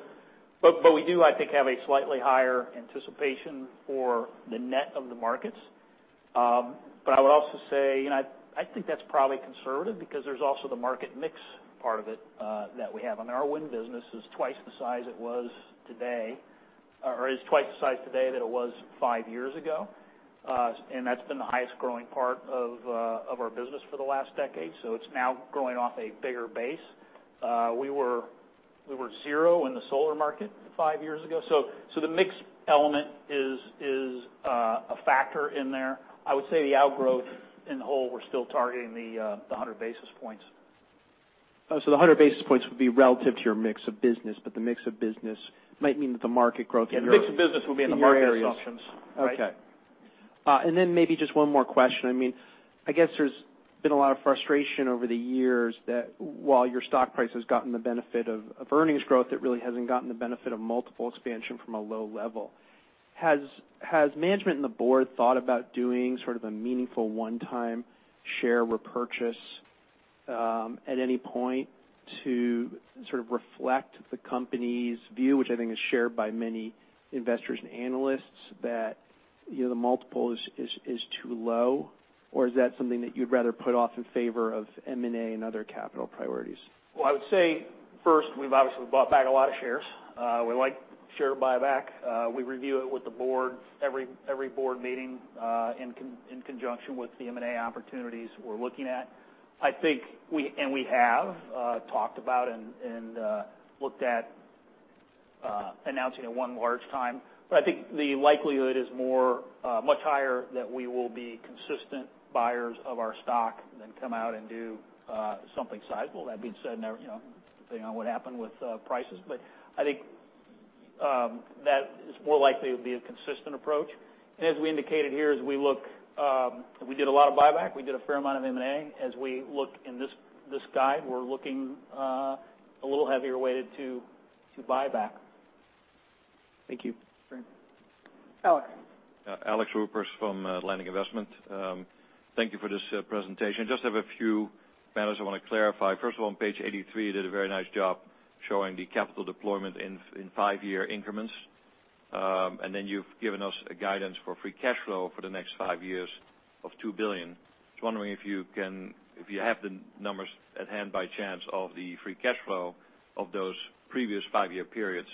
We do, I think, have a slightly higher anticipation for the net of the markets. I would also say, I think that's probably conservative because there's also the market mix part of it that we have. Our wind business is twice the size today than it was five years ago. That's been the highest growing part of our business for the last decade, so it's now growing off a bigger base. We were zero in the solar market five years ago. The mix element is a factor in there. I would say the outgrowth, in whole, we're still targeting the 100 basis points. The 100 basis points would be relative to your mix of business, but the mix of business might mean that the market growth in. Yeah, the mix of business will be in the market assumptions. In your areas. Okay. Then maybe just one more question. There's been a lot of frustration over the years that while your stock price has gotten the benefit of earnings growth, it really hasn't gotten the benefit of multiple expansion from a low level. Has management and the board thought about doing sort of a meaningful one-time share repurchase at any point to reflect the company's view, which I think is shared by many investors and analysts, that the multiple is too low? Or is that something that you'd rather put off in favor of M&A and other capital priorities? Well, I would say, first, we've obviously bought back a lot of shares. We like share buyback. We review it with the board every board meeting, in conjunction with the M&A opportunities we're looking at. We have talked about and looked at announcing it one large time. I think the likelihood is much higher that we will be consistent buyers of our stock than come out and do something sizable. That being said, depending on what happened with prices. I think that is more likely to be a consistent approach. As we indicated here, we did a lot of buyback. We did a fair amount of M&A. As we look in this guide, we're looking a little heavier weighted to buyback. Thank you. Great. Alexander. Alex Roepers from Atlantic Investment Management. Thank you for this presentation. Just have a few matters I want to clarify. First of all, on page 83, you did a very nice job showing the capital deployment in five-year increments. Then you've given us a guidance for free cash flow for the next five years of $2 billion. Just wondering if you have the numbers at hand by chance of the free cash flow of those previous five-year periods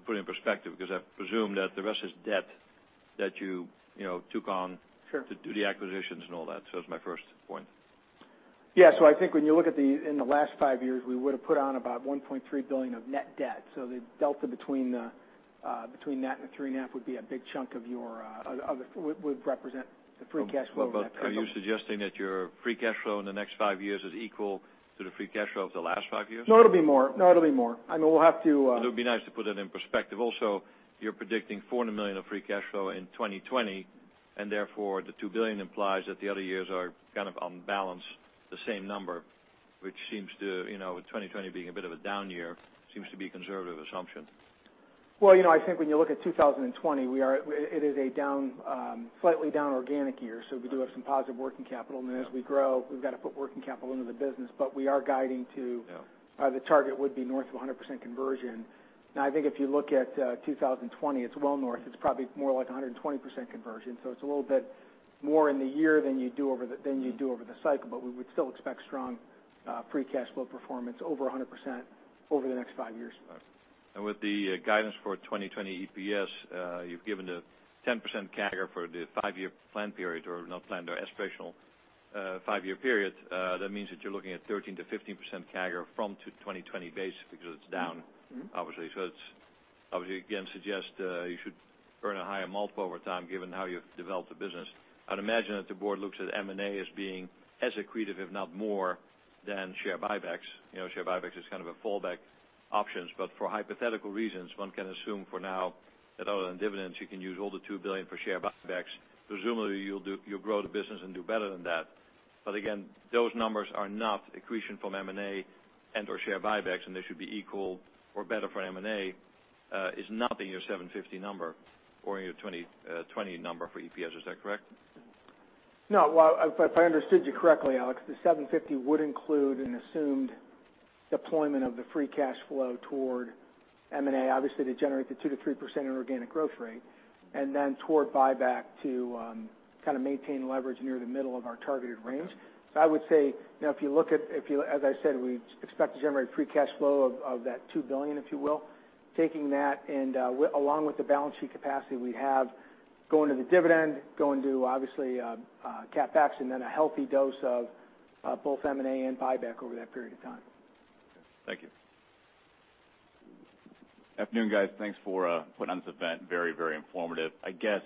to put in perspective, because I presume that the rest is debt that you took on. Sure to do the acquisitions and all that. That's my first point. Yeah. I think when you look in the last five years, we would've put on about $1.3 billion of net debt. The delta between that and the 3.5% Would represent the free cash flow over that period. Are you suggesting that your free cash flow in the next five years is equal to the free cash flow of the last five years? No, it'll be more. Well, it would be nice to put it in perspective. You're predicting $400 million of free cash flow in 2020, and therefore the $2 billion implies that the other years are kind of on balance the same number, which seems to, with 2020 being a bit of a down year, seems to be a conservative assumption. I think when you look at 2020, it is a slightly down organic year, we do have some positive working capital. As we grow, we've got to put working capital into the business. Yeah But we are guiding to have the target would be north of 100% conversion. Now, I think if you look at 2020, it's well north. It's probably more like 120% conversion. It's a little bit more in the year than you do over the cycle. We would still expect strong free cash flow performance over 100% over the next five years. Got it. With the guidance for 2020 EPS, you've given the 10% CAGR for the five-year plan period, or not planned or aspirational five-year period. That means that you're looking at 13%-15% CAGR from 2020 base because it's down, obviously. It obviously again suggests you should earn a higher multiple over time given how you've developed the business. I'd imagine that the board looks at M&A as being as accretive, if not more than share buybacks. Share buybacks is kind of a fallback options. For hypothetical reasons, one can assume for now that other than dividends, you can use all the $2 billion for share buybacks. Presumably, you'll grow the business and do better than that. Again, those numbers are not accretion from M&A and/or share buybacks, and they should be equal or better for M&A is not in your $750 million number or in your 2020 number for EPS. Is that correct? No. Well, if I understood you correctly, Alexander, the $750 million would include an assumed deployment of the free cash flow toward M&A, obviously, to generate the 2%-3% inorganic growth rate, and then toward buyback to maintain leverage near the middle of our targeted range. I would say, as I said, we expect to generate free cash flow of that $2 billion, if you will. Taking that and along with the balance sheet capacity we have, going to the dividend, going to, obviously, CapEx, and then a healthy dose of both M&A and buyback over that period of time. Okay. Thank you. Afternoon, guys. Thanks for putting on this event. Very informative. I guess,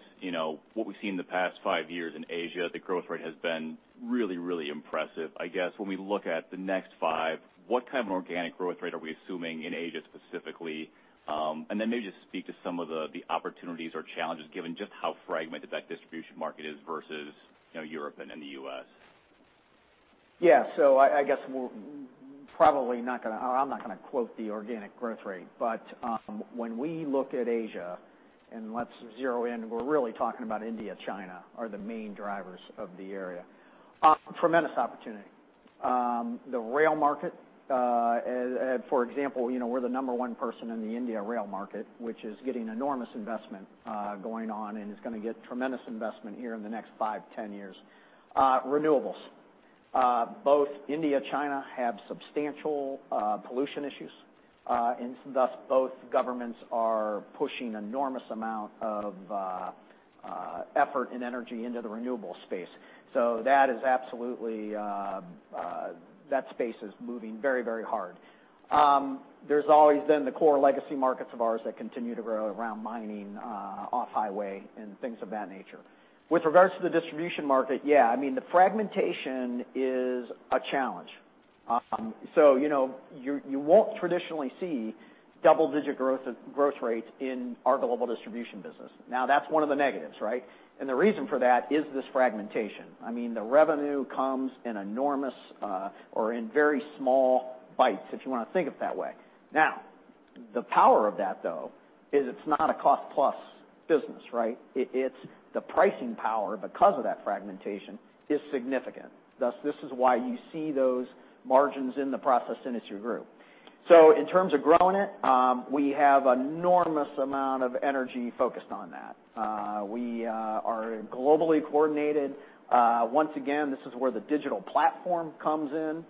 what we've seen the past five years in Asia, the growth rate has been really impressive. I guess, when we look at the next five, what kind of an organic growth rate are we assuming in Asia specifically? Then maybe just speak to some of the opportunities or challenges given just how fragmented that distribution market is versus Europe and in the U.S. Yeah. I guess we're probably not going to quote the organic growth rate. When we look at Asia, and let's zero in, we're really talking about India, China are the main drivers of the area. Tremendous opportunity. The rail market, for example, we're the number one person in the India rail market, which is getting enormous investment going on, and it's going to get tremendous investment here in the next five, 10 years. Renewables. Both India, China have substantial pollution issues, and thus both governments are pushing enormous amount of effort and energy into the renewable space. That space is moving very hard. There's always been the core legacy markets of ours that continue to grow around mining, off-highway, and things of that nature. With regards to the distribution market, yeah, I mean, the fragmentation is a challenge. You won't traditionally see double-digit growth rates in our global distribution business. That's one of the negatives, right? The reason for that is this fragmentation. I mean, the revenue comes in enormous or in very small bites, if you want to think of it that way. The power of that, though, is it's not a cost-plus business. The pricing power because of that fragmentation is significant. Thus, this is why you see those margins in the Process Industry Group. In terms of growing it, we have enormous amount of energy focused on that. We are globally coordinated. Once again, this is where the digital platform comes in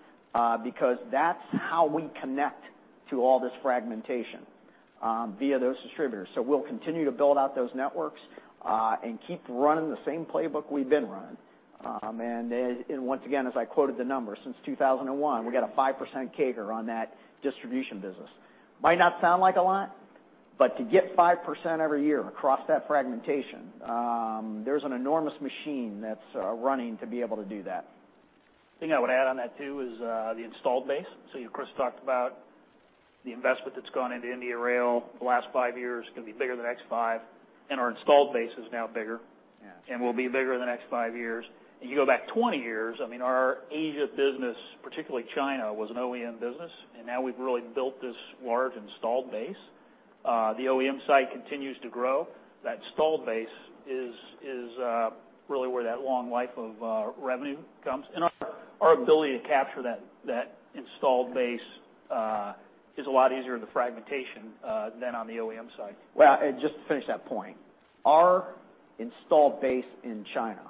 because that's how we connect to all this fragmentation, via those distributors. We'll continue to build out those networks, and keep running the same playbook we've been running. Once again, as I quoted the numbers, since 2001, we got a 5% CAGR on that distribution business. Might not sound like a lot, but to get 5% every year across that fragmentation, there's an enormous machine that's running to be able to do that. The thing I would add on that, too, is the installed base. Chris talked about the investment that's gone into India rail the last five years going to be bigger the next five, and our installed base is now bigger. Yes. Will be bigger the next five years. You go back 20 years, I mean, our Asia business, particularly China, was an OEM business, and now we've really built this large installed base. The OEM side continues to grow. That installed base is really where that long life of revenue comes. Our ability to capture that installed base, is a lot easier in the fragmentation, than on the OEM side. Just to finish that point. Our installed base in China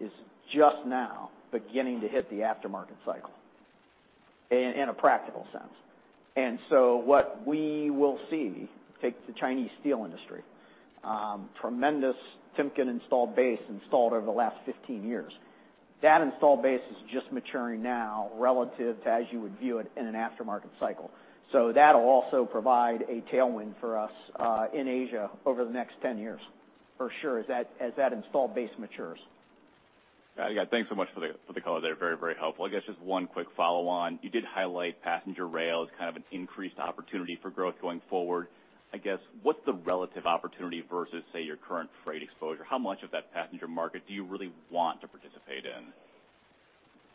is just now beginning to hit the aftermarket cycle in a practical sense. What we will see, take the Chinese steel industry, tremendous Timken installed base installed over the last 15 years. That installed base is just maturing now relative to as you would view it in an aftermarket cycle. That'll also provide a tailwind for us in Asia over the next 10 years, for sure, as that installed base matures. Got you. Thanks so much for the color there. Very helpful. I guess just one quick follow-on. You did highlight passenger rail as kind of an increased opportunity for growth going forward. I guess, what's the relative opportunity versus, say, your current freight exposure? How much of that passenger market do you really want to participate in?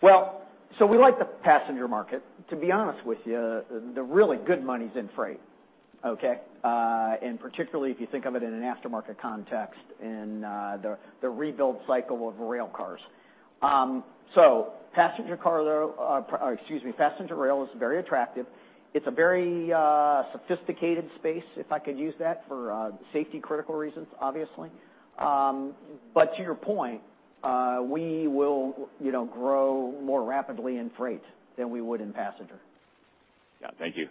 Well, we like the passenger market. To be honest with you, the really good money's in freight, okay? Particularly if you think of it in an aftermarket context in the rebuild cycle of rail cars. Passenger rail is very attractive. It's a very sophisticated space, if I could use that, for safety-critical reasons, obviously. To your point, we will grow more rapidly in freight than we would in passenger. Yeah. Thank you.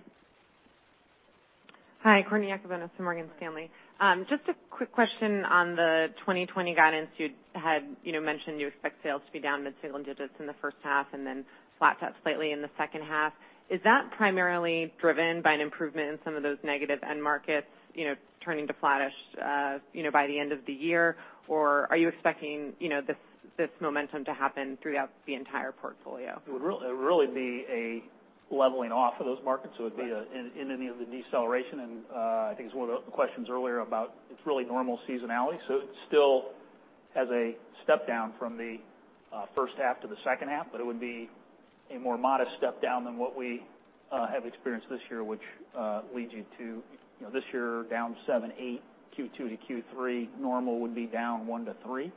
Hi, Courtney Yakavonis from Morgan Stanley. Just a quick question on the 2020 guidance. You had mentioned you expect sales to be down mid-single digits in the first half and then flat to up slightly in the second half. Is that primarily driven by an improvement in some of those negative end markets turning to flattish by the end of the year? Are you expecting this momentum to happen throughout the entire portfolio? It would really be a leveling off of those markets. It would be an ending of the deceleration, and I think it was one of the questions earlier about it's really normal seasonality. It still has a step-down from the first half to the second half, but it would be A more modest step down than what we have experienced this year, which leads you to this year down 7%, 8%, Q2 to Q3. Normal would be down 1%-3%.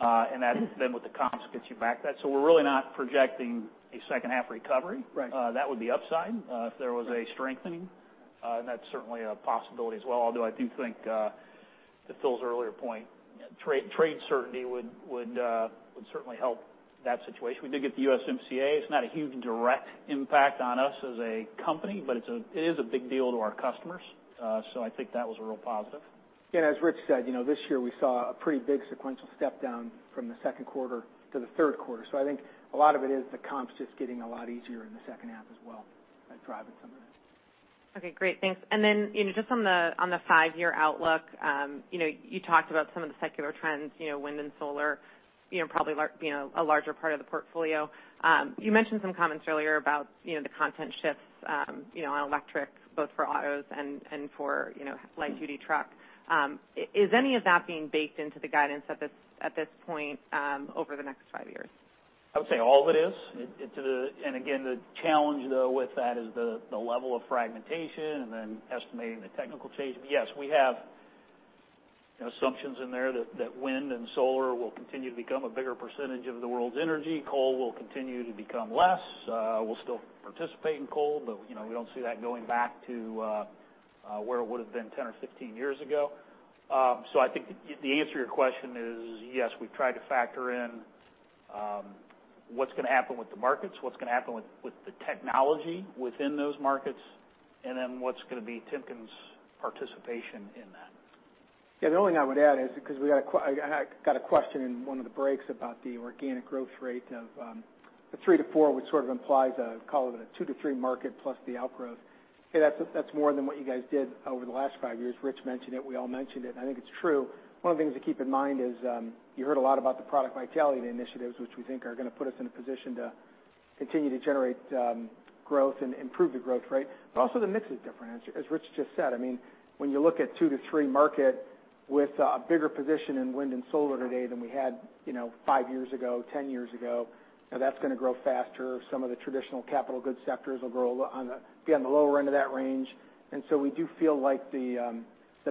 That then with the comps gets you back that. We're really not projecting a second half recovery. Right. That would be upside. If there was a strengthening, and that's certainly a possibility as well, although I do think, to Phil's earlier point, trade certainty would certainly help that situation. We did get the USMCA. It's not a huge direct impact on us as a company, but it is a big deal to our customers. I think that was a real positive. As Rich said, this year we saw a pretty big sequential step down from the second quarter to the third quarter. I think a lot of it is the comps just getting a lot easier in the second half as well, driving some of that. Okay, great. Thanks. Just on the five-year outlook, you talked about some of the secular trends, wind and solar, probably a larger part of the portfolio. You mentioned some comments earlier about the content shifts, on electric, both for autos and for light-duty trucks. Is any of that being baked into the guidance at this point over the next five years? I would say all of it is. Again, the challenge though with that is the level of fragmentation and then estimating the technical change. Yes, we have assumptions in there that wind and solar will continue to become a bigger percentage of the world's energy. Coal will continue to become less. We'll still participate in coal, but we don't see that going back to where it would've been 10 or 15 years ago. I think the answer to your question is, yes, we've tried to factor in what's going to happen with the markets, what's going to happen with the technology within those markets, and then what's going to be Timken's participation in that. Yeah, the only thing I would add is, because I got a question in one of the breaks about the organic growth rate of the 3%-4%, which sort of implies a call it a 2%-3% market plus the outgrowth. That's more than what you guys did over the last five years. Rich mentioned it, we all mentioned it. I think it's true. One of the things to keep in mind is, you heard a lot about the product vitality initiatives, which we think are going to put us in a position to continue to generate growth and improve the growth rate. Also the mix is different, as Rich just said. When you look at 2%-3% market with a bigger position in wind and solar today than we had five years ago, 10 years ago, that's going to grow faster. Some of the traditional capital goods sectors will grow on, again, the lower end of that range. We do feel like the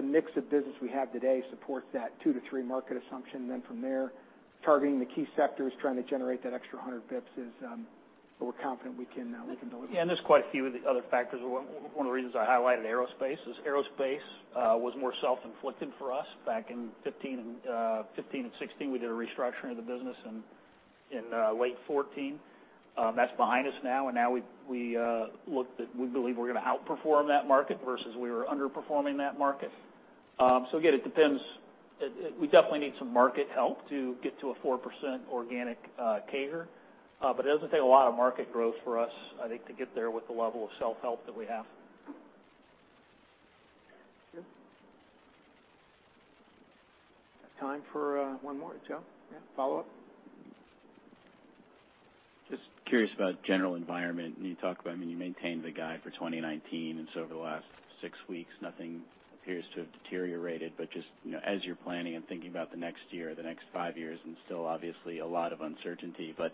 mix of business we have today supports that two to three market assumption. From there, targeting the key sectors, trying to generate that extra 100 basis points is what we're confident we can deliver. Yeah, there's quite a few of the other factors. One of the reasons I highlighted aerospace is aerospace was more self-inflicted for us back in 2015 and 2016. We did a restructuring of the business in late 2014. That's behind us now we believe we're going to outperform that market versus we were underperforming that market. Again, it depends. We definitely need some market help to get to a 4% organic CAGR. It doesn't take a lot of market growth for us, I think, to get there with the level of self-help that we have. Sure. There's time for one more. Joe? Yeah, follow up. Just curious about general environment. You talked about you maintained the guide for 2019. Over the last six weeks, nothing appears to have deteriorated. Just as you're planning and thinking about the next year, the next five years, and still obviously a lot of uncertainty, if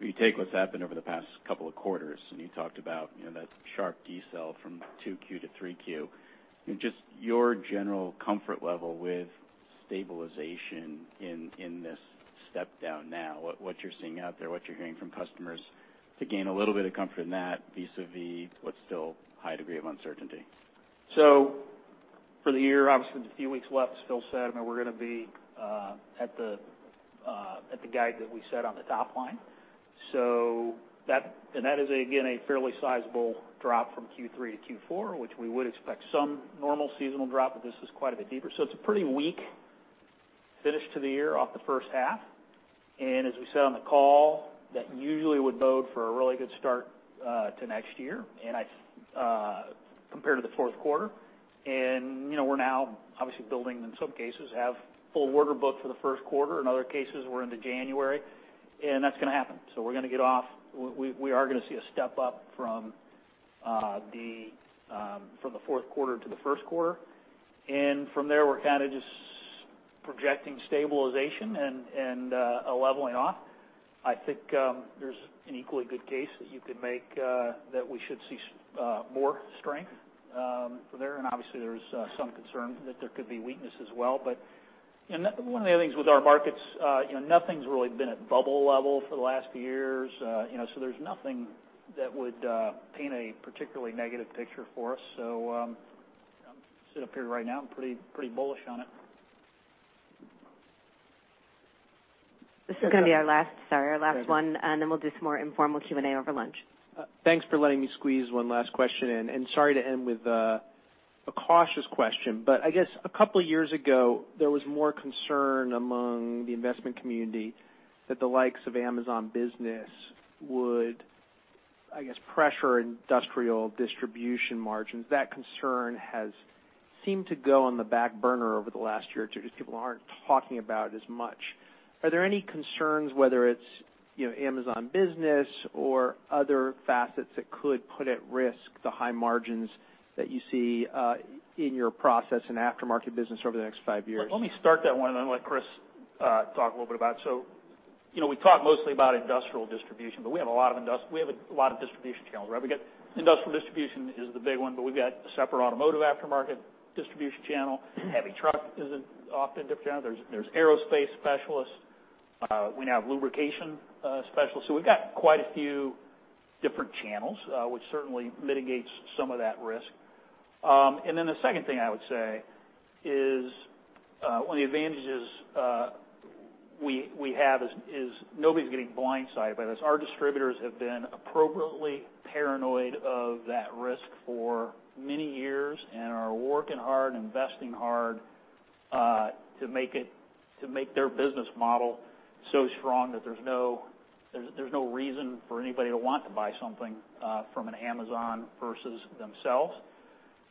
you take what's happened over the past couple of quarters, you talked about that sharp deceleration from 2Q to 3Q. Just your general comfort level with stabilization in this step down now, what you're seeing out there, what you're hearing from customers to gain a little bit of comfort in that vis-à-vis what's still a high degree of uncertainty? For the year, obviously with the few weeks left, as Phil said, we're going to be at the guide that we set on the top line. That is, again, a fairly sizable drop from Q3 to Q4, which we would expect some normal seasonal drop, but this is quite a bit deeper. It's a pretty weak finish to the year off the first half. As we said on the call, that usually would bode for a really good start to next year compared to the fourth quarter. We're now obviously building, in some cases, have full order book for the first quarter. In other cases, we're into January, and that's going to happen. We're going to get off. We are going to see a step-up from the fourth quarter to the first quarter. From there, we're kind of just projecting stabilization and a leveling off. I think there's an equally good case that you could make that we should see more strength there. Obviously, there's some concern that there could be weakness as well. One of the other things with our markets, nothing's really been at bubble level for the last few years. There's nothing that would paint a particularly negative picture for us. Sitting up here right now, I'm pretty bullish on it. This is going to be our last one, and then we'll do some more informal Q&A over lunch. Thanks for letting me squeeze one last question in. Sorry to end with a cautious question. I guess a couple years ago, there was more concern among the investment community that the likes of Amazon Business would, I guess, pressure industrial distribution margins. That concern has seemed to go on the back burner over the last year or two, just people aren't talking about it as much. Are there any concerns, whether it's Amazon Business or other facets that could put at risk the high margins that you see in your process and aftermarket business over the next five years? Let me start that one, and then I'll let Chris talk a little bit about it. We talk mostly about industrial distribution, but we have a lot of distribution channels. Industrial distribution is the big one, but we've got a separate automotive aftermarket distribution channel. Heavy truck is an often different channel. There's aerospace specialists. We now have lubrication specialists. We've got quite a few different channels, which certainly mitigates some of that risk. The second thing I would say is, one of the advantages we have is nobody's getting blindsided by this. Our distributors have been appropriately paranoid of that risk for many years and are working hard and investing hard to make their business model so strong that there's no reason for anybody to want to buy something from an Amazon versus themselves.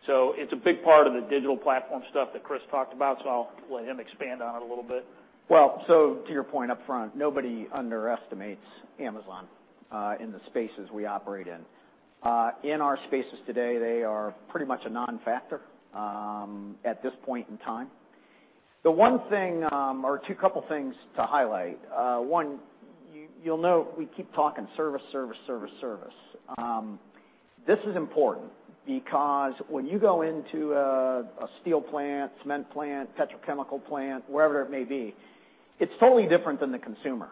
It's a big part of the digital platform stuff that Chris talked about, so I'll let him expand on it a little bit. Well, to your point up front, nobody underestimates Amazon in the spaces we operate in. In our spaces today, they are pretty much a non-factor at this point in time. The one thing or two couple things to highlight. One, you'll note we keep talking service. This is important because when you go into a steel plant, cement plant, petrochemical plant, wherever it may be, it's totally different than the consumer.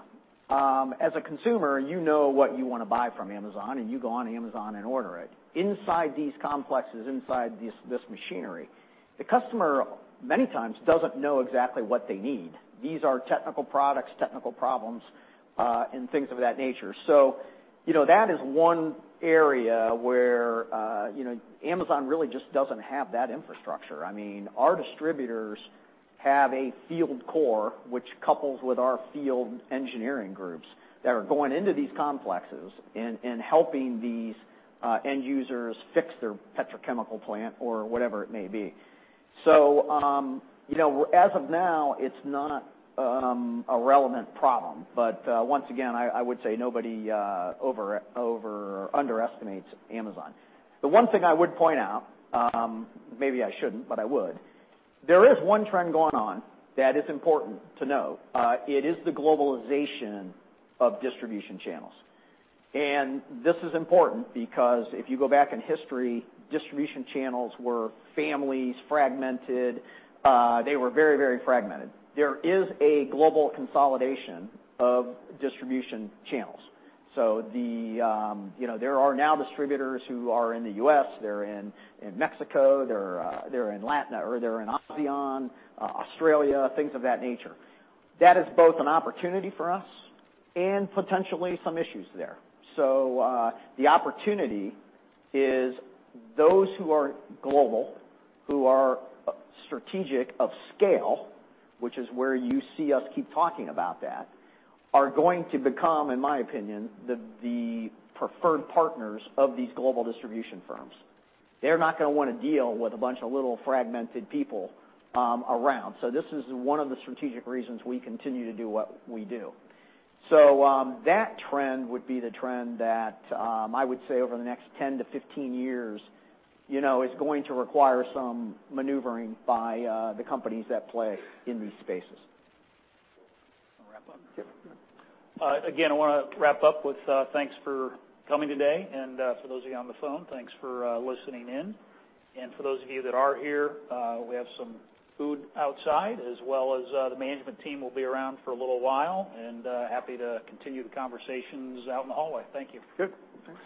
As a consumer, you know what you want to buy from Amazon, and you go on Amazon and order it. Inside these complexes, inside this machinery, the customer many times doesn't know exactly what they need. These are technical products, technical problems, and things of that nature. That is one area where Amazon really just doesn't have that infrastructure. Our distributors have a field core, which couples with our field engineering groups that are going into these complexes and helping these end users fix their petrochemical plant or whatever it may be. As of now, it's not a relevant problem. Once again, I would say nobody underestimates Amazon. The one thing I would point out, maybe I shouldn't, but I would, there is one trend going on that is important to know. It is the globalization of distribution channels. This is important because if you go back in history, distribution channels were families fragmented. They were very fragmented. There is a global consolidation of distribution channels. There are now distributors who are in the U.S., they're in Mexico, or they're in ASEAN, Australia, things of that nature. That is both an opportunity for us and potentially some issues there. The opportunity is those who are global, who are strategic of scale, which is where you see us keep talking about that, are going to become, in my opinion, the preferred partners of these global distribution firms. They're not going to want to deal with a bunch of little fragmented people around. This is one of the strategic reasons we continue to do what we do. That trend would be the trend that I would say over the next 10 to 15 years is going to require some maneuvering by the companies that play in these spaces. Want to wrap up? Yep. I want to wrap up with thanks for coming today. For those of you on the phone, thanks for listening in. For those of you that are here, we have some food outside as well as the management team will be around for a little while and happy to continue the conversations out in the hallway. Thank you. Good. Thanks.